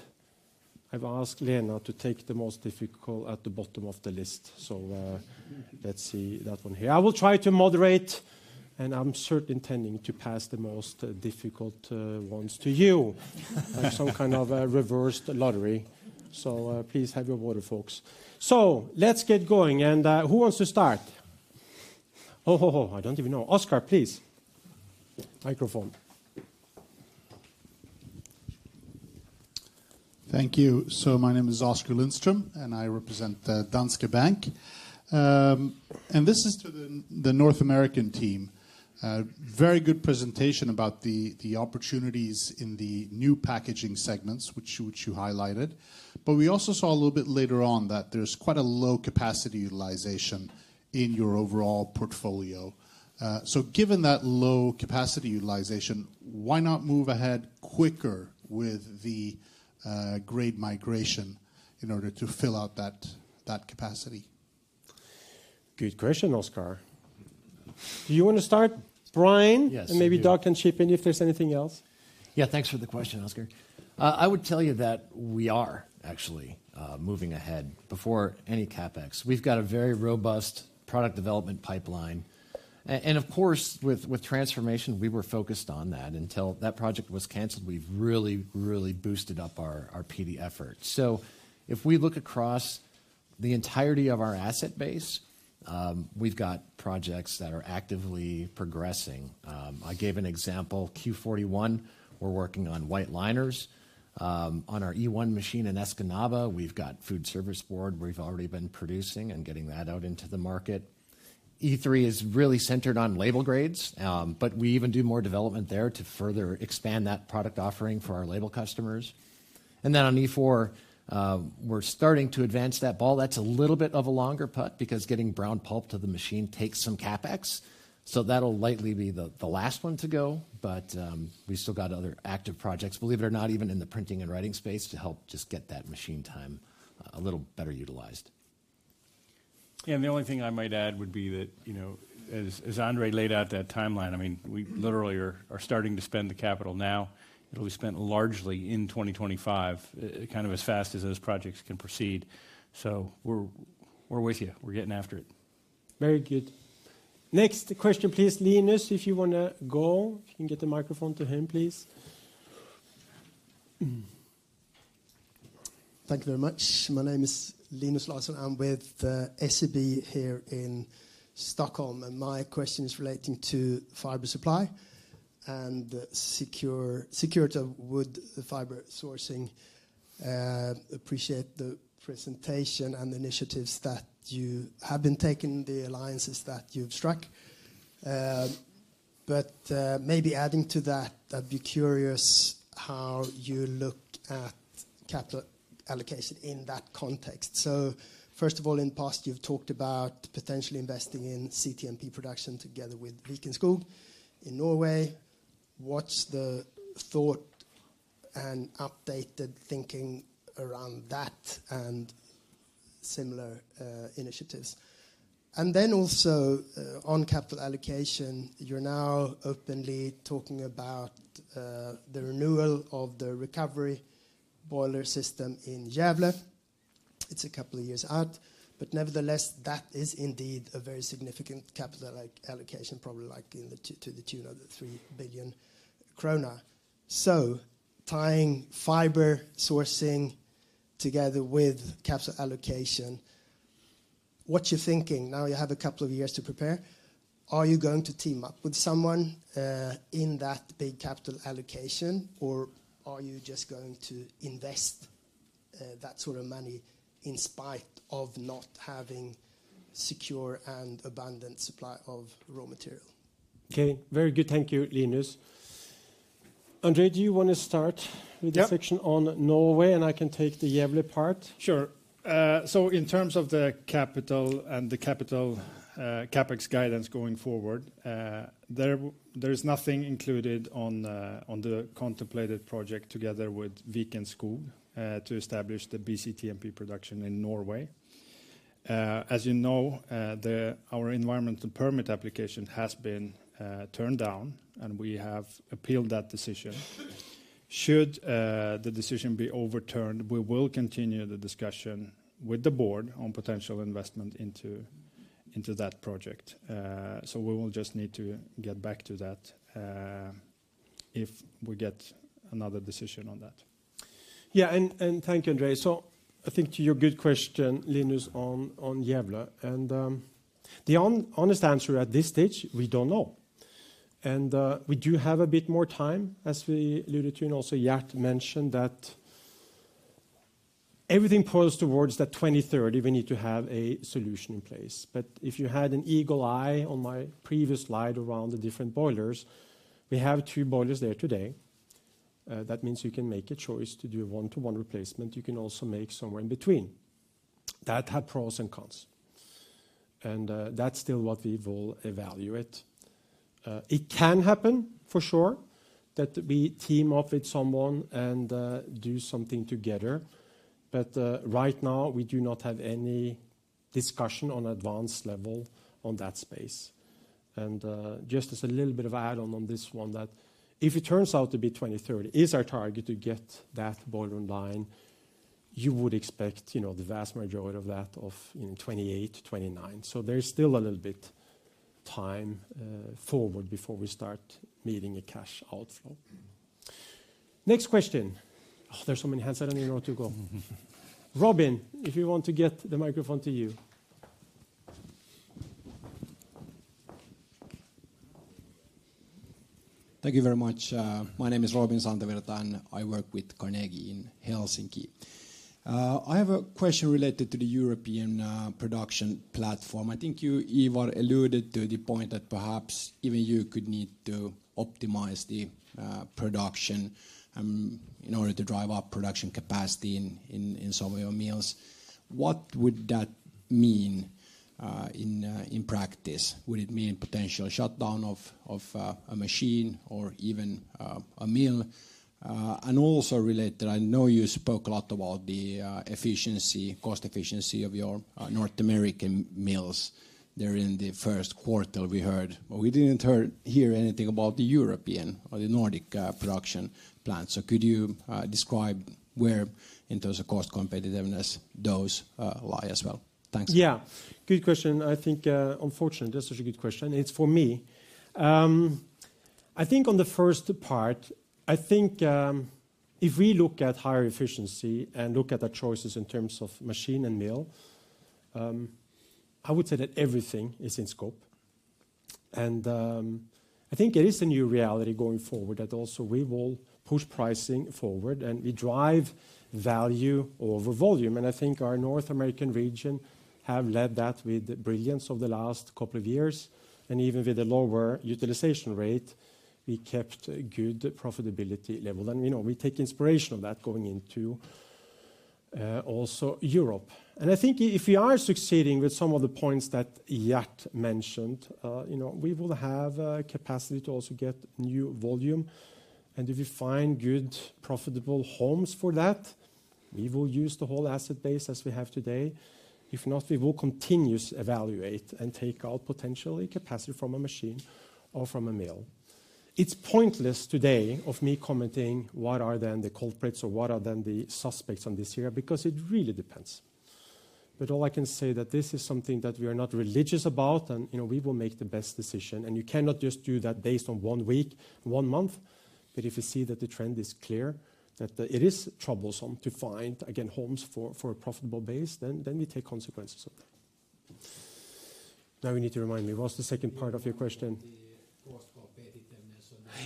S1: I've asked Lena to take the most difficult at the bottom of the list. So let's see that one here. I will try to moderate, and I'm certainly intending to pass the most difficult ones to you. It's some kind of a reversed lottery. So please have your water, folks. So let's get going. And who wants to start? Oh, I don't even know. Oscar, please. Microphone.
S7: Thank you. So my name is Oscar Lindström, and I represent Danske Bank. And this is to the North American team. Very good presentation about the opportunities in the new packaging segments, which you highlighted. But we also saw a little bit later on that there's quite a low capacity utilization in your overall portfolio. Given that low capacity utilization, why not move ahead quicker with the grade migration in order to fill out that capacity?
S1: Good question, Oscar. Do you want to start, Brian?
S3: Yes. Maybe Doug can chip in if there's anything else. Yeah, thanks for the question, Oscar. I would tell you that we are actually moving ahead before any CapEx. We've got a very robust product development pipeline. Of course, with transformation, we were focused on that. Until that project was canceled, we've really, really boosted up our PD effort. If we look across the entirety of our asset base, we've got projects that are actively progressing. I gave an example, Q41, we're working on white liners. On our E1 machine in Escanaba, we've got Food Service Board where we've already been producing and getting that out into the market. E3 is really centered on label grades, but we even do more development there to further expand that product offering for our label customers. And then on E4, we're starting to advance that ball. That's a little bit of a longer putt because getting brown pulp to the machine takes some CapEx. So that'll likely be the last one to go. But we've still got other active projects, believe it or not, even in the printing and writing space to help just get that machine time a little better utilized.
S2: Yeah, and the only thing I might add would be that, you know, as Andrei laid out that timeline, I mean, we literally are starting to spend the capital now. It'll be spent largely in 2025, kind of as fast as those projects can proceed. So we're with you. We're getting after it.
S7: Very good.
S1: Next question, please, Linus, if you want to go. If you can get the microphone to him, please.
S8: Thank you very much. My name is Linus Larsson. I'm with SEB here in Stockholm. And my question is relating to fiber supply and security with the fiber sourcing. I appreciate the presentation and the initiatives that you have been taking, the alliances that you've struck. But maybe adding to that, I'd be curious how you look at capital allocation in that context. So first of all, in the past, you've talked about potentially investing in CTMP production together with Viken Skog in Norway. What's the thought and updated thinking around that and similar initiatives? And then also on capital allocation, you're now openly talking about the renewal of the recovery boiler system in Gävle. It's a couple of years out. But nevertheless, that is indeed a very significant capital allocation, probably like to the tune of 3 billion krona. So tying fiber sourcing together with capital allocation, what's your thinking? Now you have a couple of years to prepare. Are you going to team up with someone in that big capital allocation, or are you just going to invest that sort of money in spite of not having secure and abundant supply of raw material?
S1: Okay, very good. Thank you, Linus. Andrei, do you want to start with the section on Norway, and I can take the Gävle part?
S6: Sure. So in terms of the capital and the capital CapEx guidance going forward, there is nothing included on the contemplated project together with Viken Skog to establish the CTMP production in Norway. As you know, our environmental permit application has been turned down, and we have appealed that decision. Should the decision be overturned, we will continue the discussion with the board on potential investment into that project. So we will just need to get back to that if we get another decision on that.
S1: Yeah, and thank you, Andrei. I think to your good question, Linus, on Gävle. The honest answer at this stage, we don't know. We do have a bit more time, as we alluded to, and also Gert mentioned that everything points towards that 2030, we need to have a solution in place. If you had an eagle eye on my previous slide around the different boilers, we have two boilers there today. That means you can make a choice to do a one-to-one replacement. You can also make somewhere in between. That had pros and cons. That's still what we will evaluate. It can happen, for sure, that we team up with someone and do something together. But right now, we do not have any discussion on an advanced level on that space. And just as a little bit of add-on on this one, that if it turns out to be 2030 is our target to get that boiler in line, you would expect the vast majority of that of 2028, 2029. So there's still a little bit of time forward before we start meeting a cash outflow. Next question. Oh, there's so many hands. I don't even know where to go. Robin, if you want to get the microphone to you.
S9: Thank you very much. My name is Robin Santavirta, and I work with Carnegie in Helsinki. I have a question related to the European production platform. I think you, Ivar, alluded to the point that perhaps even you could need to optimize the production in order to drive up production capacity in some of your mills. What would that mean in practice? Would it mean potential shutdown of a machine or even a mill? And also related, I know you spoke a lot about the cost efficiency of your North American mills there in the first quarter. We heard, but we didn't hear anything about the European or the Nordic production plants. So could you describe where in terms of cost competitiveness those lie as well?
S1: Thanks. Yeah, good question. I think, unfortunately, that's such a good question. It's for me. I think on the first part, I think if we look at higher efficiency and look at our choices in terms of machine and mill, I would say that everything is in scope. I think it is a new reality going forward that also we will push pricing forward and we drive value over volume. And I think our North American region has led that with the brilliance of the last couple of years. And even with a lower utilization rate, we kept good profitability level. And we take inspiration of that going into also Europe. And I think if we are succeeding with some of the points that Gert mentioned, we will have capacity to also get new volume. And if we find good profitable homes for that, we will use the whole asset base as we have today. If not, we will continue to evaluate and take out potentially capacity from a machine or from a mill. It's pointless today of me commenting what are then the culprits or what are then the suspects on this here because it really depends. But all I can say is that this is something that we are not religious about and we will make the best decision. And you cannot just do that based on one week, one month. But if you see that the trend is clear, that it is troublesome to find, again, homes for a profitable base, then we take consequences of that. Now you need to remind me, what's the second part of your question?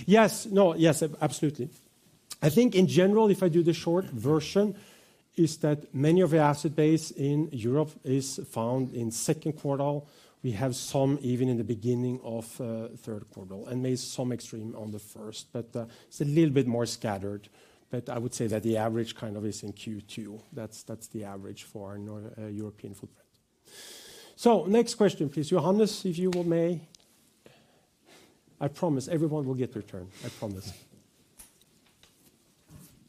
S1: Yes, no, yes, absolutely. I think in general, if I do the short version, is that many of the asset base in Europe is found in second quartile. We have some even in the beginning of the third quarter and maybe some extreme on the first, but it's a little bit more scattered. But I would say that the average kind of is in Q2. That's the average for our European footprint. So next question, please, Johannes, if you may. I promise everyone will get their turn. I promise.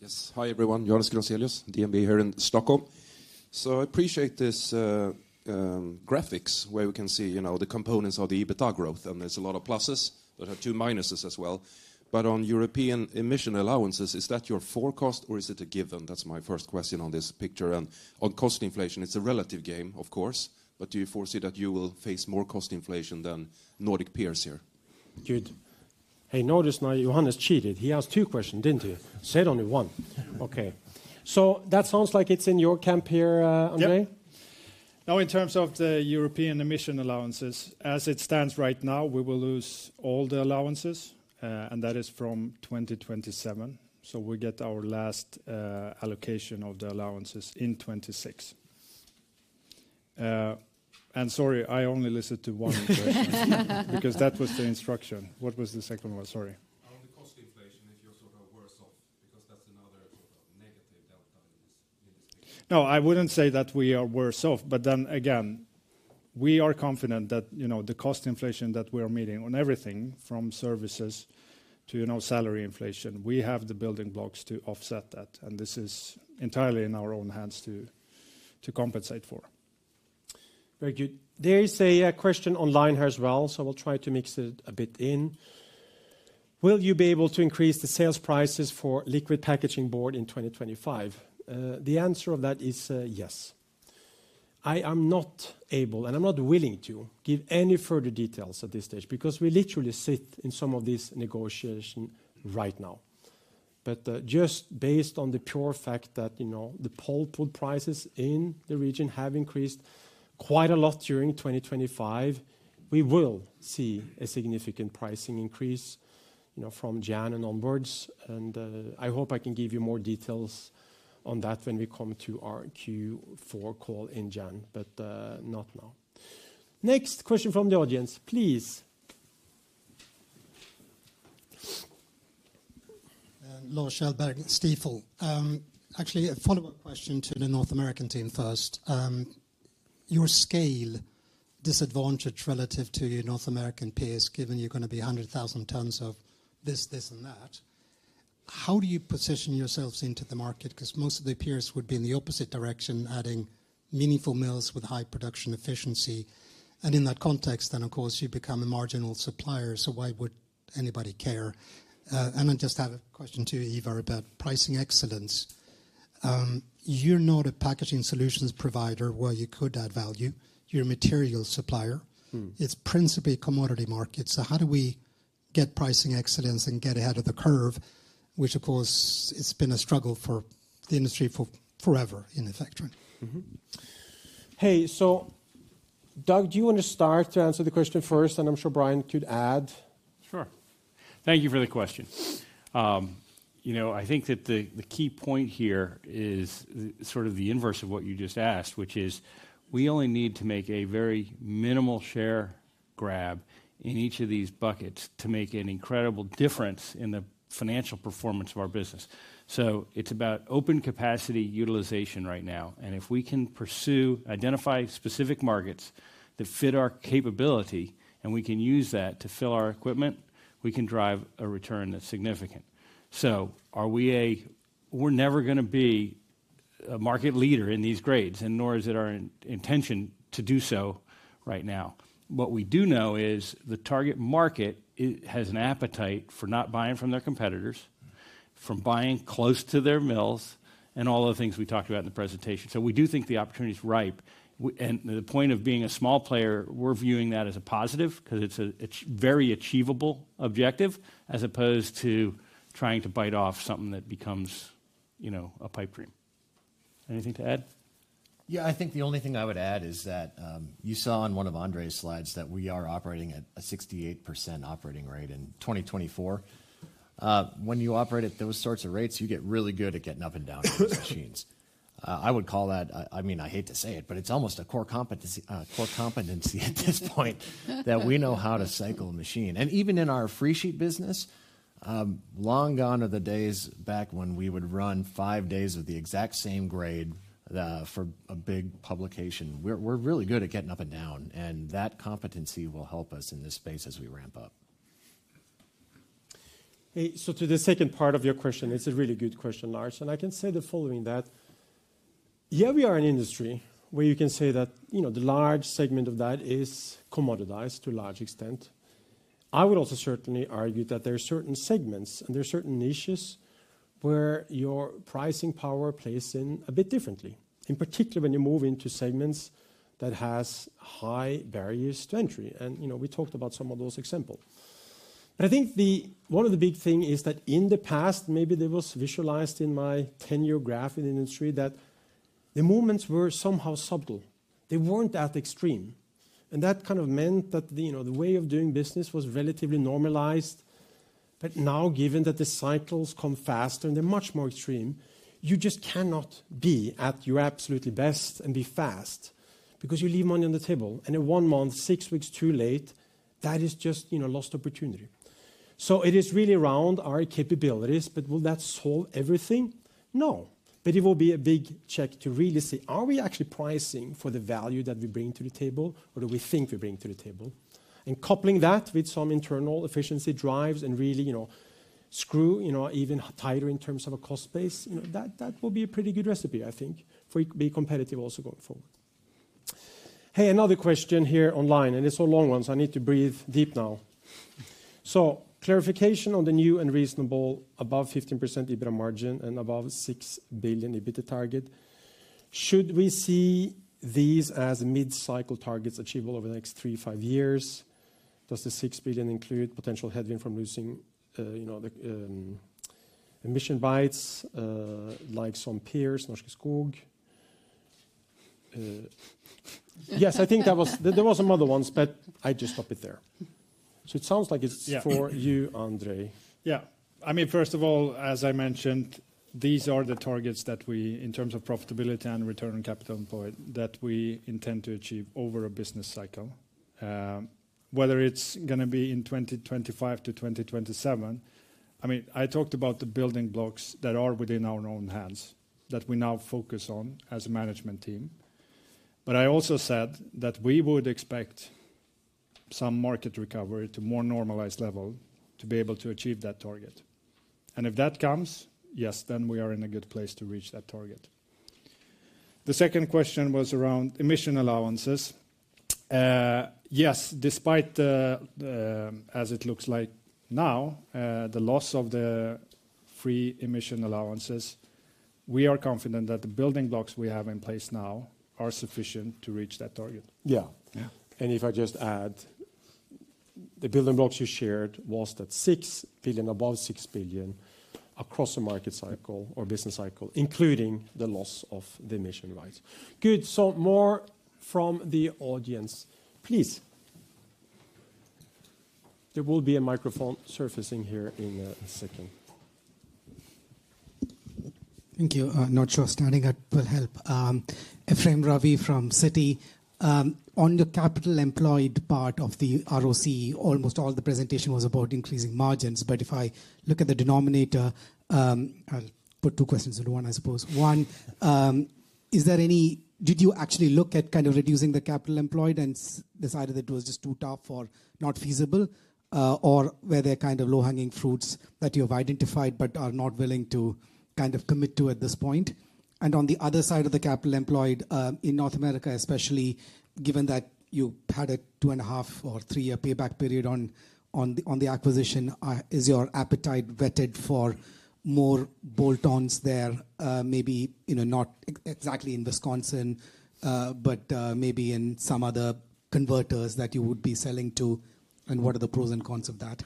S10: Yes, hi everyone. Johannes Grunselius, DNB Markets here in Stockholm. So I appreciate these graphics where you can see the components of the EBITDA growth. And there's a lot of pluses, but there are two minuses as well. But on European emission allowances, is that your forecast or is it a given? That's my first question on this picture. And on cost inflation, it's a relative game, of course. But do you foresee that you will face more cost inflation than Nordic peers here?
S1: Good. Hey, notice now, Johannes cheated. He asked two questions, didn't he? Said only one. Okay. So that sounds like it's in your camp here, Andrei?
S6: Yeah. Now, in terms of the European emission allowances, as it stands right now, we will lose all the allowances. And that is from 2027. So we get our last allocation of the allowances in 2026. And sorry, I only listened to one question because that was the instruction. What was the second one? Sorry.
S10: On the cost inflation, if you're sort of worse off, because that's another sort of negative delta in this picture.
S6: No, I wouldn't say that we are worse off. But then again, we are confident that the cost inflation that we are meeting on everything from services to salary inflation, we have the building blocks to offset that. And this is entirely in our own hands to compensate for.
S1: Very good. There is a question online here as well, so I'll try to mix it a bit in. Will you be able to increase the sales prices for Liquid Packaging Board in 2025? The answer of that is yes. I am not able, and I'm not willing to give any further details at this stage because we literally sit in some of these negotiations right now. But just based on the pure fact that the pulpwood prices in the region have increased quite a lot during 2025, we will see a significant pricing increase from January and onwards. And I hope I can give you more details on that when we come to our Q4 call in January, but not now. Next question from the audience, please.
S11: Lars Kjellberg, Stifel. Actually, a follow-up question to the North American team first. Your scale disadvantage relative to your North American peers, given you're going to be 100,000 tons of this, this, and that, how do you position yourselves into the market? Because most of the peers would be in the opposite direction, adding meaningful mills with high production efficiency. And in that context, then of course, you become a marginal supplier. So why would anybody care? And I just have a question too, Ivar, about pricing excellence. You're not a packaging solutions provider where you could add value. You're a materials supplier. It's principally a commodity market. So how do we get pricing excellence and get ahead of the curve, which of course, it's been a struggle for the industry for forever in the forestry?
S1: Hey, so Doug, do you want to start to answer the question first? And I'm sure Brian could add.
S2: Sure. Thank you for the question. I think that the key point here is sort of the inverse of what you just asked, which is we only need to make a very minimal share grab in each of these buckets to make an incredible difference in the financial performance of our business. So it's about open capacity utilization right now. And if we can pursue, identify specific markets that fit our capability, and we can use that to fill our equipment, we can drive a return that's significant. So are we a, we're never going to be a market leader in these grades, and nor is it our intention to do so right now. What we do know is the target market has an appetite for not buying from their competitors, from buying close to their mills, and all the things we talked about in the presentation. So we do think the opportunity is ripe. And the point of being a small player, we're viewing that as a positive because it's a very achievable objective as opposed to trying to bite off something that becomes a pipe dream.
S1: Anything to add?
S3: Yeah, I think the only thing I would add is that you saw on one of Andrei's slides that we are operating at a 68% operating rate in 2024. When you operate at those sorts of rates, you get really good at getting up and down on those machines. I would call that, I mean, I hate to say it, but it's almost a core competency at this point that we know how to cycle a machine. And even in our free sheet business, long gone are the days back when we would run five days of the exact same grade for a big publication. We're really good at getting up and down, and that competency will help us in this space as we ramp up.
S1: Hey, so to the second part of your question, it's a really good question, Lars, and I can say the following that, yeah, we are an industry where you can say that the large segment of that is commoditized to a large extent. I would also certainly argue that there are certain segments and there are certain niches where your pricing power plays in a bit differently, in particular when you move into segments that have high barriers to entry, and we talked about some of those examples, but I think one of the big things is that in the past, maybe there was visualized in my 10-year graph in the industry that the movements were somehow subtle. They weren't that extreme. And that kind of meant that the way of doing business was relatively normalized. But now, given that the cycles come faster and they're much more extreme, you just cannot be at your absolutely best and be fast because you leave money on the table. And in one month, six weeks too late, that is just lost opportunity. So it is really around our capabilities, but will that solve everything? No. But it will be a big check to really see, are we actually pricing for the value that we bring to the table, or do we think we bring to the table? And coupling that with some internal efficiency drives and really screw even tighter in terms of a cost base, that will be a pretty good recipe, I think, for being competitive also going forward. Hey, another question here online, and it's a long one, so I need to breathe deep now. So clarification on the new and reasonable above 15% EBITDA margin and above 6 billion EBITDA target. Should we see these as mid-cycle targets achievable over the next three, five years? Does the 6 billion include potential headwind from losing emission rights like some peers, Norske Skog? Yes, I think there were some other ones, but I just stop it there. So it sounds like it's for you, Andrei.
S6: Yeah. I mean, first of all, as I mentioned, these are the targets that we, in terms of profitability and return on capital employed, that we intend to achieve over a business cycle. Whether it's going to be in 2025 to 2027, I mean, I talked about the building blocks that are within our own hands that we now focus on as a management team. But I also said that we would expect some market recovery to a more normalized level to be able to achieve that target. And if that comes, yes, then we are in a good place to reach that target. The second question was around emission allowances. Yes, despite, as it looks like now, the loss of the free emission allowances, we are confident that the building blocks we have in place now are sufficient to reach that target.
S1: Yeah. And if I just add, the building blocks you shared was that 6 billion, above 6 billion across the market cycle or business cycle, including the loss of the emission rights. Good. So more from the audience, please. There will be a microphone surfacing here in a second.
S12: Thank you. Not sure standing up will help. Efraim Ravi from Citi. On the capital employed part of the ROC, almost all the presentation was about increasing margins. But if I look at the denominator, I'll put two questions into one, I suppose. One, did you actually look at kind of reducing the capital employed and decided that it was just too tough or not feasible, or were there kind of low-hanging fruits that you have identified but are not willing to kind of commit to at this point? And on the other side of the capital employed in North America, especially given that you had a two and a half or three-year payback period on the acquisition, is your appetite vetted for more bolt-ons there, maybe not exactly in Wisconsin, but maybe in some other converters that you would be selling to? And what are the pros and cons of that?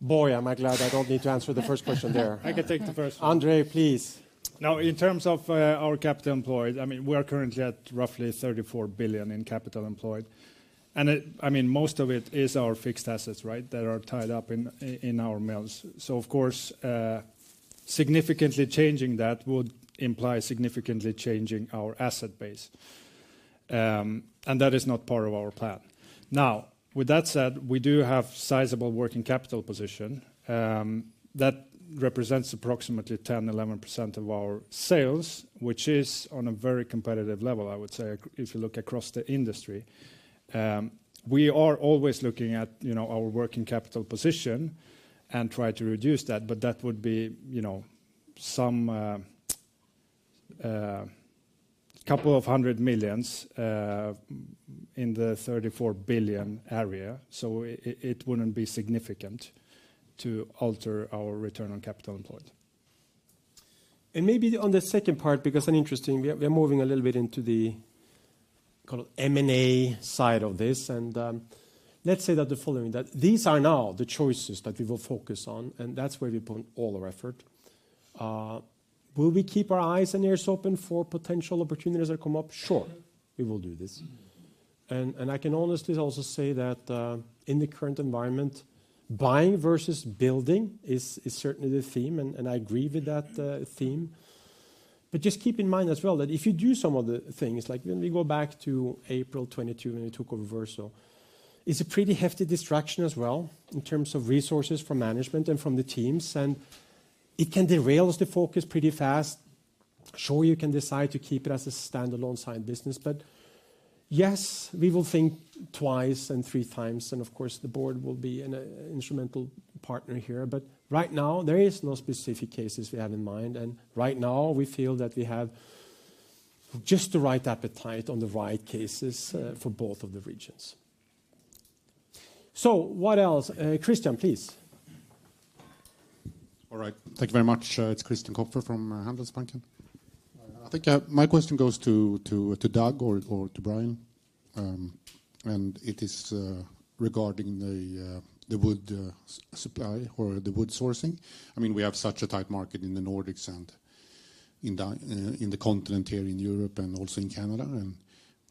S2: Boy, I'm glad I don't need to answer the first question there.
S6: I can take the first one.
S2: Andrei, please. Now, in terms of our capital employed, I mean, we are currently at roughly 34 billion in capital employed. And I mean, most of it is our fixed assets, right, that are tied up in our mills. So, of course, significantly changing that would imply significantly changing our asset base. And that is not part of our plan. Now, with that said, we do have a sizable working capital position that represents approximately 10-11% of our sales, which is on a very competitive level, I would say, if you look across the industry. We are always looking at our working capital position and try to reduce that, but that would be some couple of hundred millions in the 3-4 billion area. So it wouldn't be significant to alter our return on capital employed,
S1: and maybe on the second part, because I'm interested, we are moving a little bit into the M&A side of this, and let's say that the following, that these are now the choices that we will focus on, and that's where we put all our effort. Will we keep our eyes and ears open for potential opportunities that come up? Sure, we will do this. I can honestly also say that in the current environment, buying versus building is certainly the theme, and I agree with that theme. But just keep in mind as well that if you do some of the things, like when we go back to April 22, when we took over Verso, it's a pretty hefty distraction as well in terms of resources from management and from the teams. And it can derail the focus pretty fast. Sure, you can decide to keep it as a standalone side business, but yes, we will think twice and three times, and of course, the board will be an instrumental partner here. But right now, there are no specific cases we have in mind. And right now, we feel that we have just the right appetite on the right cases for both of the regions. So what else? Christian, please. All right.
S13: Thank you very much. It's Christian Kopfer from Handelsbanken. I think my question goes to Doug or to Brian. And it is regarding the wood supply or the wood sourcing. I mean, we have such a tight market in the Nordics and in the continent here in Europe and also in Canada. And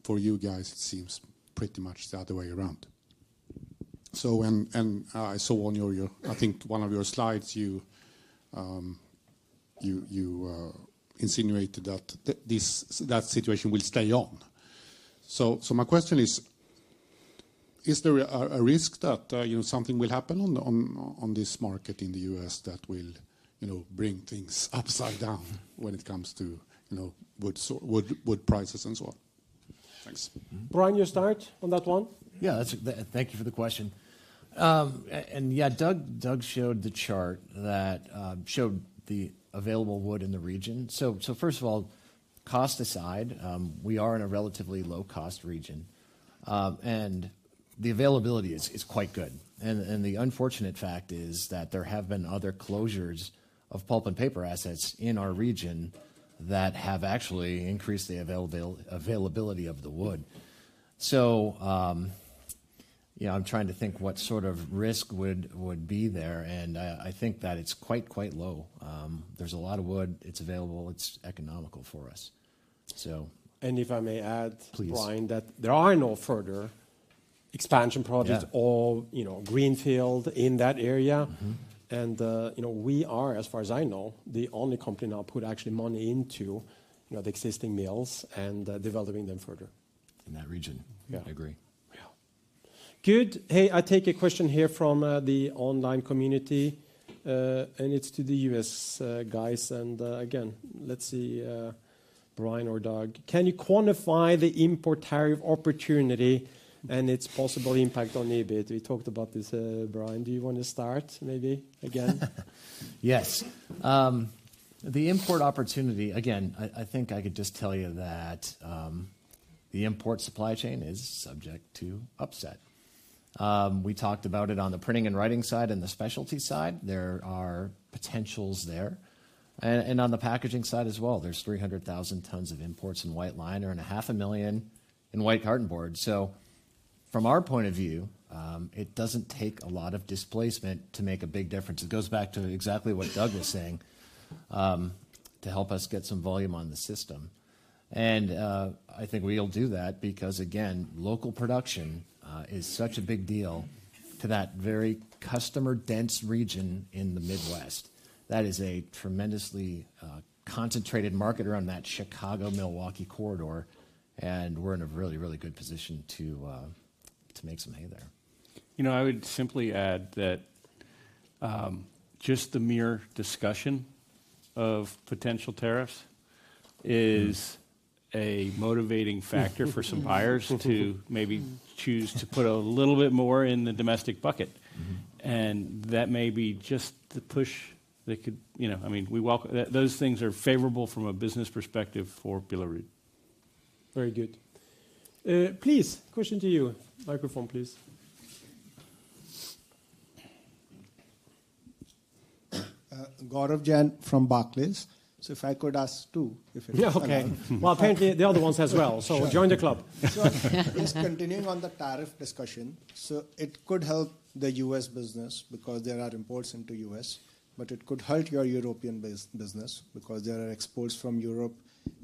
S13: for you guys, it seems pretty much the other way around. So I saw on your, I think one of your slides, you insinuated that that situation will stay on. So my question is, is there a risk that something will happen on this market in the US that will bring things upside down when it comes to wood prices and so on? Thanks.
S1: Brian, you start on that one.
S3: Yeah, thank you for the question. And yeah, Doug showed the chart that showed the available wood in the region. So first of all, cost aside, we are in a relatively low-cost region. And the availability is quite good. And the unfortunate fact is that there have been other closures of pulp and paper assets in our region that have actually increased the availability of the wood. So I'm trying to think what sort of risk would be there. And I think that it's quite, quite low. There's a lot of wood. It's available. It's economical for us. So.
S1: And if I may add, Brian, that there are no further expansion projects or greenfield in that area. And we are, as far as I know, the only company now putting actual money into the existing mills and developing them further.
S13: In that region. I agree. Yeah.
S1: Good. Hey, I take a question here from the online community. And it's to the US guys. And again, let's see, Brian or Doug, can you quantify the import tariff opportunity and its possible impact on EBIT? We talked about this, Brian. Do you want to start maybe again?
S3: Yes. The import opportunity, again, I think I could just tell you that the import supply chain is subject to upset. We talked about it on the printing and writing side and the specialty side. There are potentials there. And on the packaging side as well, there's 300,000 tons of imports in white liner and 500,000 in white cartonboard. So from our point of view, it doesn't take a lot of displacement to make a big difference. It goes back to exactly what Doug was saying to help us get some volume on the system. I think we'll do that because, again, local production is such a big deal to that very customer-dense region in the Midwest. That is a tremendously concentrated market around that Chicago, Milwaukee corridor. And we're in a really, really good position to make some hay there.
S2: You know, I would simply add that just the mere discussion of potential tariffs is a motivating factor for some buyers to maybe choose to put a little bit more in the domestic bucket. And that may be just the push that could, I mean, we welcome those things as favorable from a business perspective for Billerud.
S1: Very good. Please, question to you. Microphone, please.
S14: Gaurav Jain from Barclays. So if I could ask too, if it's okay. Well, apparently the other ones as well. So join the club. Just continuing on the tariff discussion. So it could help the U.S. business because there are imports into the U.S., but it could hurt your European business because there are exports from Europe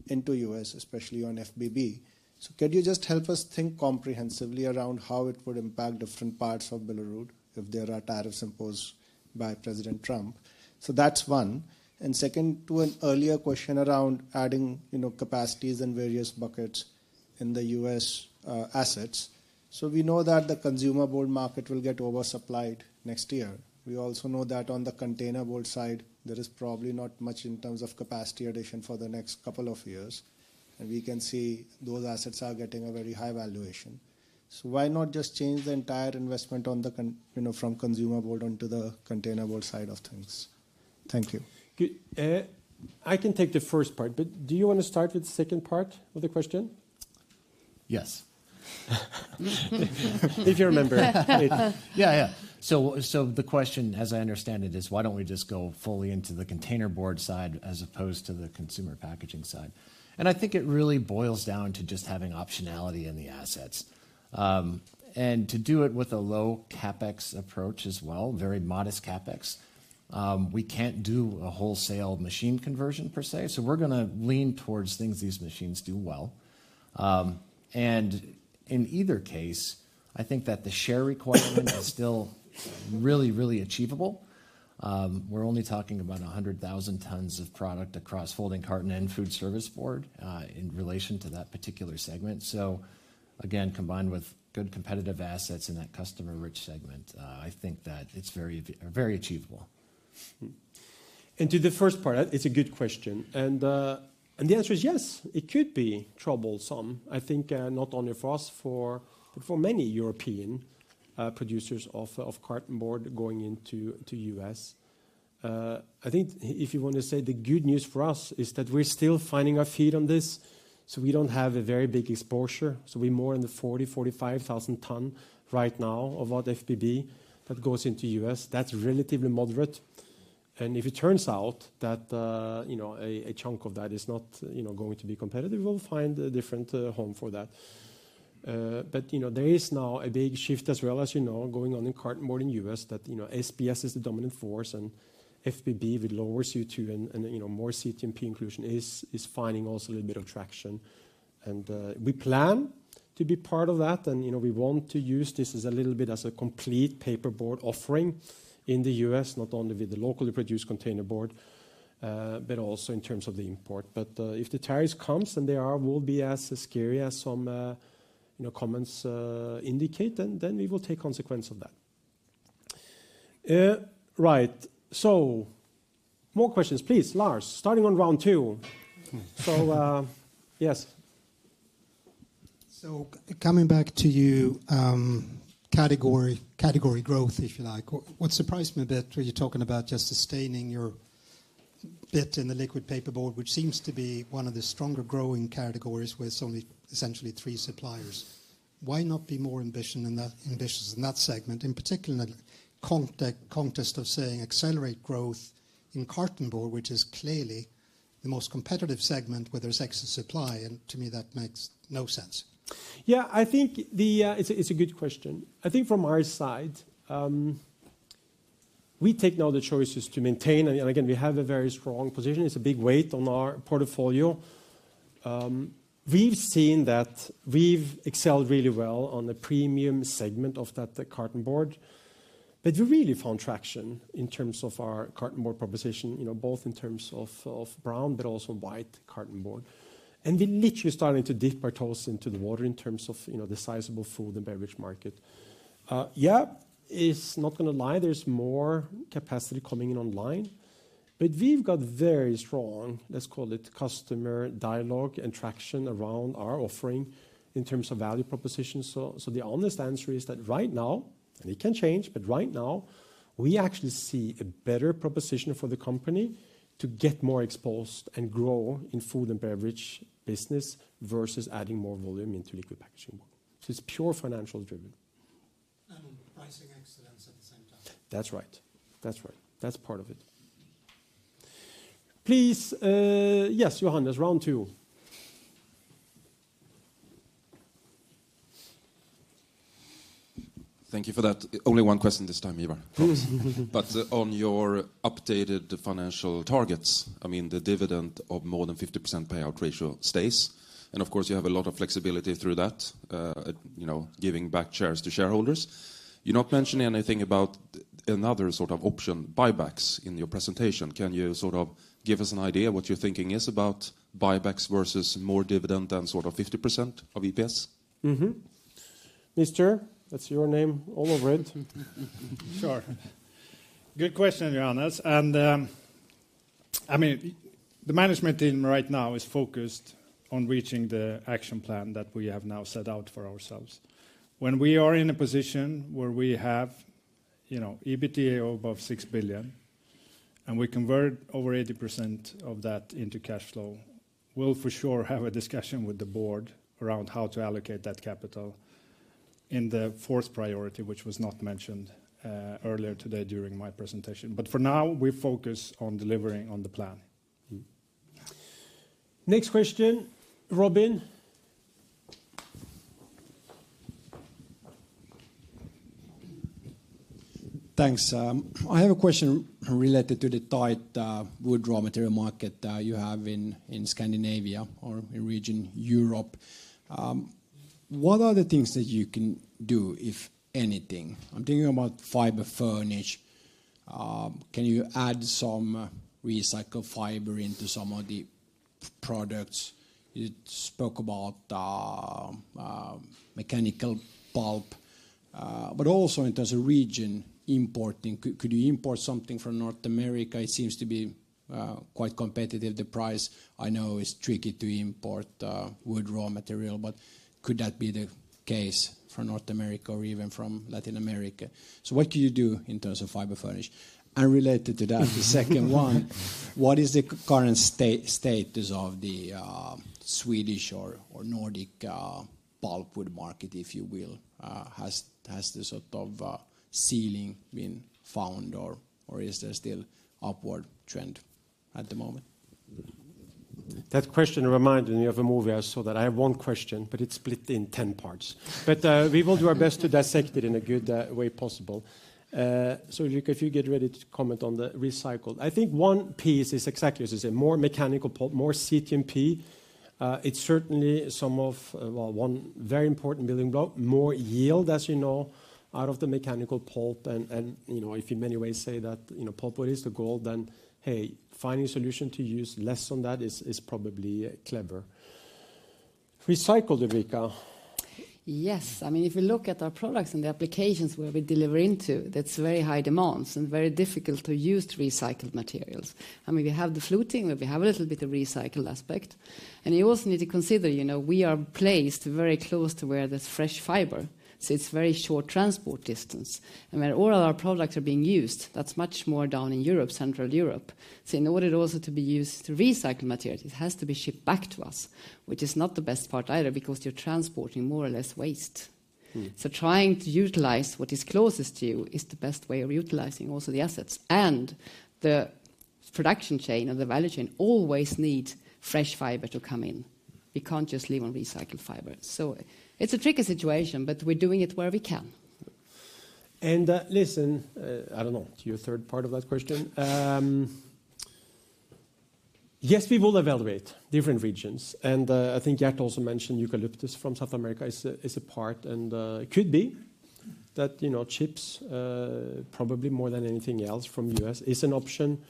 S14: into the U.S., especially on FBB. So could you just help us think comprehensively around how it would impact different parts of Billerud if there are tariffs imposed by President Trump? So that's one. And second, to an earlier question around adding capacities and various buckets in the U.S. assets. So we know that the consumer board market will get oversupplied next year. We also know that on the containerboard side, there is probably not much in terms of capacity addition for the next couple of years. And we can see those assets are getting a very high valuation. So why not just change the entire investment from consumer board onto the containerboard side of things? Thank you.
S1: I can take the first part, but do you want to start with the second part of the question?
S2: Yes. If you remember it. Yeah, yeah. So the question, as I understand it, is why don't we just go fully into the containerboard side as opposed to the consumer packaging side? And I think it really boils down to just having optionality in the assets. And to do it with a low CapEx approach as well, very modest CapEx, we can't do a wholesale machine conversion per se. So we're going to lean towards things these machines do well. And in either case, I think that the share requirement is still really, really achievable. We're only talking about 100,000 tons of product across folding carton and Food Service Board in relation to that particular segment. So again, combined with good competitive assets in that customer-rich segment, I think that it's very achievable.
S1: And to the first part, it's a good question. And the answer is yes, it could be troublesome, I think, not only for us, but for many European producers of cartonboard going into the U.S. I think if you want to say the good news for us is that we're still finding our feet on this. So we don't have a very big exposure. So we're more in the 40,000-45,000 tons right now of what FBB that goes into the U.S. That's relatively moderate. And if it turns out that a chunk of that is not going to be competitive, we'll find a different home for that. But there is now a big shift as well, as you know, going on in cartonboard in the U.S. that SBS is the dominant force and FBB with lower CO2 and more CTMP inclusion is finding also a little bit of traction. And we plan to be part of that. And we want to use this as a little bit as a complete paperboard offering in the U.S., not only with the locally produced containerboard, but also in terms of the import. But if the tariffs come and they are, will be as scary as some comments indicate, then we will take consequence of that. Right. So more questions, please. Lars, starting on round two. So yes.
S14: So coming back to you, category growth, if you like, what surprised me a bit when you're talking about just sustaining your bit in the liquid packaging board, which seems to be one of the stronger growing categories with only essentially three suppliers. Why not be more ambitious in that segment, in particular in the context of saying accelerate growth in cartonboard, which is clearly the most competitive segment where there's excess supply? And to me, that makes no sense.
S1: Yeah, I think it's a good question. I think from our side, we take now the choices to maintain. And again, we have a very strong position. It's a big weight on our portfolio. We've seen that we've excelled really well on the premium segment of that cartonboard. But we really found traction in terms of our cartonboard proposition, both in terms of brown, but also white cartonboard. And we're literally starting to dip our toes into the water in terms of the sizable food and beverage market. Yeah, it's not going to lie. There's more capacity coming in online. But we've got very strong, let's call it customer dialogue and traction around our offering in terms of value proposition. So the honest answer is that right now, and it can change, but right now, we actually see a better proposition for the company to get more exposed and grow in food and beverage business versus adding more volume into liquid packaging board. So it's pure financial driven.
S14: And pricing excellence at the same time.
S1: That's right. That's right. That's part of it. Please, yes, Johannes, round two.
S10: Thank you for that. Only one question this time, Ivar. But on your updated financial targets, I mean, the dividend of more than 50% payout ratio stays. And of course, you have a lot of flexibility through that, giving back shares to shareholders. You're not mentioning anything about another sort of option, buybacks in your presentation. Can you sort of give us an idea what your thinking is about buybacks versus more dividend than sort of 50% of EPS? Ivar,
S1: that's your name all over it.
S3: Sure. Good question, Johannes. And I mean, the management team right now is focused on reaching the action plan that we have now set out for ourselves. When we are in a position where we have EBITDA above 6 billion and we convert over 80% of that into cash flow, we'll for sure have a discussion with the board around how to allocate that capital in the fourth priority, which was not mentioned earlier today during my presentation. But for now, we focus on delivering on the plan.
S1: Next question,
S9: Robin. Thanks. I have a question related to the tight wood raw material market you have in Scandinavia or in Region Europe. What are the things that you can do, if anything? I'm thinking about fiber furnish. Can you add some recycled fiber into some of the products? You spoke about mechanical pulp, but also in terms of region importing, could you import something from North America? It seems to be quite competitive. The price, I know, is tricky to import wood raw material, but could that be the case from North America or even from Latin America? So what can you do in terms of fiber furnish? And related to that, the second one, what is the current status of the Swedish or Nordic pulpwood market, if you will? Has the sort of ceiling been found or is there still upward trend at the moment?
S1: That question reminded me of a movie I saw that I have one question, but it's split in 10 parts. But we will do our best to dissect it in a good way possible. So if you get ready to comment on the recycled, I think one piece is exactly as you say, more mechanical pulp, more CTMP. It's certainly some of one very important building block, more yield, as you know, out of the mechanical pulp. And if you in many ways say that pulpwood is the gold, then hey, finding a solution to use less on that is probably clever. Recycled, Ulrika.
S5: Yes. I mean, if you look at our products and the applications where we deliver into, that's very high demands and very difficult to use recycled materials. I mean, we have the fluting, but we have a little bit of recycled aspect. And you also need to consider, we are placed very close to where there's fresh fiber. So it's very short transport distance. And where all our products are being used, that's much more down in Europe, Central Europe. So in order also to be used to recycle materials, it has to be shipped back to us, which is not the best part either because you're transporting more or less waste. So trying to utilize what is closest to you is the best way of utilizing also the assets. And the production chain and the value chain always need fresh fiber to come in. We can't just live on recycled fiber. So it's a tricky situation, but we're doing it where we can.
S1: And listen, I don't know to your third part of that question. Yes, we will evaluate different regions. And I think you had also mentioned eucalyptus from South America is a part. And it could be that chips, probably more than anything else from the U.S., is an option.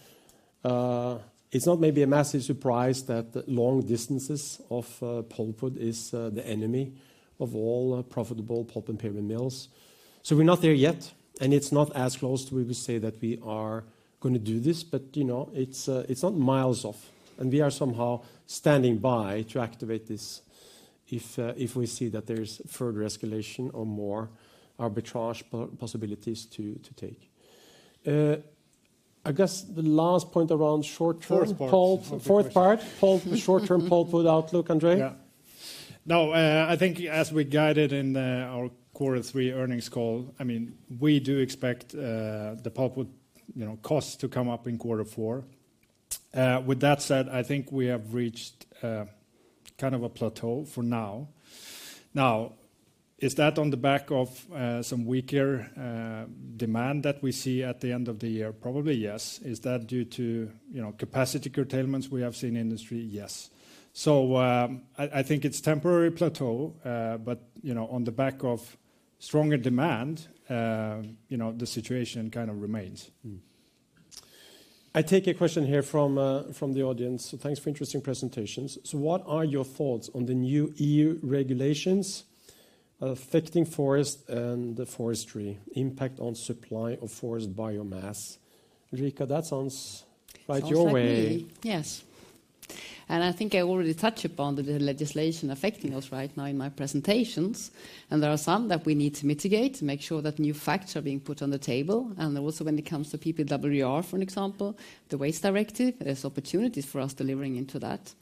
S1: It's not maybe a massive surprise that long distances of pulpwood is the enemy of all profitable pulp and paper mills. So we're not there yet. It's not as close to where we say that we are going to do this, but it's not miles off. We are somehow standing by to activate this if we see that there's further escalation or more arbitrage possibilities to take. I guess the last point around short-term pulpwood outlook, Andrei?
S6: Yeah. No, I think as we guided in our quarter three earnings call, I mean, we do expect the pulpwood costs to come up in quarter four. With that said, I think we have reached kind of a plateau for now. Now, is that on the back of some weaker demand that we see at the end of the year? Probably yes. Is that due to capacity curtailments we have seen in industry? Yes. So I think it's temporary plateau, but on the back of stronger demand, the situation kind of remains.
S1: I take a question here from the audience. So thanks for interesting presentations. So what are your thoughts on the new EU regulations affecting forest and the forestry impact on supply of forest biomass? Ulrika, that sounds right your way.
S5: Yes. And I think I already touched upon the legislation affecting us right now in my presentations. And there are some that we need to mitigate to make sure that new facts are being put on the table. And also when it comes to PPWR, for example, the waste directive, there's opportunities for us delivering into that.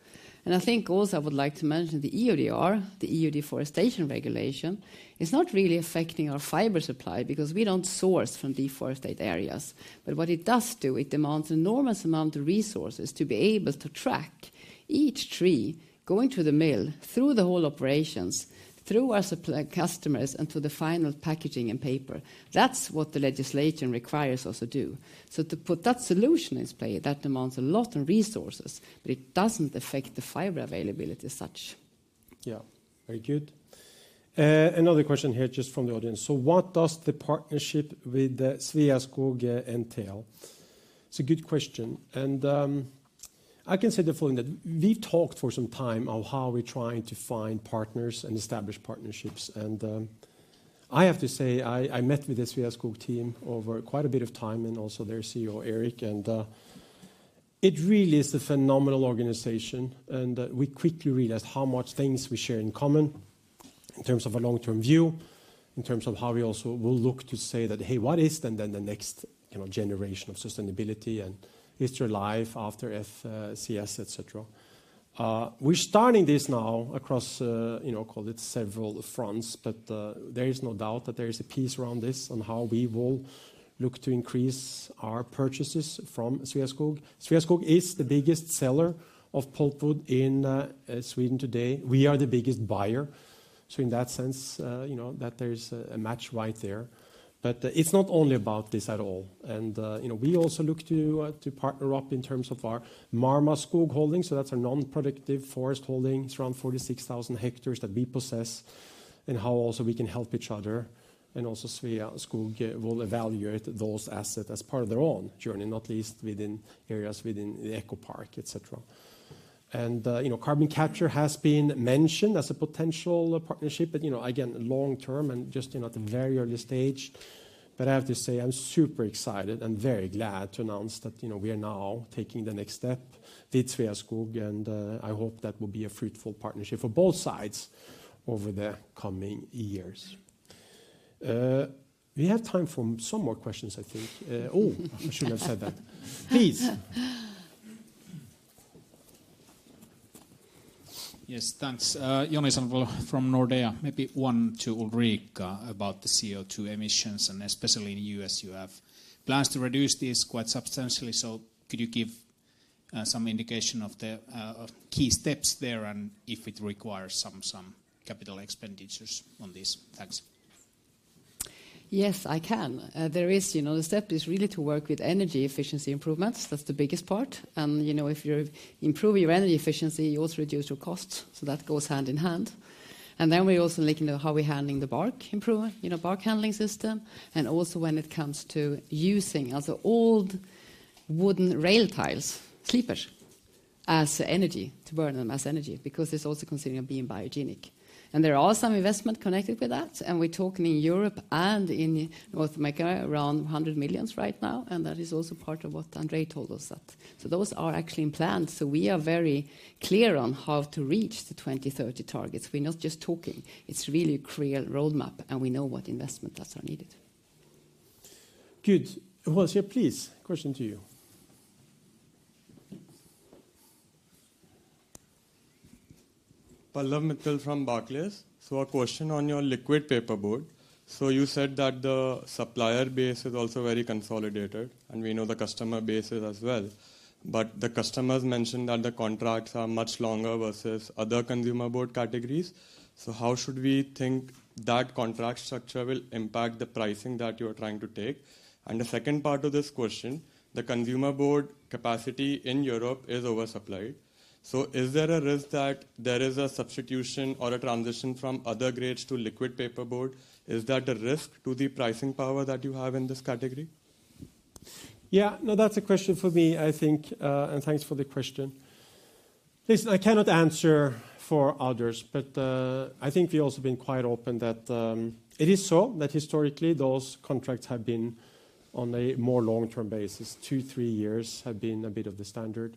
S5: I think also I would like to mention the EUDR, the EU Deforestation Regulation, is not really affecting our fiber supply because we don't source from deforested areas. But what it does do, it demands an enormous amount of resources to be able to track each tree going to the mill, through the whole operations, through our supply customers and to the final packaging and paper. That's what the legislation requires us to do. So to put that solution in play, that demands a lot of resources, but it doesn't affect the fiber availability as such.
S1: Yeah, very good. Another question here just from the audience. So what does the partnership with Sveaskog entail? It's a good question. And I can say the following that we've talked for some time of how we're trying to find partners and establish partnerships. I have to say, I met with the Sveaskog team over quite a bit of time and also their CEO, Erik. It really is a phenomenal organization. We quickly realized how much things we share in common in terms of a long-term view, in terms of how we also will look to say that, hey, what is then the next generation of sustainability and is there life after FSC, et cetera? We're starting this now across, I'll call it several fronts, but there is no doubt that there is a piece around this on how we will look to increase our purchases from Sveaskog. Sveaskog is the biggest seller of pulpwood in Sweden today. We are the biggest buyer. So in that sense, that there is a match right there. But it's not only about this at all. We also look to partner up in terms of our Marma Skog Holding. So that's a non-productive forest holding. It's around 46,000 hectares that we possess and how also we can help each other. And also Sveaskog will evaluate those assets as part of their own journey, not least within areas within the ekopark, et cetera. And carbon capture has been mentioned as a potential partnership, but again, long-term and just at a very early stage. But I have to say, I'm super excited and very glad to announce that we are now taking the next step with Sveaskog. And I hope that will be a fruitful partnership for both sides over the coming years. We have time for some more questions, I think. Oh, I shouldn't have said that. Please. Yes, thanks. Johannes from Nordea. Maybe one to Ulrika about the CO2 emissions. And especially in the U.S., you have plans to reduce this quite substantially. So could you give some indication of the key steps there and if it requires some capital expenditures on this? Thanks.
S5: Yes, I can. There is the step is really to work with energy efficiency improvements. That's the biggest part. And if you improve your energy efficiency, you also reduce your costs. So that goes hand in hand. And then we also look into how we're handling the bark improvement, bark handling system. And also when it comes to using old wooden rail ties, sleepers, as energy to burn them as energy because it's also considered being biogenic. And there are some investments connected with that. And we're talking in Europe and in North America around 100 million right now. And that is also part of what Andrei told us that. So those are actually in plan. So we are very clear on how to reach the 2030 targets. We're not just talking. It's really a clear roadmap and we know what investment that's needed.
S1: Good. Jose, please, question to you.
S14: Gaurav Jain from Barclays. So a question on your liquid packaging board. So you said that the supplier base is also very consolidated and we know the customer base is as well. But the customers mentioned that the contracts are much longer versus other containerboard categories. So how should we think that contract structure will impact the pricing that you are trying to take? And the second part of this question, the containerboard capacity in Europe is oversupplied. So is there a risk that there is a substitution or a transition from other grades to liquid packaging board? Is that a risk to the pricing power that you have in this category?
S1: Yeah, no, that's a question for me, I think, and thanks for the question. I cannot answer for others, but I think we've also been quite open that it is so that historically those contracts have been on a more long-term basis. Two, three years have been a bit of the standard.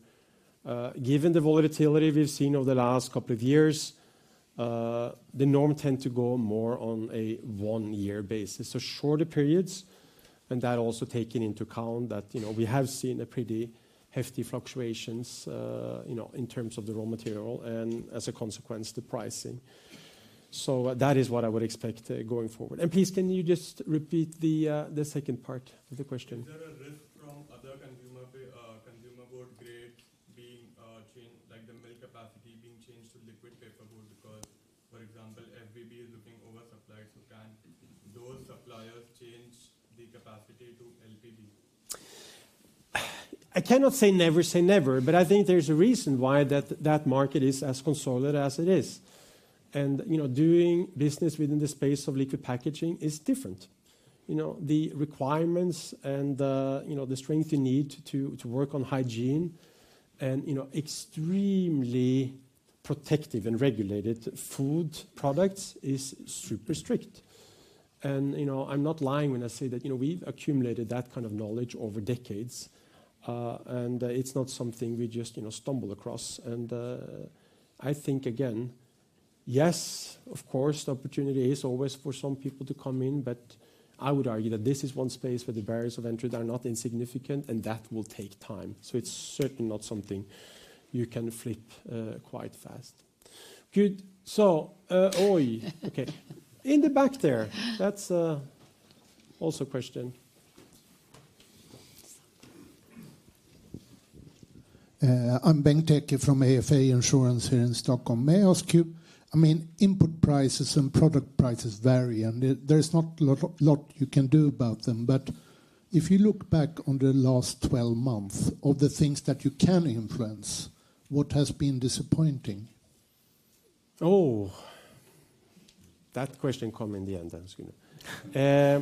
S1: Given the volatility we've seen over the last couple of years, the norm tends to go more on a one-year basis. So shorter periods, and that also taken into account that we have seen a pretty hefty fluctuations in terms of the raw material and as a consequence, the pricing. So that is what I would expect going forward, and please, can you just repeat the second part of the question?
S14: Is there a risk from other cartonboard grade being changed, like the mill capacity being changed to liquid packaging board because, for example, FBB is looking oversupplied? So can those suppliers change the capacity to LPB?
S1: I cannot say never, say never, but I think there's a reason why that market is as consolidated as it is. And doing business within the space of liquid packaging is different. The requirements and the strength you need to work on hygiene and extremely protective and regulated food products is super strict. And I'm not lying when I say that we've accumulated that kind of knowledge over decades. And it's not something we just stumble across. I think, again, yes, of course, the opportunity is always for some people to come in, but I would argue that this is one space where the barriers of entry are not insignificant and that will take time. So it's certainly not something you can flip quite fast. Good. So, oh, okay. In the back there, that's also a question.
S15: I'm Bengt Ekéus from AFA Insurance here in Stockholm. May I ask you? I mean, input prices and product prices vary and there's not a lot you can do about them, but if you look back on the last 12 months of the things that you can influence, what has been disappointing?
S1: Oh, that question comes in the end. Do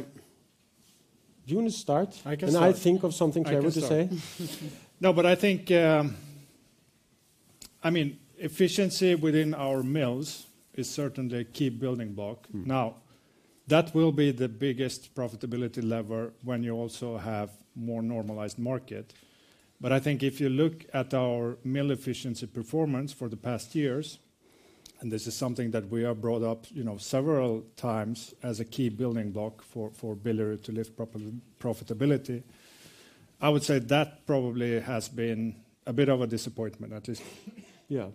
S1: you want to start?
S3: I can start.
S2: I think of something clever to say. No, but I think, I mean, efficiency within our mills is certainly a key building block. Now, that will be the biggest profitability lever when you also have a more normalized market. But I think if you look at our mill efficiency performance for the past years, and this is something that we have brought up several times as a key building block for Billerud to lift profitability, I would say that probably has been a bit of a disappointment, at least. Yeah.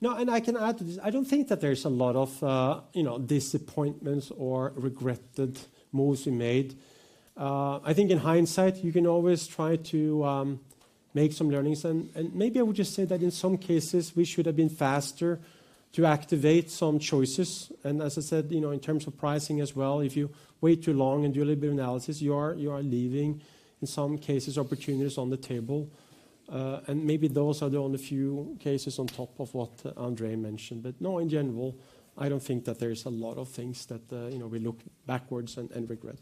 S1: No, and I can add to this. I don't think that there's a lot of disappointments or regretted moves we made. I think in hindsight, you can always try to make some learnings. And maybe I would just say that in some cases, we should have been faster to activate some choices. As I said, in terms of pricing as well, if you wait too long and do a little bit of analysis, you are leaving in some cases opportunities on the table. And maybe those are the only few cases on top of what Andrei mentioned. But no, in general, I don't think that there's a lot of things that we look backwards and regret.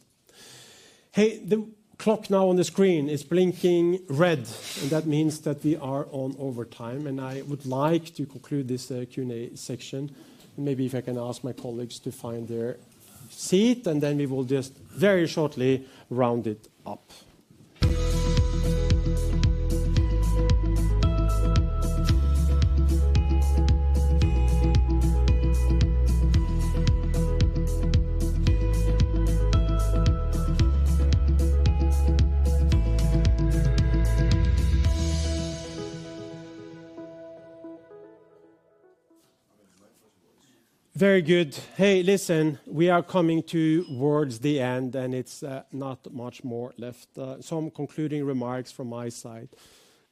S1: Hey, the clock now on the screen is blinking red, and that means that we are on overtime. And I would like to conclude this Q&A section. Maybe if I can ask my colleagues to find their seat, and then we will just very shortly round it up. Very good. Hey, listen, we are coming towards the end, and it's not much more left. Some concluding remarks from my side.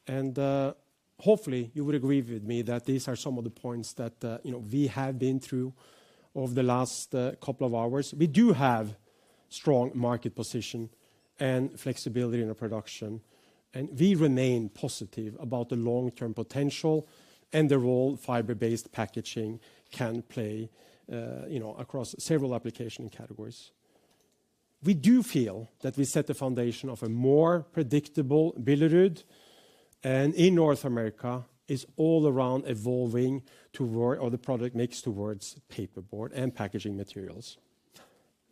S1: Hopefully, you would agree with me that these are some of the points that we have been through over the last couple of hours. We do have a strong market position and flexibility in our production. We remain positive about the long-term potential and the role fiber-based packaging can play across several application categories. We do feel that we set the foundation of a more predictable Billerud. In North America, it's all around evolving towards or the product mix towards paperboard and packaging materials.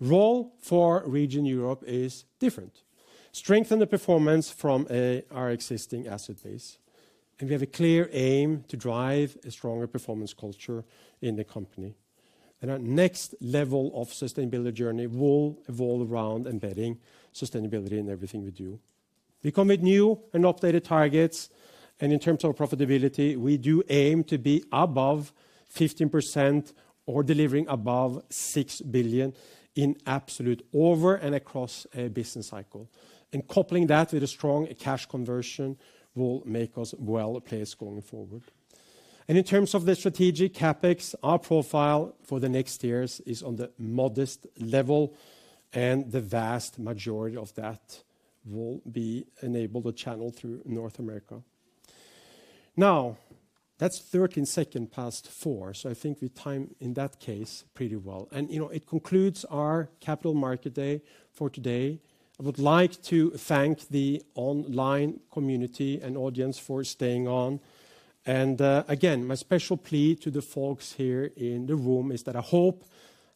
S1: The role for Region Europe is different. Strengthen the performance from our existing asset base. We have a clear aim to drive a stronger performance culture in the company. Our next level of sustainability journey will evolve around embedding sustainability in everything we do. We come with new and updated targets. In terms of profitability, we do aim to be above 15% or delivering above 6 billion in absolute over and across a business cycle. Coupling that with a strong cash conversion will make us well placed going forward. In terms of the Strategic CapEx, our profile for the next years is on the modest level. The vast majority of that will be enabled to channel through North America. Now, that's 13 seconds past four. I think we time in that case pretty well. It concludes our Capital Markets Day for today. I would like to thank the online community and audience for staying on. Again, my special plea to the folks here in the room is that I hope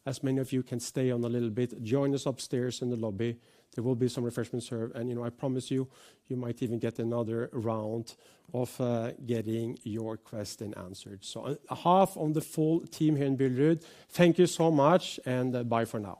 S1: as many of you can stay on a little bit, join us upstairs in the lobby. There will be some refreshments served. And I promise you, you might even get another round of getting your question answered. So, a hand for the full team here in Billerud. Thank you so much. And bye for now.